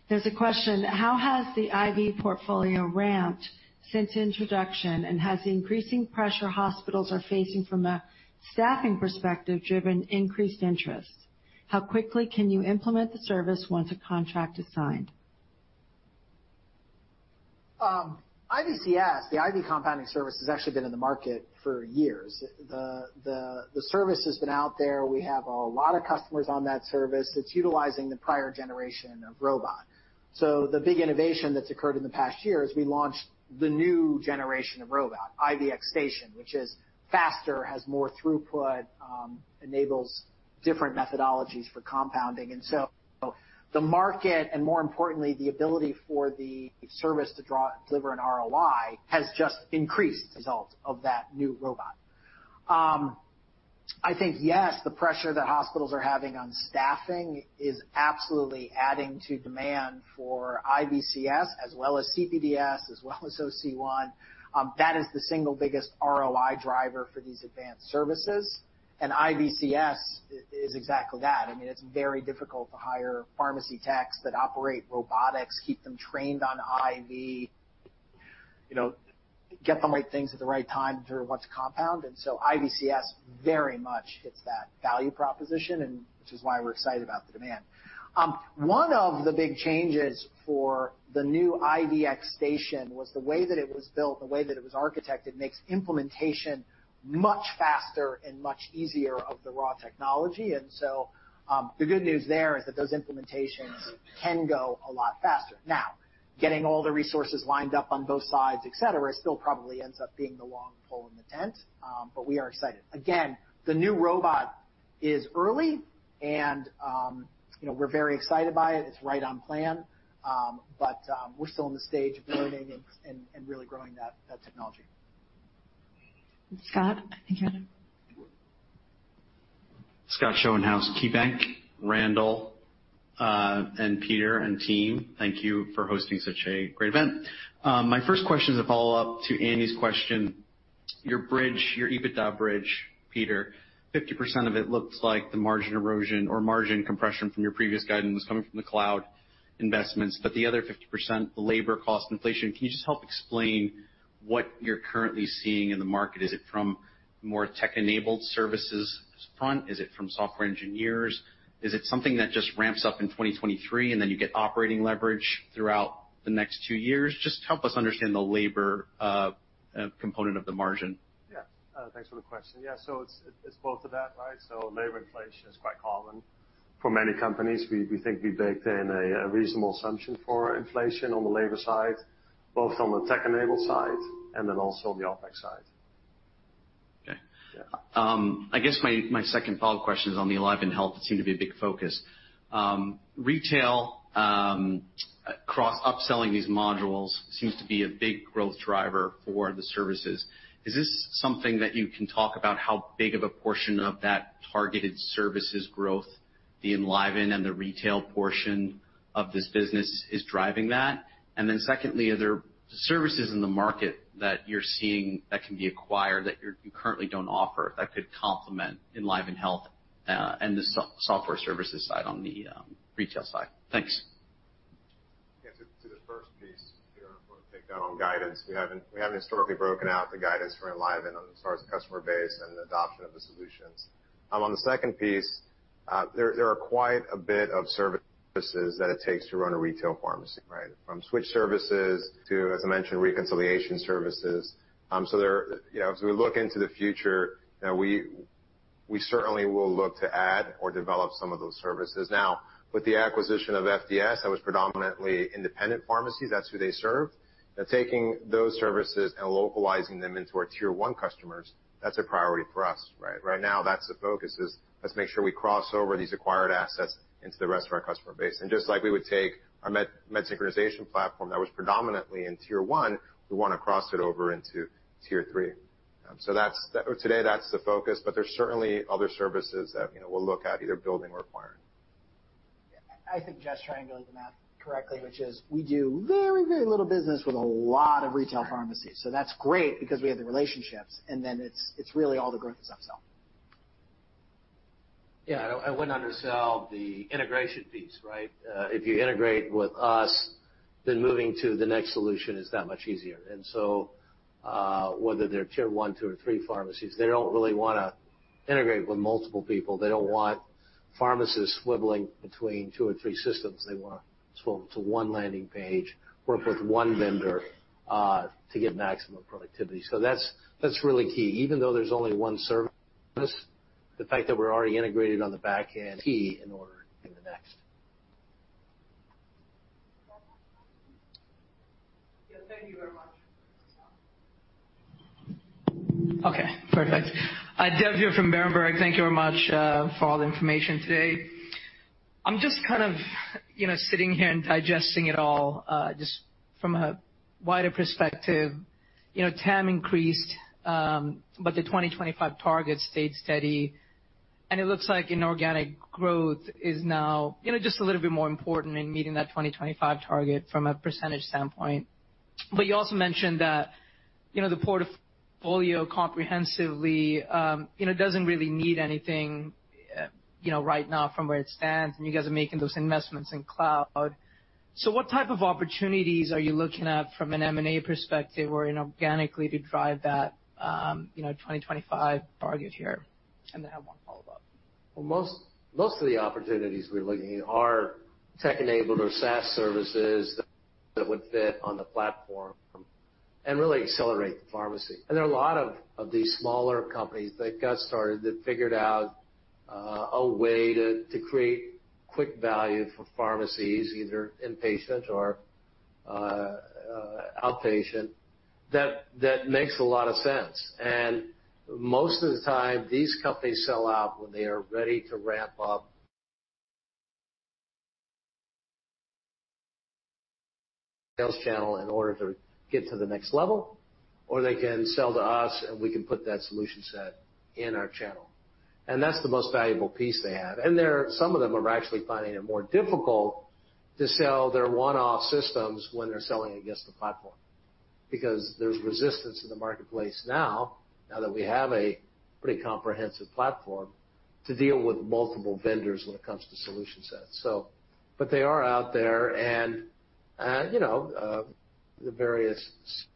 There's a question: How has the IV portfolio ramped since introduction, and has the increasing pressure hospitals are facing from a staffing perspective driven increased interest? How quickly can you implement the service once a contract is signed? IVCS, the IV compounding service, has actually been in the market for years. The service has been out there. We have a lot of customers on that service. It's utilizing the prior generation of robot. The big innovation that's occurred in the past year is we launched the new generation of robot, IVX Station, which is faster, has more throughput, enables different methodologies for compounding. The market, and more importantly, the ability for the service to deliver an ROI has just increased as a result of that new robot. I think, yes, the pressure that hospitals are having on staffing is absolutely adding to demand for IVCS as well as CPDS, as well as Omnicell One. That is the single biggest ROI driver for these advanced services, and IVCS is exactly that. I mean, it's very difficult to hire pharmacy techs that operate robotics, keep them trained on IV. You know, get the right things at the right time to what to compound. IVX very much hits that value proposition and which is why we're excited about the demand. One of the big changes for the new IVX Station was the way that it was built, the way that it was architected makes implementation much faster and much easier of the raw technology. The good news there is that those implementations can go a lot faster. Now, getting all the resources lined up on both sides, et cetera, still probably ends up being the long pole in the tent, but we are excited. Again, the new robot is early and, you know, we're very excited by it. It's right on plan, but we're still in the stage of learning and really growing that technology. Scott, I think you had a. Scott Schoenhaus, KeyBanc Capital Markets. Randall, and Peter, and team, thank you for hosting such a great event. My first question is a follow-up to Annie's question. Your bridge, your EBITDA bridge, Peter, 50% of it looks like the margin erosion or margin compression from your previous guidance was coming from the cloud investments, but the other 50%, the labor cost inflation. Can you just help explain what you're currently seeing in the market? Is it from more tech-enabled services front? Is it from software engineers? Is it something that just ramps up in 2023, and then you get operating leverage throughout the next two years? Just help us understand the labor component of the margin. Yeah. Thanks for the question. Yeah. It's both of that, right? Labor inflation is quite common for many companies. We think we baked in a reasonable assumption for inflation on the labor side, both on the tech-enabled side and then also on the OpEx side. Okay. Yeah. I guess my second follow-up question is on the EnlivenHealth. It seemed to be a big focus. Retail upselling these modules seems to be a big growth driver for the services. Is this something that you can talk about how big of a portion of that targeted services growth, the EnlivenHealth and the retail portion of this business is driving that? Secondly, are there services in the market that you're seeing that can be acquired that you currently don't offer that could complement EnlivenHealth, and the software services side on the retail side? Thanks. Yeah. To the first piece, Peter, I wanna take that on guidance. We haven't historically broken out the guidance for Enliven as far as the customer base and the adoption of the solutions. On the second piece, there are quite a bit of services that it takes to run a retail pharmacy, right? From switch services to, as I mentioned, reconciliation services. So there, you know, as we look into the future, you know, we certainly will look to add or develop some of those services. Now, with the acquisition of FDS, that was predominantly independent pharmacies. That's who they served. Now taking those services and localizing them into our tier one customers, that's a priority for us, right? Right now, that's the focus is, let's make sure we cross over these acquired assets into the rest of our customer base. Just like we would take our MedSync platform that was predominantly in tier one, we wanna cross it over into tier three. So that's the focus today, but there's certainly other services that, you know, we'll look at either building or acquiring. I think Jeff's triangulating the math correctly, which is we do very, very little business with a lot of retail pharmacies. That's great because we have the relationships, and then it's really all the growth is upsell. Yeah. I wouldn't undersell the integration piece, right? If you integrate with us, then moving to the next solution is that much easier. Whether they're tier one, two, or three pharmacies, they don't really wanna integrate with multiple people. They don't want pharmacists swiveling between two or three systems. They wanna swivel to one landing page, work with one vendor, to get maximum productivity. That's really key. Even though there's only one service, the fact that we're already integrated on the back end is key in order to win the next. Yeah. Thank you very much. Yeah. Okay. Perfect. Dev here from Berenberg. Thank you very much for all the information today. I'm just kind of, you know, sitting here and digesting it all, just from a wider perspective. You know, TAM increased, but the 2025 target stayed steady, and it looks like inorganic growth is now, you know, just a little bit more important in meeting that 2025 target from a percentage standpoint. But you also mentioned that, you know, the portfolio comprehensively, you know, doesn't really need anything, you know, right now from where it stands, and you guys are making those investments in cloud. So what type of opportunities are you looking at from an M&A perspective or inorganically to drive that, you know, 2025 target here? And I have one follow-up. Well, most of the opportunities we're looking are tech-enabled or SaaS services that would fit on the platform and really accelerate the pharmacy. There are a lot of these smaller companies that got started that figured out a way to create quick value for pharmacies, either inpatient or outpatient, that makes a lot of sense. Most of the time, these companies sell out when they are ready to ramp up sales channel in order to get to the next level, or they can sell to us, and we can put that solution set in our channel. That's the most valuable piece they have. Some of them are actually finding it more difficult to sell their one-off systems when they're selling against the platform because there's resistance in the marketplace now that we have a Pretty comprehensive platform to deal with multiple vendors when it comes to solution sets. They are out there and the various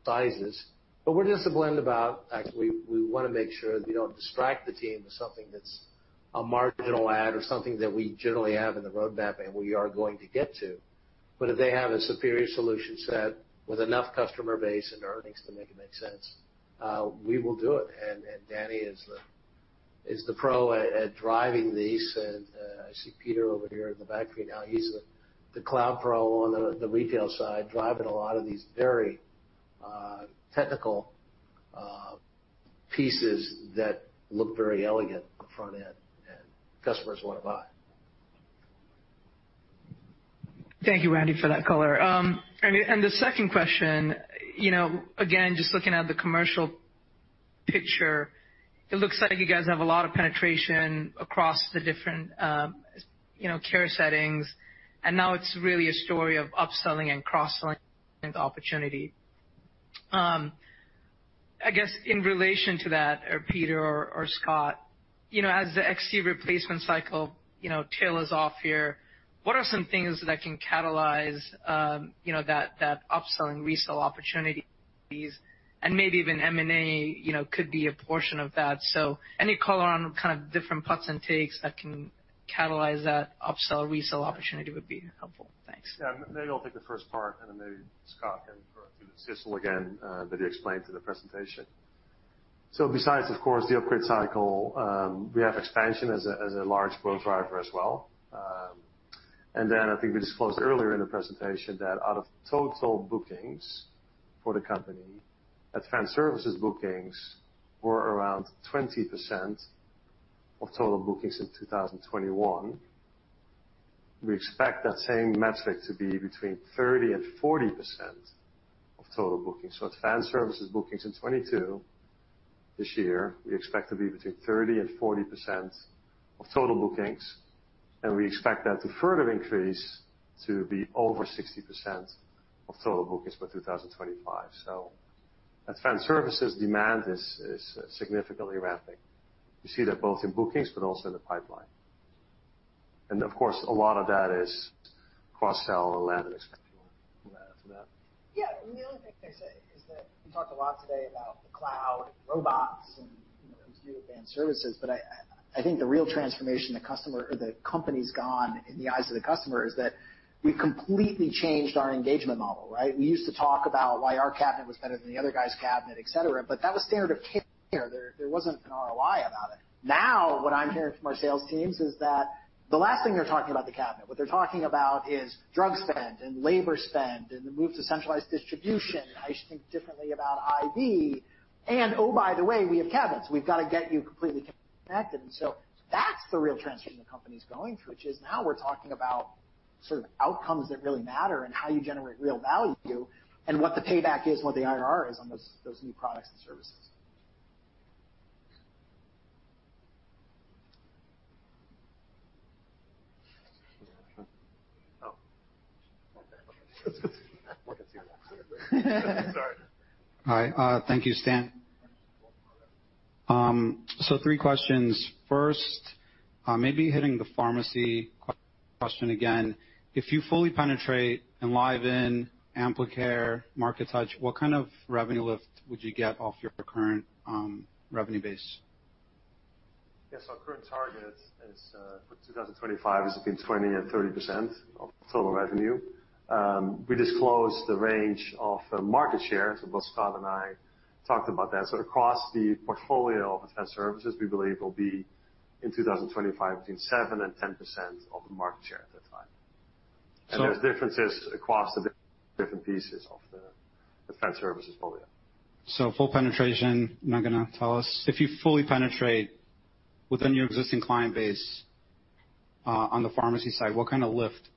sizes. We're disciplined about actually, we wanna make sure that we don't distract the team with something that's a marginal add or something that we generally have in the roadmap and we are going to get to. If they have a superior solution set with enough customer base and earnings to make it make sense, we will do it. Danny is the pro at driving these. I see Peter over here in the back right now. He's the cloud pro on the retail side, driving a lot of these very technical pieces that look very elegant on the front end, and customers wanna buy. Thank you, Randy, for that color. The second question, you know, again, just looking at the commercial picture, it looks like you guys have a lot of penetration across the different, you know, care settings, and now it's really a story of upselling and cross-selling opportunity. I guess in relation to that, or Peter or Scott, you know, as the XT replacement cycle, you know, tail is off here, what are some things that can catalyze, you know, that upselling resell opportunities and maybe even M&A, you know, could be a portion of that. Any color on kind of different puts and takes that can catalyze that upsell resell opportunity would be helpful. Thanks. Yeah. Maybe I'll take the first part, and then maybe Scott can go through the sizzle again that he explained in the presentation. Besides, of course, the upgrade cycle, we have expansion as a large growth driver as well. I think we disclosed earlier in the presentation that out of total bookings for the company, advanced services bookings were around 20% of total bookings in 2021. We expect that same metric to be between 30% and 40% of total bookings. Advanced services bookings in 2022, this year, we expect to be between 30% and 40% of total bookings, and we expect that to further increase to be over 60% of total bookings by 2025. Advanced services demand is significantly ramping. You see that both in bookings but also in the pipeline. Of course, a lot of that is cross-sell and land and expand. Do you wanna answer that? Yeah. The only thing I'd say is that we talked a lot today about the cloud and robots and, you know, advanced services, but I think the real transformation the customer or the company's gone in the eyes of the customer is that we completely changed our engagement model, right? We used to talk about why our cabinet was better than the other guy's cabinet, et cetera, but that was standard of care. There wasn't an ROI about it. Now, what I'm hearing from our sales teams is that the last thing they're talking about the cabinet, what they're talking about is drug spend and labor spend and the move to centralized distribution. I should think differently about IV. And oh, by the way, we have cabinets. We've gotta get you completely connected. That's the real transformation the company's going through, which is now we're talking about sort of outcomes that really matter and how you generate real value and what the payback is, what the IRR is on those new products and services. Oh. We can see you. Sorry. All right. Thank you, Stan. Three questions. First, maybe hitting the pharmacy question again. If you fully penetrate Enliven, Amplicare, MarkeTouch, what kind of revenue lift would you get off your current revenue base? Yes. Our current target is for 2025 between 20%-30% of total revenue. We disclosed the range of market share, so both Scott and I talked about that. Across the portfolio of advanced services, we believe it'll be, in 2025, between 7%-10% of the market share at that time. So- There's differences across the different pieces of the advanced services portfolio. Full penetration, not gonna tell us. If you fully penetrate within your existing client base, on the pharmacy side, what kind of lift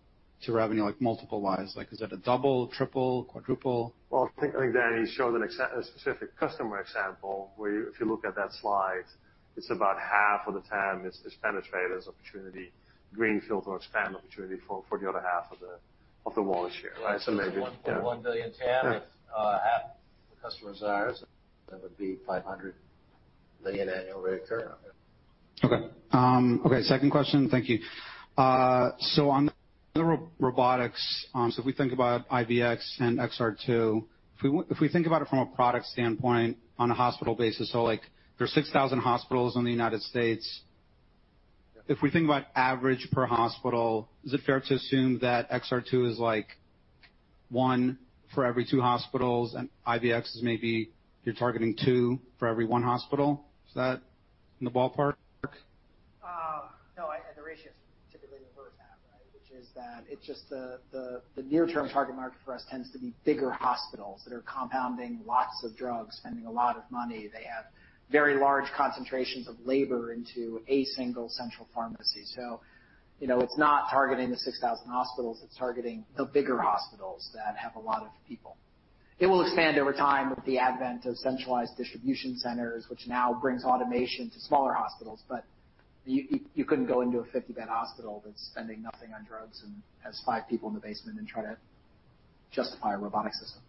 to revenue, like multiple wise? Like is it a double, triple, quadruple? Well, I think Danny showed a specific customer example where if you look at that slide, it's about half of the TAM is penetrated as opportunity, greenfield or expand opportunity for the other half of the wallet share, right? So maybe It's $1.1 billion TAM. Yeah. If half the customers are ours, that would be $500 million annual recurring revenue. Second question. Thank you. On the robotics, if we think about IVX and XR2 from a product standpoint on a hospital basis, like there's 6,000 hospitals in the United States. Yeah. If we think about average per hospital, is it fair to assume that XR2 is like 1 for every 2 hospitals and IVX is maybe you're targeting 2 for every 1 hospital? Is that in the ballpark? No, the ratio is typically the reverse of that, right? Which is that it's just the near-term target market for us tends to be bigger hospitals that are compounding lots of drugs, spending a lot of money. They have very large concentrations of labor into a single central pharmacy. So, you know, it's not targeting the 6,000 hospitals, it's targeting the bigger hospitals that have a lot of people. It will expand over time with the advent of centralized distribution centers, which now brings automation to smaller hospitals. But you couldn't go into a 50-bed hospital that's spending nothing on drugs and has five people in the basement and try to justify a robotic system.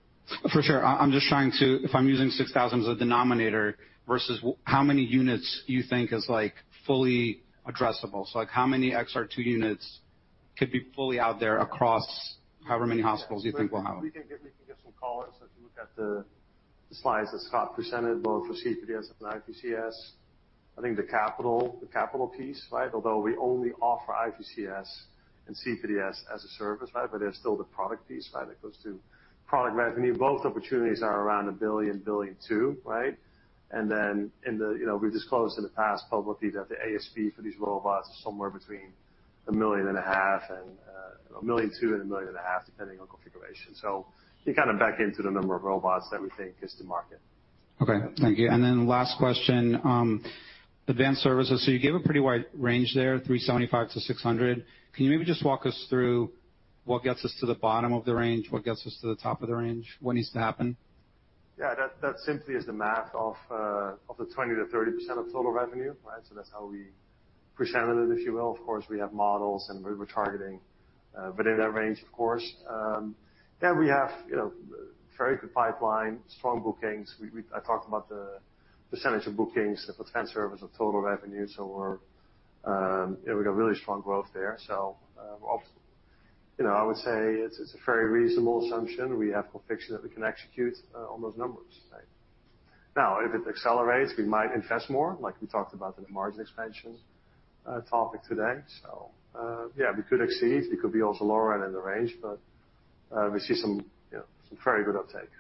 For sure. I'm just trying to. If I'm using 6,000 as a denominator versus how many units do you think is, like, fully addressable. Like, how many XR2 units could be fully out there across however many hospitals you think we'll have? We can give some colors. If you look at the slides that Scott presented, both for CPDS and IVCS, I think the capital piece, right? Although we only offer IVCS and CPDS as a service, right? There's still the product piece, right, that goes to product revenue. Both opportunities are around $1 billion to $1.2 billion, right? You know, we've disclosed in the past publicly that the ASP for these robots is somewhere between $1.2 million and $1.5 million, depending on configuration. So you kind of back into the number of robots that we think is the market. Okay, thank you. Last question, advanced services. You gave a pretty wide range there, $375 to $600. Can you maybe just walk us through what gets us to the bottom of the range? What gets us to the top of the range? What needs to happen? Yeah, that simply is the math of the 20-30% of total revenue, right? That's how we presented it, if you will. Of course, we have models, and we're targeting within that range, of course. Yeah, we have, you know, very good pipeline, strong bookings. I talked about the percentage of bookings for advanced service of total revenue. We're, you know, we've got really strong growth there. You know, I would say it's a very reasonable assumption. We have conviction that we can execute on those numbers, right? Now, if it accelerates, we might invest more, like we talked about in the margin expansion topic today. Yeah, we could exceed. We could also be lower end in the range, but we see some, you know, some very good uptake.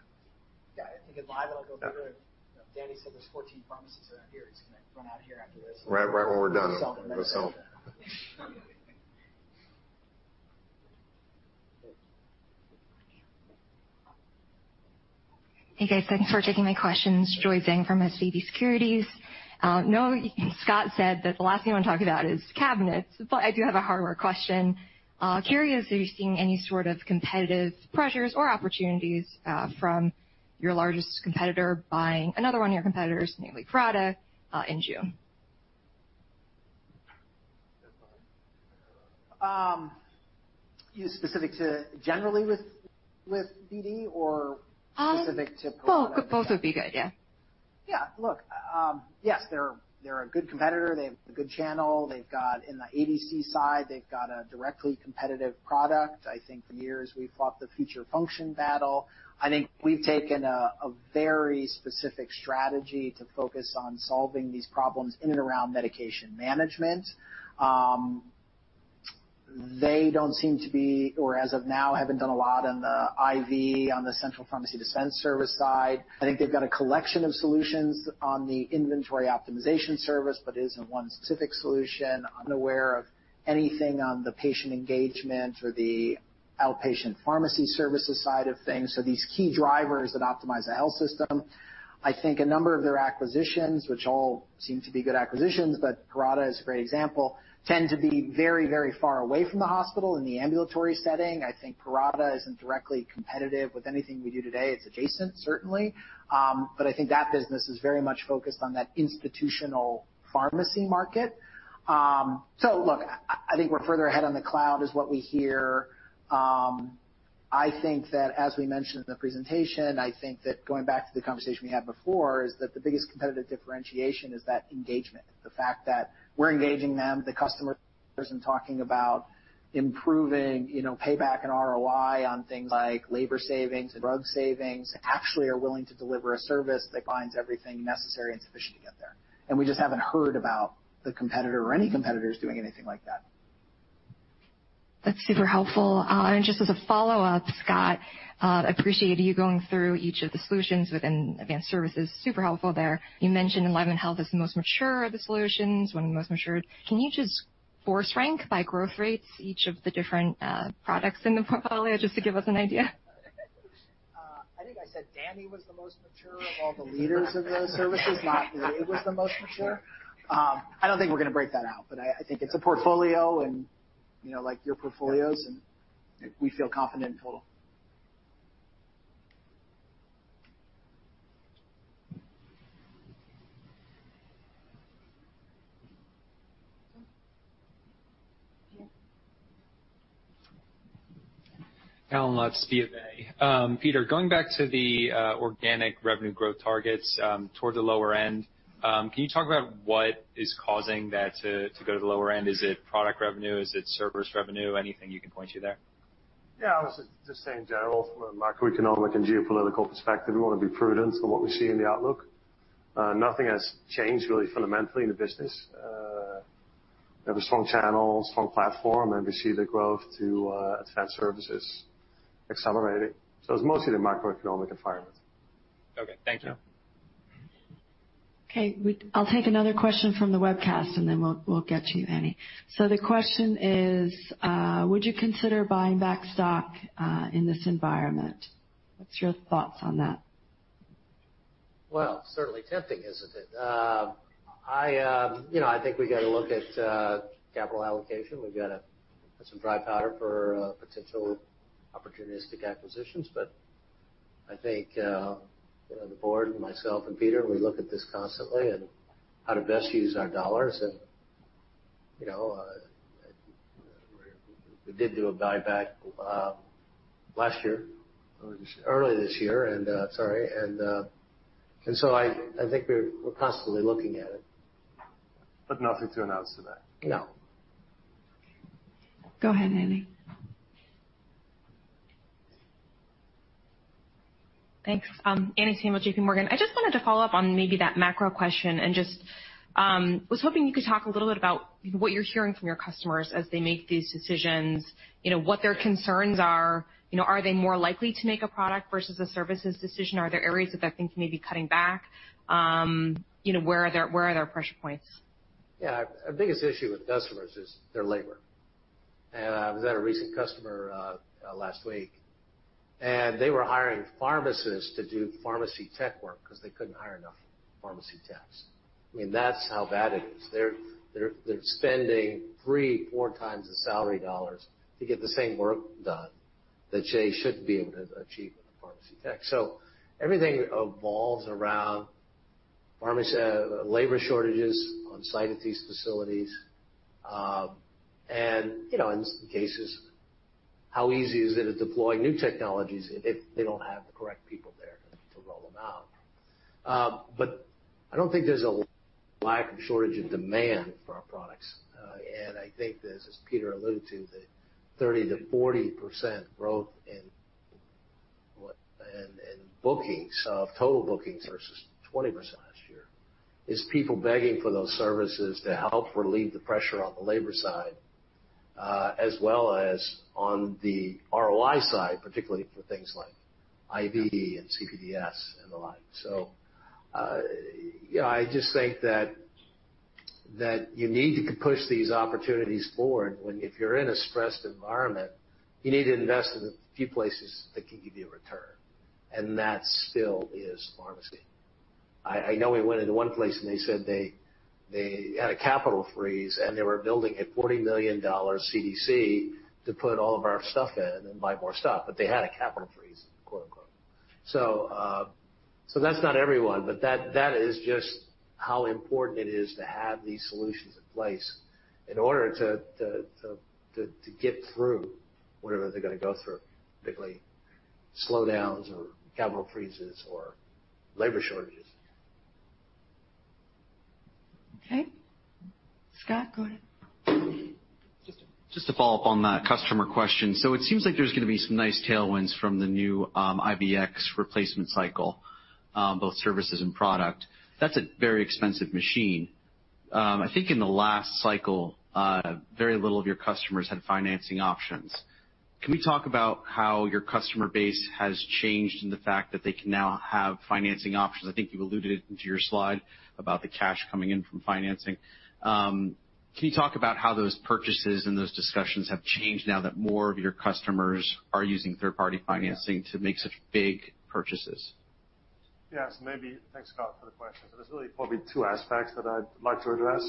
Yeah, I think if I were to go figure it, Danny said there's 14 pharmacies around here. He's gonna run out here after this. Right when we're done. Sell. We'll sell. Hey, guys. Thanks for taking my questions. Joy Zhang from SVB Securities. Knowing Scott said that the last thing I wanna talk about is cabinets, but I do have a hardware question. Curious, are you seeing any sort of competitive pressures or opportunities from your largest competitor buying another one of your competitors, namely Parata, in June? You specific to generally with BD or specific to- Both. Both would be good. Yeah. Yeah. Look, yes, they're a good competitor. They have a good channel. They've got, in the ADC side, a directly competitive product. I think for years we've fought the future function battle. I think we've taken a very specific strategy to focus on solving these problems in and around medication management. They don't seem to be or as of now, haven't done a lot on the IV, on the central pharmacy dispensing service side. I think they've got a collection of solutions on the inventory optimization service, but it isn't one specific solution. I'm unaware of anything on the patient engagement or the outpatient pharmacy services side of things. These key drivers that optimize the health system. I think a number of their acquisitions, which all seem to be good acquisitions, but Parata is a great example, tend to be very, very far away from the hospital in the ambulatory setting. I think Parata isn't directly competitive with anything we do today. It's adjacent, certainly. I think that business is very much focused on that institutional pharmacy market. Look, I think we're further ahead on the cloud is what we hear. I think that as we mentioned in the presentation, I think that going back to the conversation we had before is that the biggest competitive differentiation is that engagement. The fact that we're engaging them, the customers, and talking about improving, you know, payback and ROI on things like labor savings and drug savings, actually are willing to deliver a service that binds everything necessary and sufficient to get there. We just haven't heard about the competitor or any competitors doing anything like that. That's super helpful. Just as a follow-up, Scott, I appreciate you going through each of the solutions within advanced services. Super helpful there. You mentioned EnlivenHealth is the most mature of the solutions. One of the most mature. Can you just force rank by growth rates each of the different products in the portfolio just to give us an idea? I think I said Danny was the most mature of all the leaders of those services, not it was the most mature. I don't think we're gonna break that out, but I think it's a portfolio and, you know, like your portfolios, and we feel confident in total. Yeah. Allen Lutz, BofA. Peter, going back to the organic revenue growth targets, towards the lower end, can you talk about what is causing that to go to the lower end? Is it product revenue? Is it service revenue? Anything you can point to there? Yeah. I would say just saying general from a macroeconomic and geopolitical perspective, we wanna be prudent on what we see in the outlook. Nothing has changed really fundamentally in the business. We have a strong channel, strong platform, and we see the growth to advanced services accelerating. It's mostly the macroeconomic environment. Okay. Thank you. Yeah. Okay. I'll take another question from the webcast, and then we'll get you, Annie. The question is, would you consider buying back stock in this environment? What's your thoughts on that? Well, certainly tempting, isn't it? You know, I think we gotta look at capital allocation. We've gotta put some dry powder for potential opportunistic acquisitions. But I think, you know, the board and myself and Peter, we look at this constantly and how to best use our dollars. You know, we did do a buyback last year, or just early this year, and so I think we're constantly looking at it. Nothing to announce today. No. Go ahead, Anne. Thanks. Anne Samuel, JPMorgan. I just wanted to follow up on maybe that macro question and just was hoping you could talk a little bit about what you're hearing from your customers as they make these decisions, you know, what their concerns are. You know, are they more likely to make a product versus a services decision? Are there areas that they're thinking of maybe cutting back? You know, where are their pressure points? Yeah. Our biggest issue with customers is their labor. I was at a recent customer last week, and they were hiring pharmacists to do pharmacy tech work because they couldn't hire enough pharmacy techs. I mean, that's how bad it is. They're spending 3-4 times the salary dollars to get the same work done that they should be able to achieve with a pharmacy tech. Everything revolves around labor shortages on site at these facilities. You know, in some cases, how easy is it to deploy new technologies if they don't have the correct people there to roll them out? I don't think there's a lack or shortage of demand for our products. I think that, as Peter alluded to, the 30%-40% growth in what? In bookings of total bookings versus 20% last year is people begging for those services to help relieve the pressure on the labor side, as well as on the ROI side, particularly for things like IV and CPDS and the like. You know, I just think that you need to push these opportunities forward, if you're in a stressed environment, you need to invest in a few places that can give you a return. That still is pharmacy. I know we went into one place and they said they had a capital freeze, and they were building a $40 million CDC to put all of our stuff in and buy more stuff, but they had a "capital freeze," quote, unquote. That's not everyone, but that is just how important it is to have these solutions in place in order to get through whatever they're gonna go through, particularly slowdowns or capital freezes or labor shortages. Okay. Scott, go ahead. Just to follow up on that customer question. It seems like there's gonna be some nice tailwinds from the new IVX replacement cycle, both services and product. That's a very expensive machine. I think in the last cycle, very little of your customers had financing options. Can we talk about how your customer base has changed and the fact that they can now have financing options? I think you've alluded to your slide about the cash coming in from financing. Can you talk about how those purchases and those discussions have changed now that more of your customers are using third-party financing to make such big purchases? Yes. Thanks, Scott, for the question. There's really probably two aspects that I'd like to address.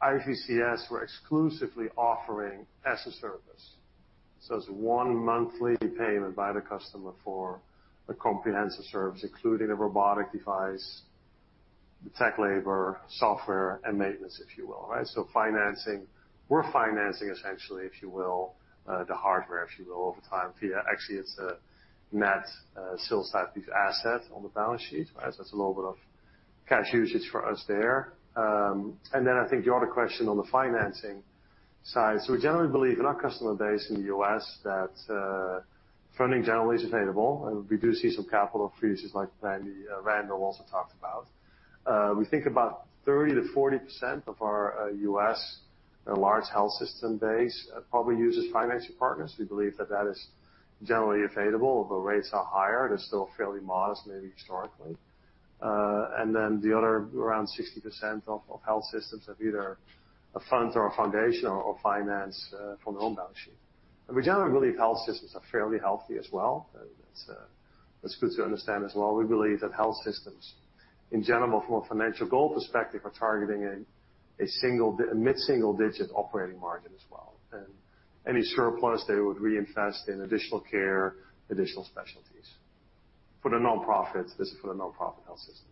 IVCS, we're exclusively offering as a service. It's one monthly payment by the customer for a comprehensive service, including a robotic device, the tech labor, software, and maintenance, if you will. Right? Financing, we're financing essentially, if you will, the hardware, if you will, over time. Actually, it's a net sales type of asset on the balance sheet. Right? It's a little bit of cash usage for us there. And then I think your other question on the financing side, we generally believe in our customer base in the US that funding generally is available. We do see some capital freezes like Randall also talked about. We think about 30%-40% of our US large health system base probably uses financing partners. We believe that is generally available. The rates are higher. They're still fairly modest, maybe historically. The other around 60% of health systems have either a fund or a foundation or finance from their own balance sheet. We generally believe health systems are fairly healthy as well. That's good to understand as well. We believe that health systems in general, from a financial goal perspective, are targeting a mid-single-digit operating margin as well. Any surplus they would reinvest in additional care, additional specialties. For the nonprofits, this is for the nonprofit health systems.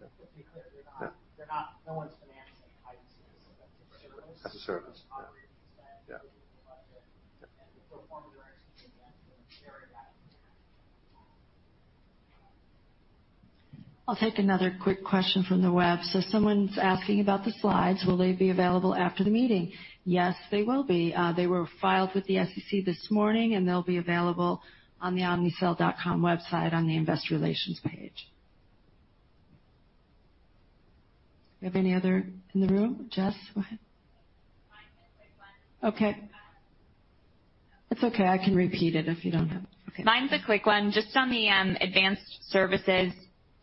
Just to be clear, they're not. Yeah. No one's financing IVCS as a service. As a service. I'll take another quick question from the web. Someone's asking about the slides. Will they be available after the meeting? Yes, they will be. They were filed with the SEC this morning, and they'll be available on the omnicell.com website on the investor relations page. Do we have any other in the room? Jess, go ahead. Mine's a quick one. Okay. It's okay. Okay. Mine's a quick one. Just on the advanced services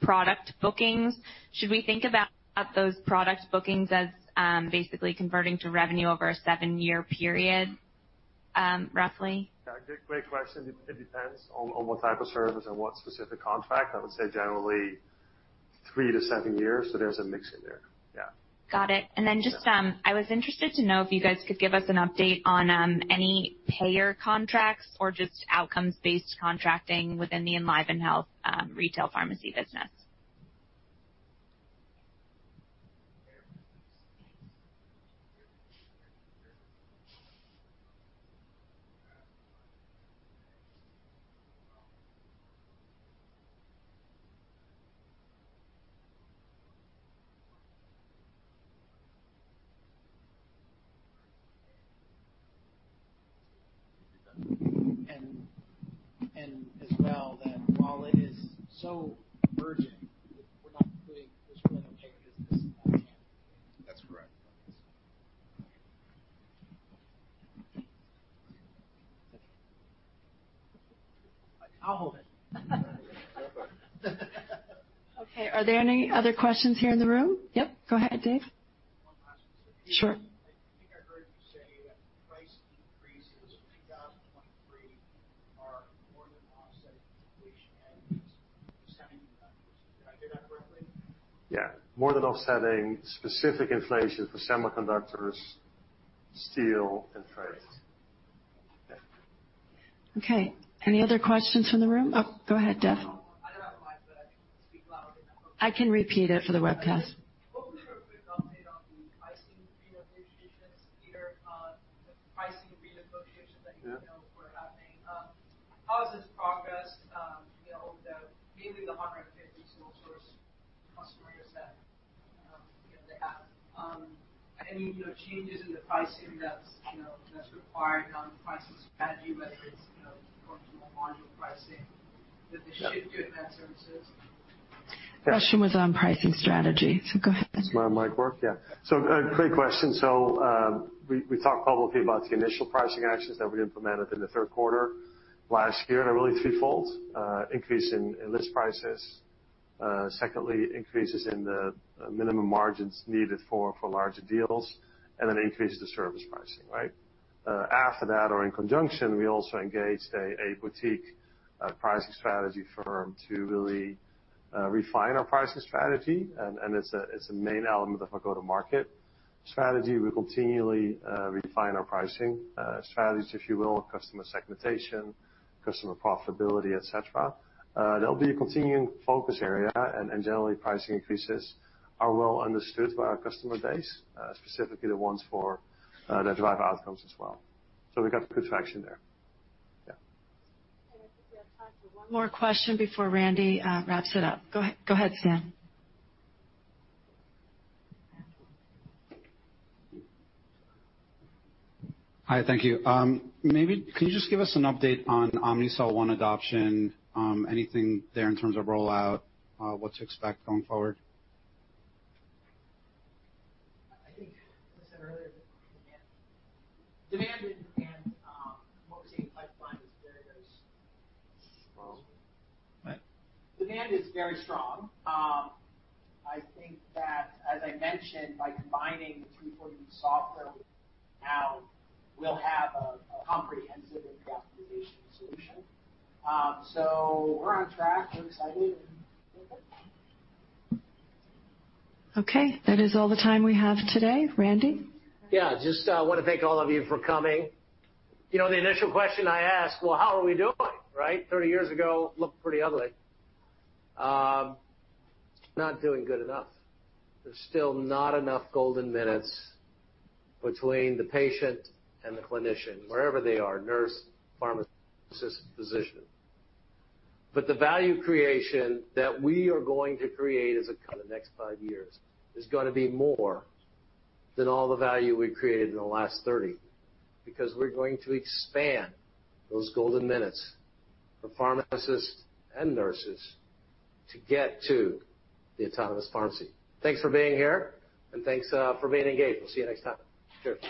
product bookings, should we think about those product bookings as basically converting to revenue over a seven-year period, roughly? Yeah. Great question. It depends on what type of service and what specific contract. I would say generally 3-7 years, so there's a mix in there. Yeah. Got it. Yeah. I was interested to know if you guys could give us an update on any payer contracts or just outcomes-based contracting within the EnlivenHealth-Retail pharmacy business. As well, that while it is so urgent, we're not putting the sort of paper business. That's correct. I'll hold it. Okay. Are there any other questions here in the room? Yep, go ahead, Dave. One last one. Sure. I think I heard you say that price increases in 2023 are more than offsetting inflation and semiconductors. Did I hear that correctly? Yeah. More than offsetting specific inflation for semiconductors, steel, and freight. Yeah. Okay. Any other questions from the room? Oh, go ahead, Dev. I don't have a mic, but I can speak louder. I can repeat it for the webcast. Hopefully for a quick update on the pricing renegotiations, Peter, the pricing renegotiations that you know were happening. How is this progressing, you know, mainly the 150 sole source customers you said, you know they have. Any, you know, changes in the pricing that's, you know, that's required now in the pricing strategy, whether it's, you know, going to more module pricing with the shift to advanced services? Question was on pricing strategy, so go ahead. Does my mic work? Yeah. Great question. We talked publicly about the initial pricing actions that we implemented in the third quarter last year, and they're really threefold. Increase in list prices. Secondly, increases in the minimum margins needed for larger deals, and then increases to service pricing, right? After that or in conjunction, we also engaged a boutique pricing strategy firm to really refine our pricing strategy. It's a main element of our go-to-market strategy. We continually refine our pricing strategies, if you will, customer segmentation, customer profitability, et cetera. That'll be a continuing focus area, and generally pricing increases are well understood by our customer base, specifically the ones that drive outcomes as well. We've got good traction there. Yeah. I think we have time for one more question before Randy wraps it up. Go ahead, Sam. Hi. Thank you. Maybe can you just give us an update on Omnicell One adoption, anything there in terms of rollout, what to expect going forward? I think as I said earlier, demand in what we see in the pipeline is very, very strong. Right. Demand is very strong. I think that as I mentioned, by combining the 340B software we now will have a comprehensive optimization solution. We're on track. We're excited and. Okay. That is all the time we have today. Randy? Yeah. Just want to thank all of you for coming. You know, the initial question I asked, well, how are we doing, right? 30 years ago, looked pretty ugly. Not doing good enough. There's still not enough golden minutes between the patient and the clinician, wherever they are, nurse, pharmacist, physician. The value creation that we are going to create as a company the next 5 years is gonna be more than all the value we created in the last 30, because we're going to expand those golden minutes for pharmacists and nurses to get to the autonomous pharmacy. Thanks for being here. Thanks for being engaged. We'll see you next time. Cheers.